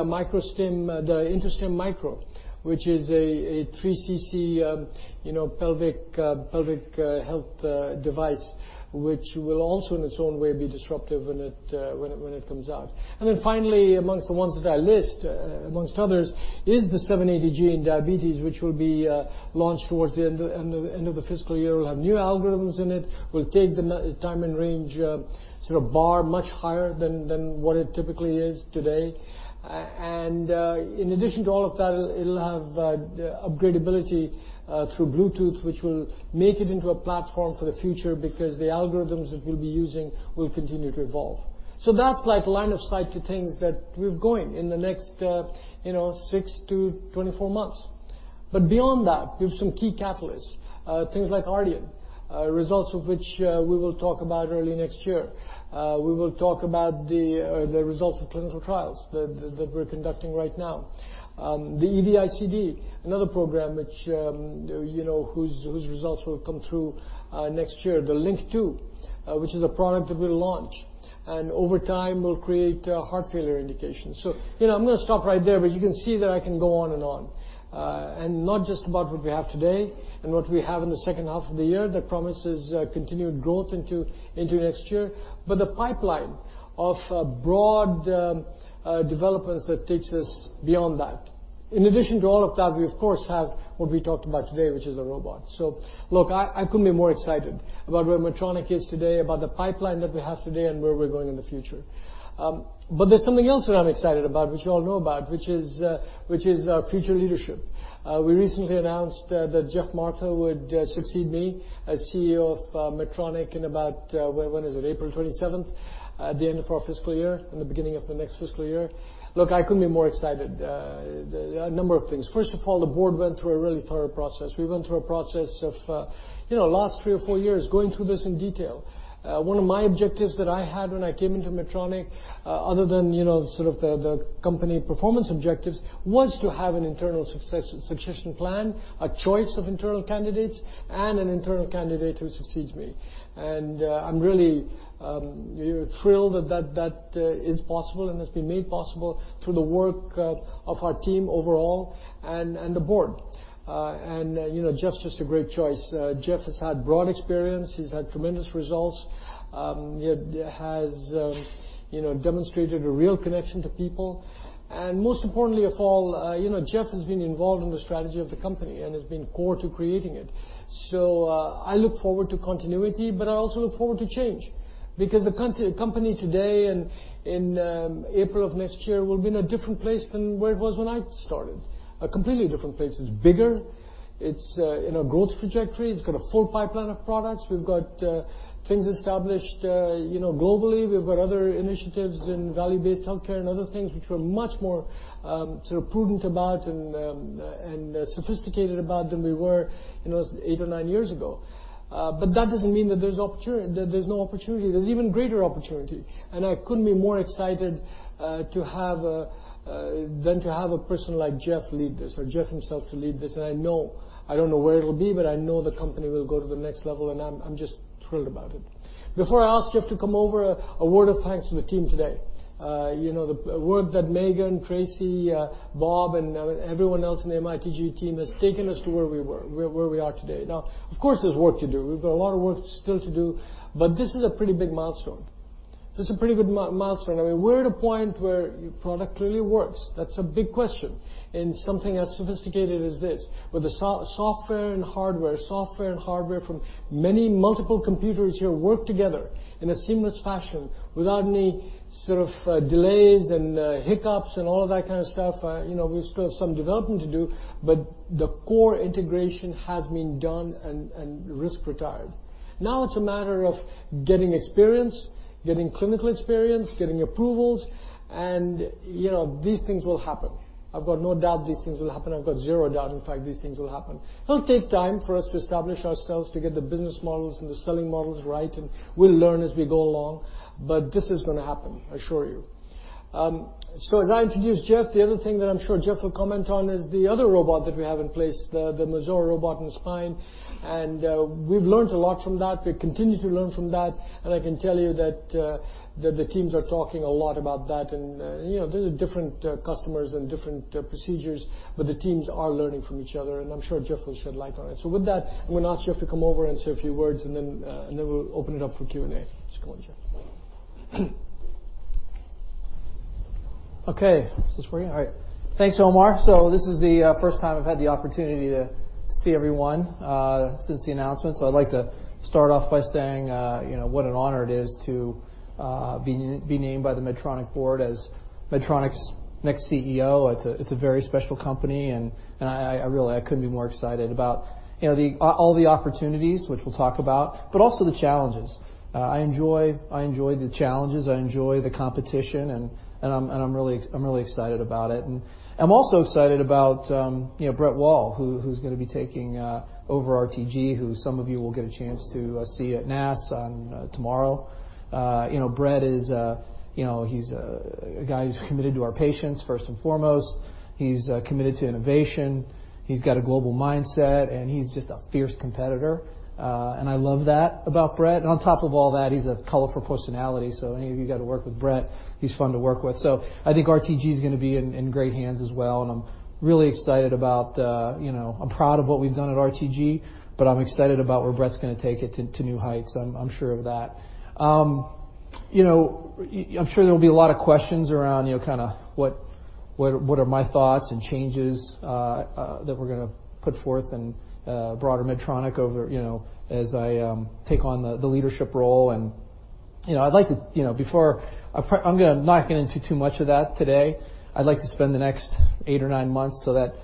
InterStim Micro, which is a 3 cc pelvic health device, which will also, in its own way, be disruptive when it comes out. Then finally, amongst the ones that I list amongst others is the 780G in diabetes, which will be launched towards the end of the fiscal year. We'll have new algorithms in it. We'll take the time and range sort of bar much higher than what it typically is today. In addition to all of that, it'll have upgradability through Bluetooth, which will make it into a platform for the future because the algorithms that we'll be using will continue to evolve. That's line of sight to things that we're going in the next six to 24 months. Beyond that, we have some key catalysts, things like Ardian, results of which we will talk about early next year. We will talk about the results of clinical trials that we're conducting right now. The EV ICD, another program whose results will come through next year. The LINQ II, which is a product that we'll launch, and over time will create heart failure indications. I'm going to stop right there, but you can see that I can go on and on. Not just about what we have today and what we have in the second half of the year that promises continued growth into next year, but the pipeline of broad developments that takes us beyond that. In addition to all of that, we of course have what we talked about today, which is the robot. Look, I couldn't be more excited about where Medtronic is today, about the pipeline that we have today, and where we're going in the future. There's something else that I'm excited about which you all know about, which is our future leadership. We recently announced that Geoff Martha would succeed me as CEO of Medtronic in about, when is it? April 27th, at the end of our fiscal year and the beginning of the next fiscal year. Look, I couldn't be more excited. A number of things. First of all, the board went through a really thorough process. We went through a process of the last three or four years, going through this in detail. One of my objectives that I had when I came into Medtronic, other than sort of the company performance objectives, was to have an internal succession plan, a choice of internal candidates, and an internal candidate who succeeds me. I'm really thrilled that is possible and has been made possible through the work of our team overall and the board. Geoff's just a great choice. Geoff has had broad experience, he's had tremendous results, he has demonstrated a real connection to people. Most importantly of all, Geoff has been involved in the strategy of the company and has been core to creating it. I look forward to continuity, I also look forward to change because the company today and in April of next year will be in a different place than where it was when I started. A completely different place. It's bigger, it's in a growth trajectory, it's got a full pipeline of products, we've got things established globally. We've got other initiatives in value-based healthcare and other things which we're much more sort of prudent about and sophisticated about than we were eight or nine years ago. That doesn't mean that there's no opportunity. There's even greater opportunity, I couldn't be more excited than to have a person like Geoff lead this, or Geoff himself to lead this. I don't know where it'll be, I know the company will go to the next level, I'm just thrilled about it. Before I ask Geoff to come over, a word of thanks to the team today. A word that Megan, Tracy, Bob, and everyone else in the MITG team has taken us to where we are today. Now, of course, there's work to do. We've got a lot of work still to do, but this is a pretty big milestone. This is a pretty good milestone. We're at a point where your product really works. That's a big question in something as sophisticated as this with the software and hardware. Software and hardware from many multiple computers here work together in a seamless fashion without any sort of delays and hiccups and all of that kind of stuff. We still have some development to do, but the core integration has been done and risk retired. It's a matter of getting experience, getting clinical experience, getting approvals, and these things will happen. I've got no doubt these things will happen. I've got zero doubt, in fact, these things will happen. It'll take time for us to establish ourselves to get the business models and the selling models right, and we'll learn as we go along. This is going to happen, I assure you. As I introduce Geoff, the other thing that I'm sure Geoff will comment on is the other robot that we have in place, the Mazor Robot in spine. We've learned a lot from that. We continue to learn from that, and I can tell you that the teams are talking a lot about that. There are different customers and different procedures, but the teams are learning from each other, and I'm sure Geoff will shed light on it. With that, I'm going to ask Geoff to come over and say a few words, and then we'll open it up for Q&A. Just come on, Geoff. Okay. Is this for you? All right. Thanks, Omar. This is the first time I've had the opportunity to see everyone since the announcement. I'd like to start off by saying what an honor it is to be named by the Medtronic board as Medtronic's next CEO. It's a very special company, and I really couldn't be more excited about all the opportunities which we'll talk about, but also the challenges. I enjoy the challenges. I enjoy the competition, and I'm really excited about it. I'm also excited about Brett Wall, who's going to be taking over RTG, who some of you will get a chance to see at NASS tomorrow. Brett is a guy who's committed to our patients first and foremost. He's committed to innovation. He's got a global mindset, and he's just a fierce competitor. I love that about Brett. On top of all that, he's a colorful personality. Any of you who got to work with Brett, he's fun to work with. I think RTG is going to be in great hands as well, and I'm proud of what we've done at RTG, but I'm excited about where Brett's going to take it to new heights. I'm sure of that. I'm sure there will be a lot of questions around what are my thoughts and changes that we're going to put forth in broader Medtronic as I take on the leadership role. I'm not going to get into too much of that today. I'd like to spend the next eight or nine months, so that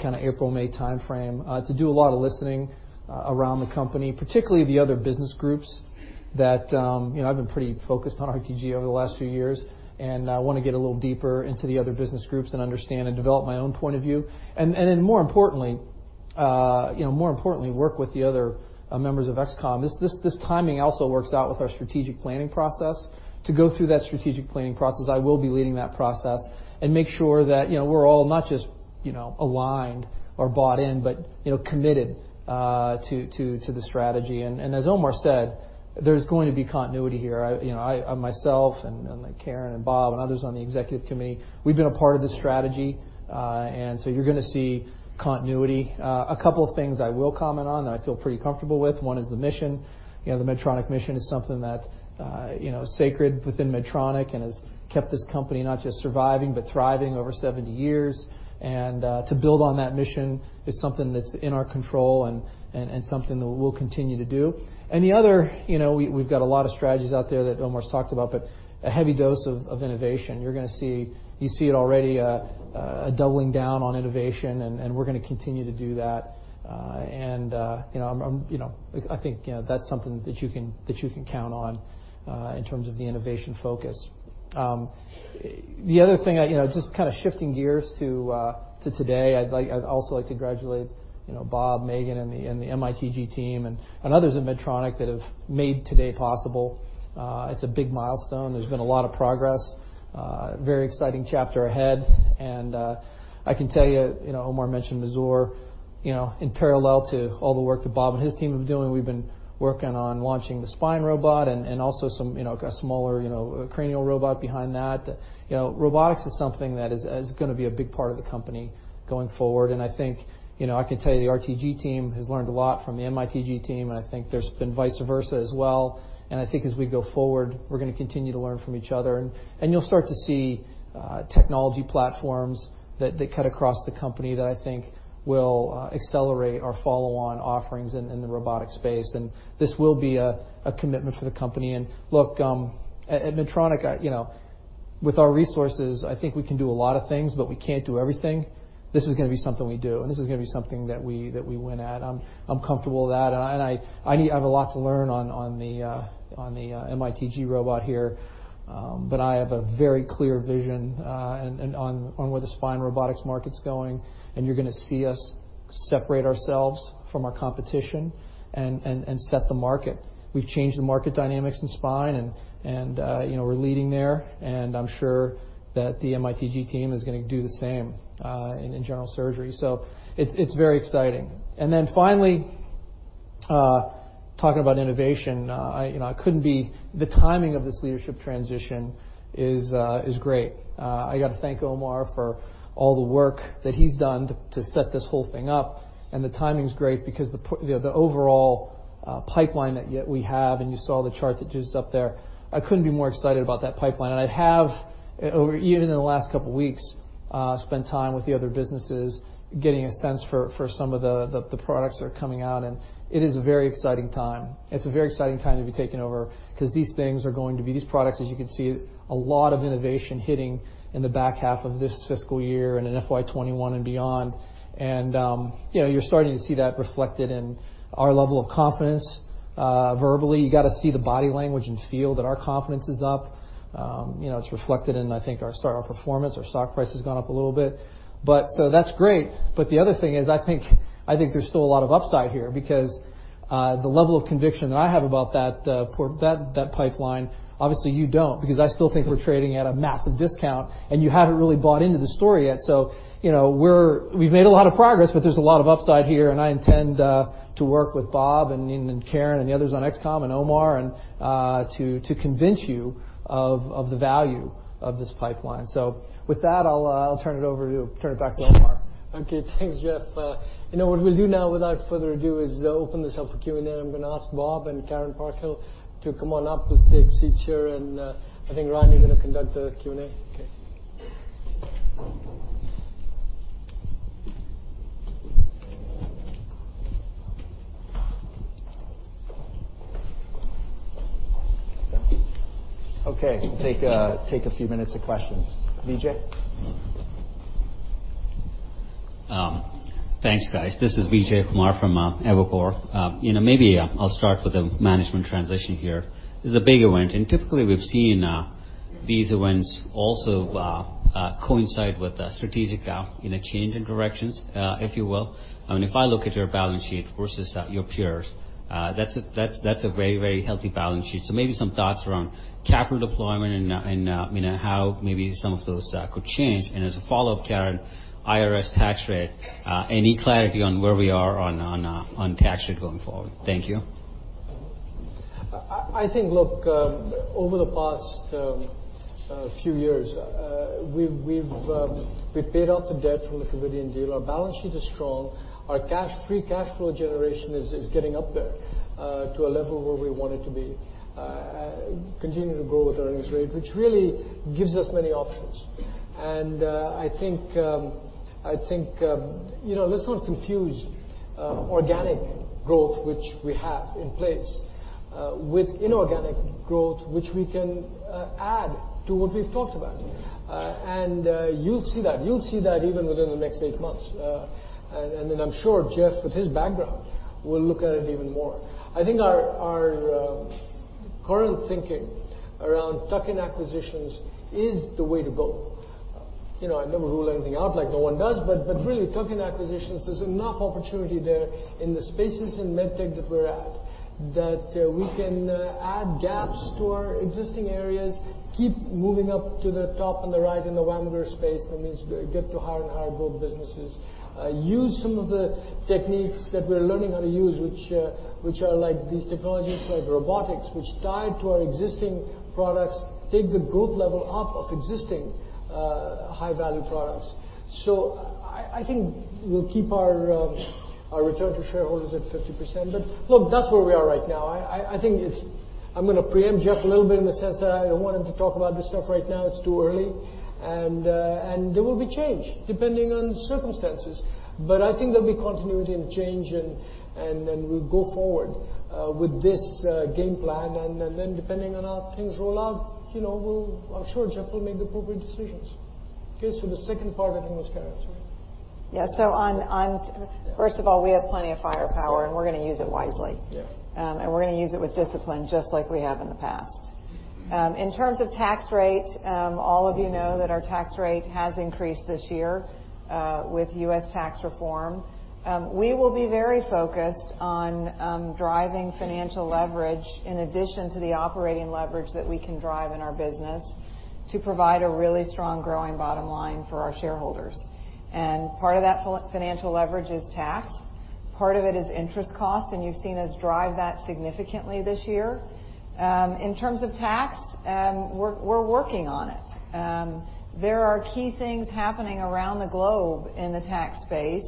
kind of April-May timeframe, to do a lot of listening around the company, particularly the other business groups. I've been pretty focused on RTG over the last few years, and I want to get a little deeper into the other business groups and understand and develop my own point of view. More importantly, work with the other members of ExCom. This timing also works out with our strategic planning process. To go through that strategic planning process, I will be leading that process and make sure that we're all not just aligned or bought in, but committed to the strategy. As Omar said, there's going to be continuity here. Myself and Karen and Bob and others on the Executive Committee, we've been a part of this strategy. You're going to see continuity. A couple of things I will comment on that I feel pretty comfortable with. One is the mission. The Medtronic mission is something that's sacred within Medtronic and has kept this company not just surviving, but thriving over 70 years. To build on that mission is something that's in our control and something that we'll continue to do. The other, we've got a lot of strategies out there that Omar's talked about, but a heavy dose of innovation. You're going to see, you see it already, a doubling down on innovation, and we're going to continue to do that. I think that's something that you can count on in terms of the innovation focus. The other thing, just shifting gears to today, I'd also like to congratulate Bob, Megan, and the MITG team, and others at Medtronic that have made today possible. It's a big milestone. There's been a lot of progress. Very exciting chapter ahead. I can tell you, Omar mentioned Mazor. In parallel to all the work that Bob and his team have been doing, we've been working on launching the spine robot and also a smaller cranial robot behind that. Robotics is something that is going to be a big part of the company going forward. I think, I can tell you, the RTG team has learned a lot from the MITG team, and I think there's been vice versa as well. I think as we go forward, we're going to continue to learn from each other. You'll start to see technology platforms that cut across the company that I think will accelerate our follow-on offerings in the robotic space. This will be a commitment for the company. Look, at Medtronic, with our resources, I think we can do a lot of things, but we can't do everything. This is going to be something we do. This is going to be something that we went at. I'm comfortable with that. I have a lot to learn on the MITG robot here. I have a very clear vision on where the spine robotics market's going. You're going to see us separate ourselves from our competition and set the market. We've changed the market dynamics in spine, and we're leading there. I'm sure that the MITG team is going to do the same in general surgery. It's very exciting. Finally, talking about innovation, the timing of this leadership transition is great. I got to thank Omar for all the work that he's done to set this whole thing up. The timing's great because the overall pipeline that we have, and you saw the chart that just up there, I couldn't be more excited about that pipeline. I'd have, even in the last couple weeks, spent time with the other businesses getting a sense for some of the products that are coming out. It is a very exciting time. It's a very exciting time to be taking over because these things are going to be, these products, as you can see, a lot of innovation hitting in the back half of this fiscal year and in FY 2021 and beyond. You're starting to see that reflected in our level of confidence. Verbally, you got to see the body language and feel that our confidence is up. It's reflected in, I think, our performance. Our stock price has gone up a little bit. That's great. The other thing is, I think there's still a lot of upside here because the level of conviction that I have about that pipeline, obviously, you don't, because I still think we're trading at a massive discount, and you haven't really bought into the story yet. We've made a lot of progress, but there's a lot of upside here. I intend to work with Bob and Karen and the others on ExCom and Omar to convince you of the value of this pipeline. With that, I'll turn it back to Omar. Okay. Thanks, Geoff. What we'll do now, without further ado, is open this up for Q&A. I'm going to ask Bob and Karen Parkhill to come on up. We'll take seats here. I think, Ryan, you're going to conduct the Q&A? Okay. Okay. Take a few minutes of questions. Vijay? Thanks, guys. This is Vijay Kumar from Evercore. Maybe I'll start with the management transition here. This is a big event, and typically we've seen these events also coincide with a strategic change in directions, if you will. If I look at your balance sheet versus your peers, that's a very healthy balance sheet. Maybe some thoughts around capital deployment and how maybe some of those could change. As a follow-up, Karen, IRS tax rate, any clarity on where we are on tax rate going forward? Thank you. I think, look, over the past few years, we've paid off the debt from the Covidien deal. Our balance sheet is strong. Our free cash flow generation is getting up there to a level where we want it to be. Continuing to grow with our earnings rate, which really gives us many options. I think, let's not confuse organic growth, which we have in place, with inorganic growth, which we can add to what we've talked about. You'll see that even within the next eight months. I'm sure Geoff, with his background, will look at it even more. I think our current thinking around tuck-in acquisitions is the way to go. I never rule anything out, like no one does. Really, token acquisitions, there's enough opportunity there in the spaces in med tech that we're at, that we can add gaps to our existing areas, keep moving up to the top and the right in the [Wagner] space. That means get to higher and higher growth businesses, use some of the techniques that we're learning how to use, which are like these technologies like robotics, which tie to our existing products, take the growth level up of existing high-value products. I think we'll keep our return to shareholders at 50%. Look, that's where we are right now. I think I'm going to preempt Geoff a little bit in the sense that I don't want him to talk about this stuff right now. It's too early, and there will be change depending on circumstances. I think there'll be continuity and change, and then we'll go forward with this game plan. Depending on how things roll out, I'm sure Geoff will make the appropriate decisions. Okay, the second part, I think was Karen's. Yeah. First of all, we have plenty of firepower, and we're going to use it wisely. Yeah. We're going to use it with discipline, just like we have in the past. In terms of tax rate, all of you know that our tax rate has increased this year, with U.S. tax reform. We will be very focused on driving financial leverage in addition to the operating leverage that we can drive in our business to provide a really strong growing bottom line for our shareholders. Part of that financial leverage is tax. Part of it is interest cost, and you've seen us drive that significantly this year. In terms of tax, we're working on it. There are key things happening around the globe in the tax space,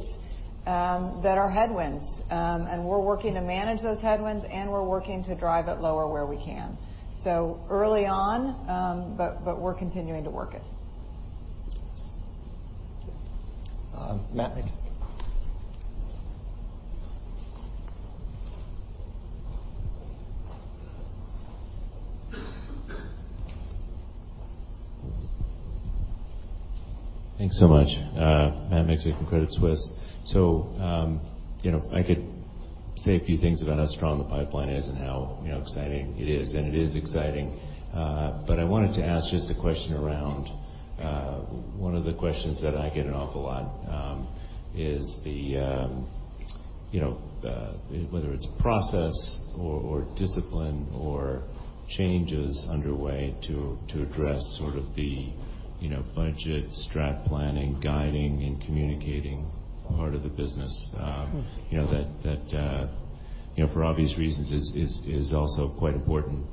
that are headwinds. We're working to manage those headwinds, and we're working to drive it lower where we can. Early on, but we're continuing to work it. Matt. Thanks so much. Matt Miksic from Credit Suisse. I could say a few things about how strong the pipeline is and how exciting it is, and it is exciting. I wanted to ask just a question around, one of the questions that I get an awful lot, is whether it's process or discipline or changes underway to address sort of the budget, strat planning, guiding, and communicating part of the business. That, for obvious reasons, is also quite important.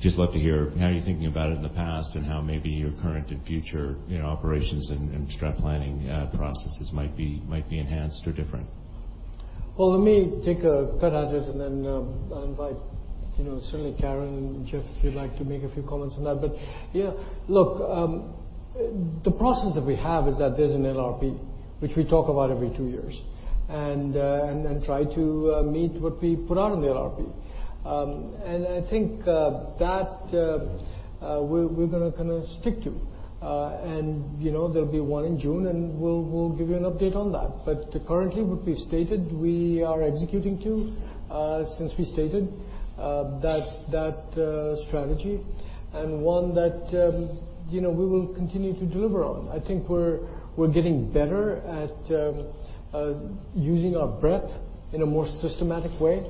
Just love to hear how you're thinking about it in the past and how maybe your current and future operations and strat planning processes might be enhanced or different. Well, let me take a cut at it, and then I'll invite certainly Karen and Geoff, if you'd like to make a few comments on that. Yeah, look, the process that we have is that there's an LRP, which we talk about every two years, and then try to meet what we put out in the LRP. I think, that we're going to stick to. There'll be one in June, and we'll give you an update on that. Currently, what we stated we are executing to, since we stated that strategy, and one that we will continue to deliver on. I think we're getting better at using our breadth in a more systematic way.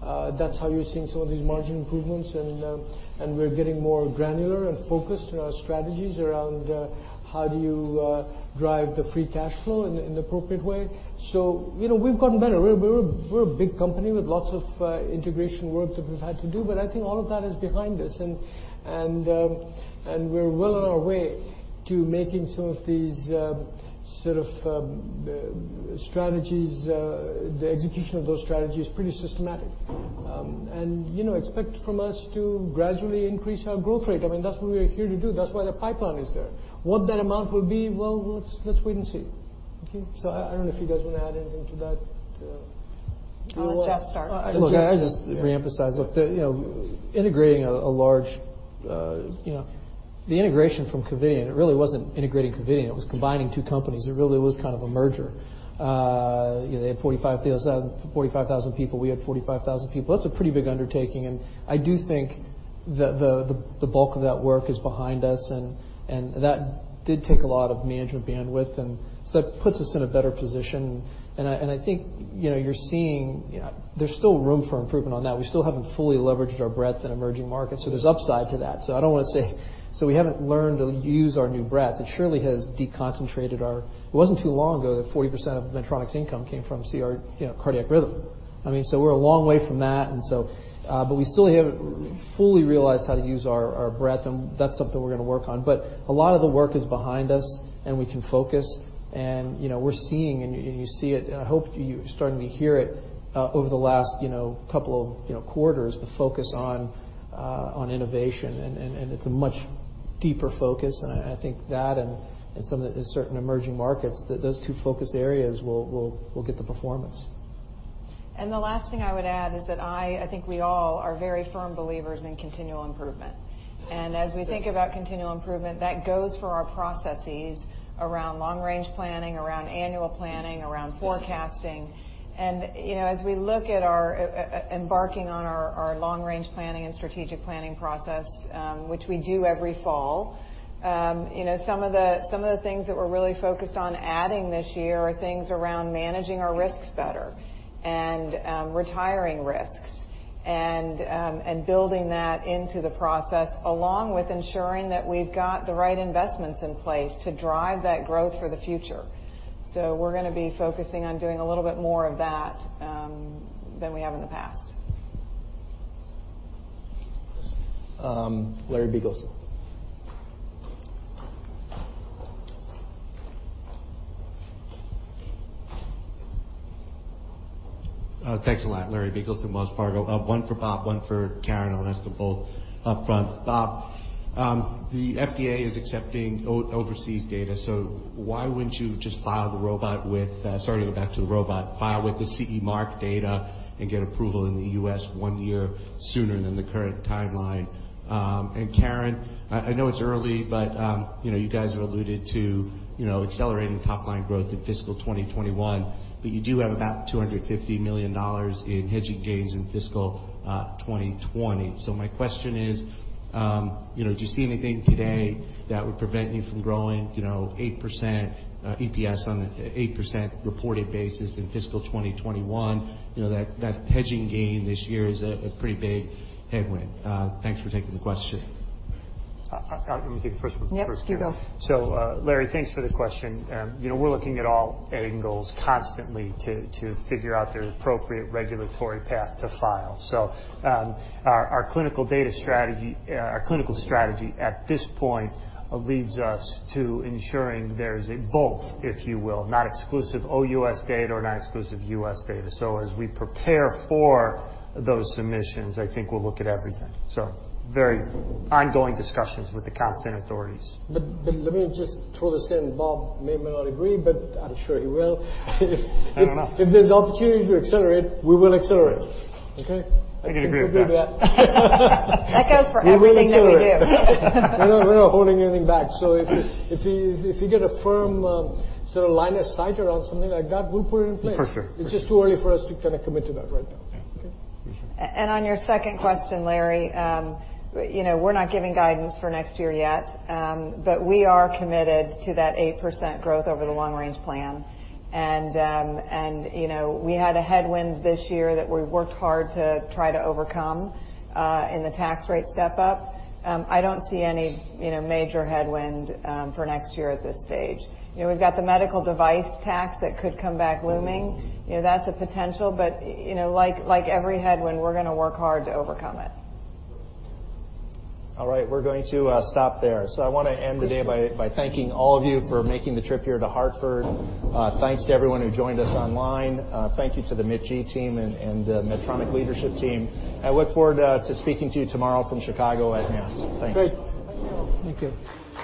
That's how you're seeing some of these margin improvements. We're getting more granular and focused in our strategies around how do you drive the free cash flow in an appropriate way. We've gotten better. We're a big company with lots of integration work that we've had to do, but I think all of that is behind us, and we're well on our way to making some of these sort of strategies, the execution of those strategies pretty systematic. Expect from us to gradually increase our growth rate. I mean, that's what we're here to do. That's why the pipeline is there. What that amount will be, well, let's wait and see. Okay, I don't know if you guys want to add anything to that. I'll let Geoff start. I'd just reemphasize, the integration from Covidien, it really wasn't integrating Covidien. It was combining two companies. It really was kind of a merger. They had 45,000 people. We had 45,000 people. That's a pretty big undertaking, and I do think the bulk of that work is behind us, and that did take a lot of management bandwidth. That puts us in a better position. I think you're seeing there's still room for improvement on that. We still haven't fully leveraged our breadth in emerging markets, so there's upside to that. I don't want to say, we haven't learned to use our new breadth. It wasn't too long ago that 40% of Medtronic's income came from CR, Cardiac Rhythm. I mean, we're a long way from that. We still haven't fully realized how to use our breadth, and that's something we're going to work on. A lot of the work is behind us, and we can focus, and we're seeing, and you see it, and I hope you're starting to hear it over the last couple of quarters, the focus on innovation. It's a much deeper focus. I think that and some of the certain emerging markets, that those two focus areas will get the performance. The last thing I would add is that I think we all are very firm believers in continual improvement. As we think about continual improvement, that goes for our processes around long-range planning, around annual planning, around forecasting. As we look at embarking on our long-range planning and strategic planning process, which we do every fall, some of the things that we're really focused on adding this year are things around managing our risks better and retiring risks and building that into the process, along with ensuring that we've got the right investments in place to drive that growth for the future. We're going to be focusing on doing a little bit more of that than we have in the past. Larry Biegelsen. Thanks a lot. Larry Biegelsen, Wells Fargo. One for Bob, one for Karen. I'll ask them both upfront. Bob, the FDA is accepting overseas data, so why wouldn't you just file the robot with the CE mark data and get approval in the U.S. one year sooner than the current timeline? Karen, I know it's early, but you guys have alluded to accelerating top-line growth in FY 2021, but you do have about $250 million in hedging gains in FY 2020. My question is, do you see anything today that would prevent you from growing 8% EPS on an 8% reported basis in FY 2021? That hedging gain this year is a pretty big headwind. Thanks for taking the question. Let me take the first one. Yep, you go. Larry, thanks for the question. We're looking at all ending goals constantly to figure out the appropriate regulatory path to file. Our clinical strategy at this point leads us to ensuring there is both, if you will, not exclusive OUS data or not exclusive U.S. data. As we prepare for those submissions, I think we'll look at everything. Very ongoing discussions with the competent authorities. Let me just twist in. Bob may or may not agree, but I'm sure he will. I don't know. If there's an opportunity to accelerate, we will accelerate. Okay? I can agree with that. Agree with that. That goes for everything that we do. We're not holding anything back. If you get a firm sort of line of sight around something like that, we'll put it in place. For sure. It's just too early for us to kind of commit to that right now. Yeah. Okay? For sure. On your second question, Larry, we're not giving guidance for next year yet. We are committed to that 8% growth over the long-range plan. We had a headwind this year that we worked hard to try to overcome in the tax rate step-up. I don't see any major headwind for next year at this stage. We've got the medical device tax that could come back looming. That's a potential. Like every headwind, we're going to work hard to overcome it. All right. We're going to stop there. I want to end the day by thanking all of you for making the trip here to Hartford. Thanks to everyone who joined us online. Thank you to the MITG team and the Medtronic leadership team. I look forward to speaking to you tomorrow from Chicago at NASS. Thanks. Great. Thank you. Thank you.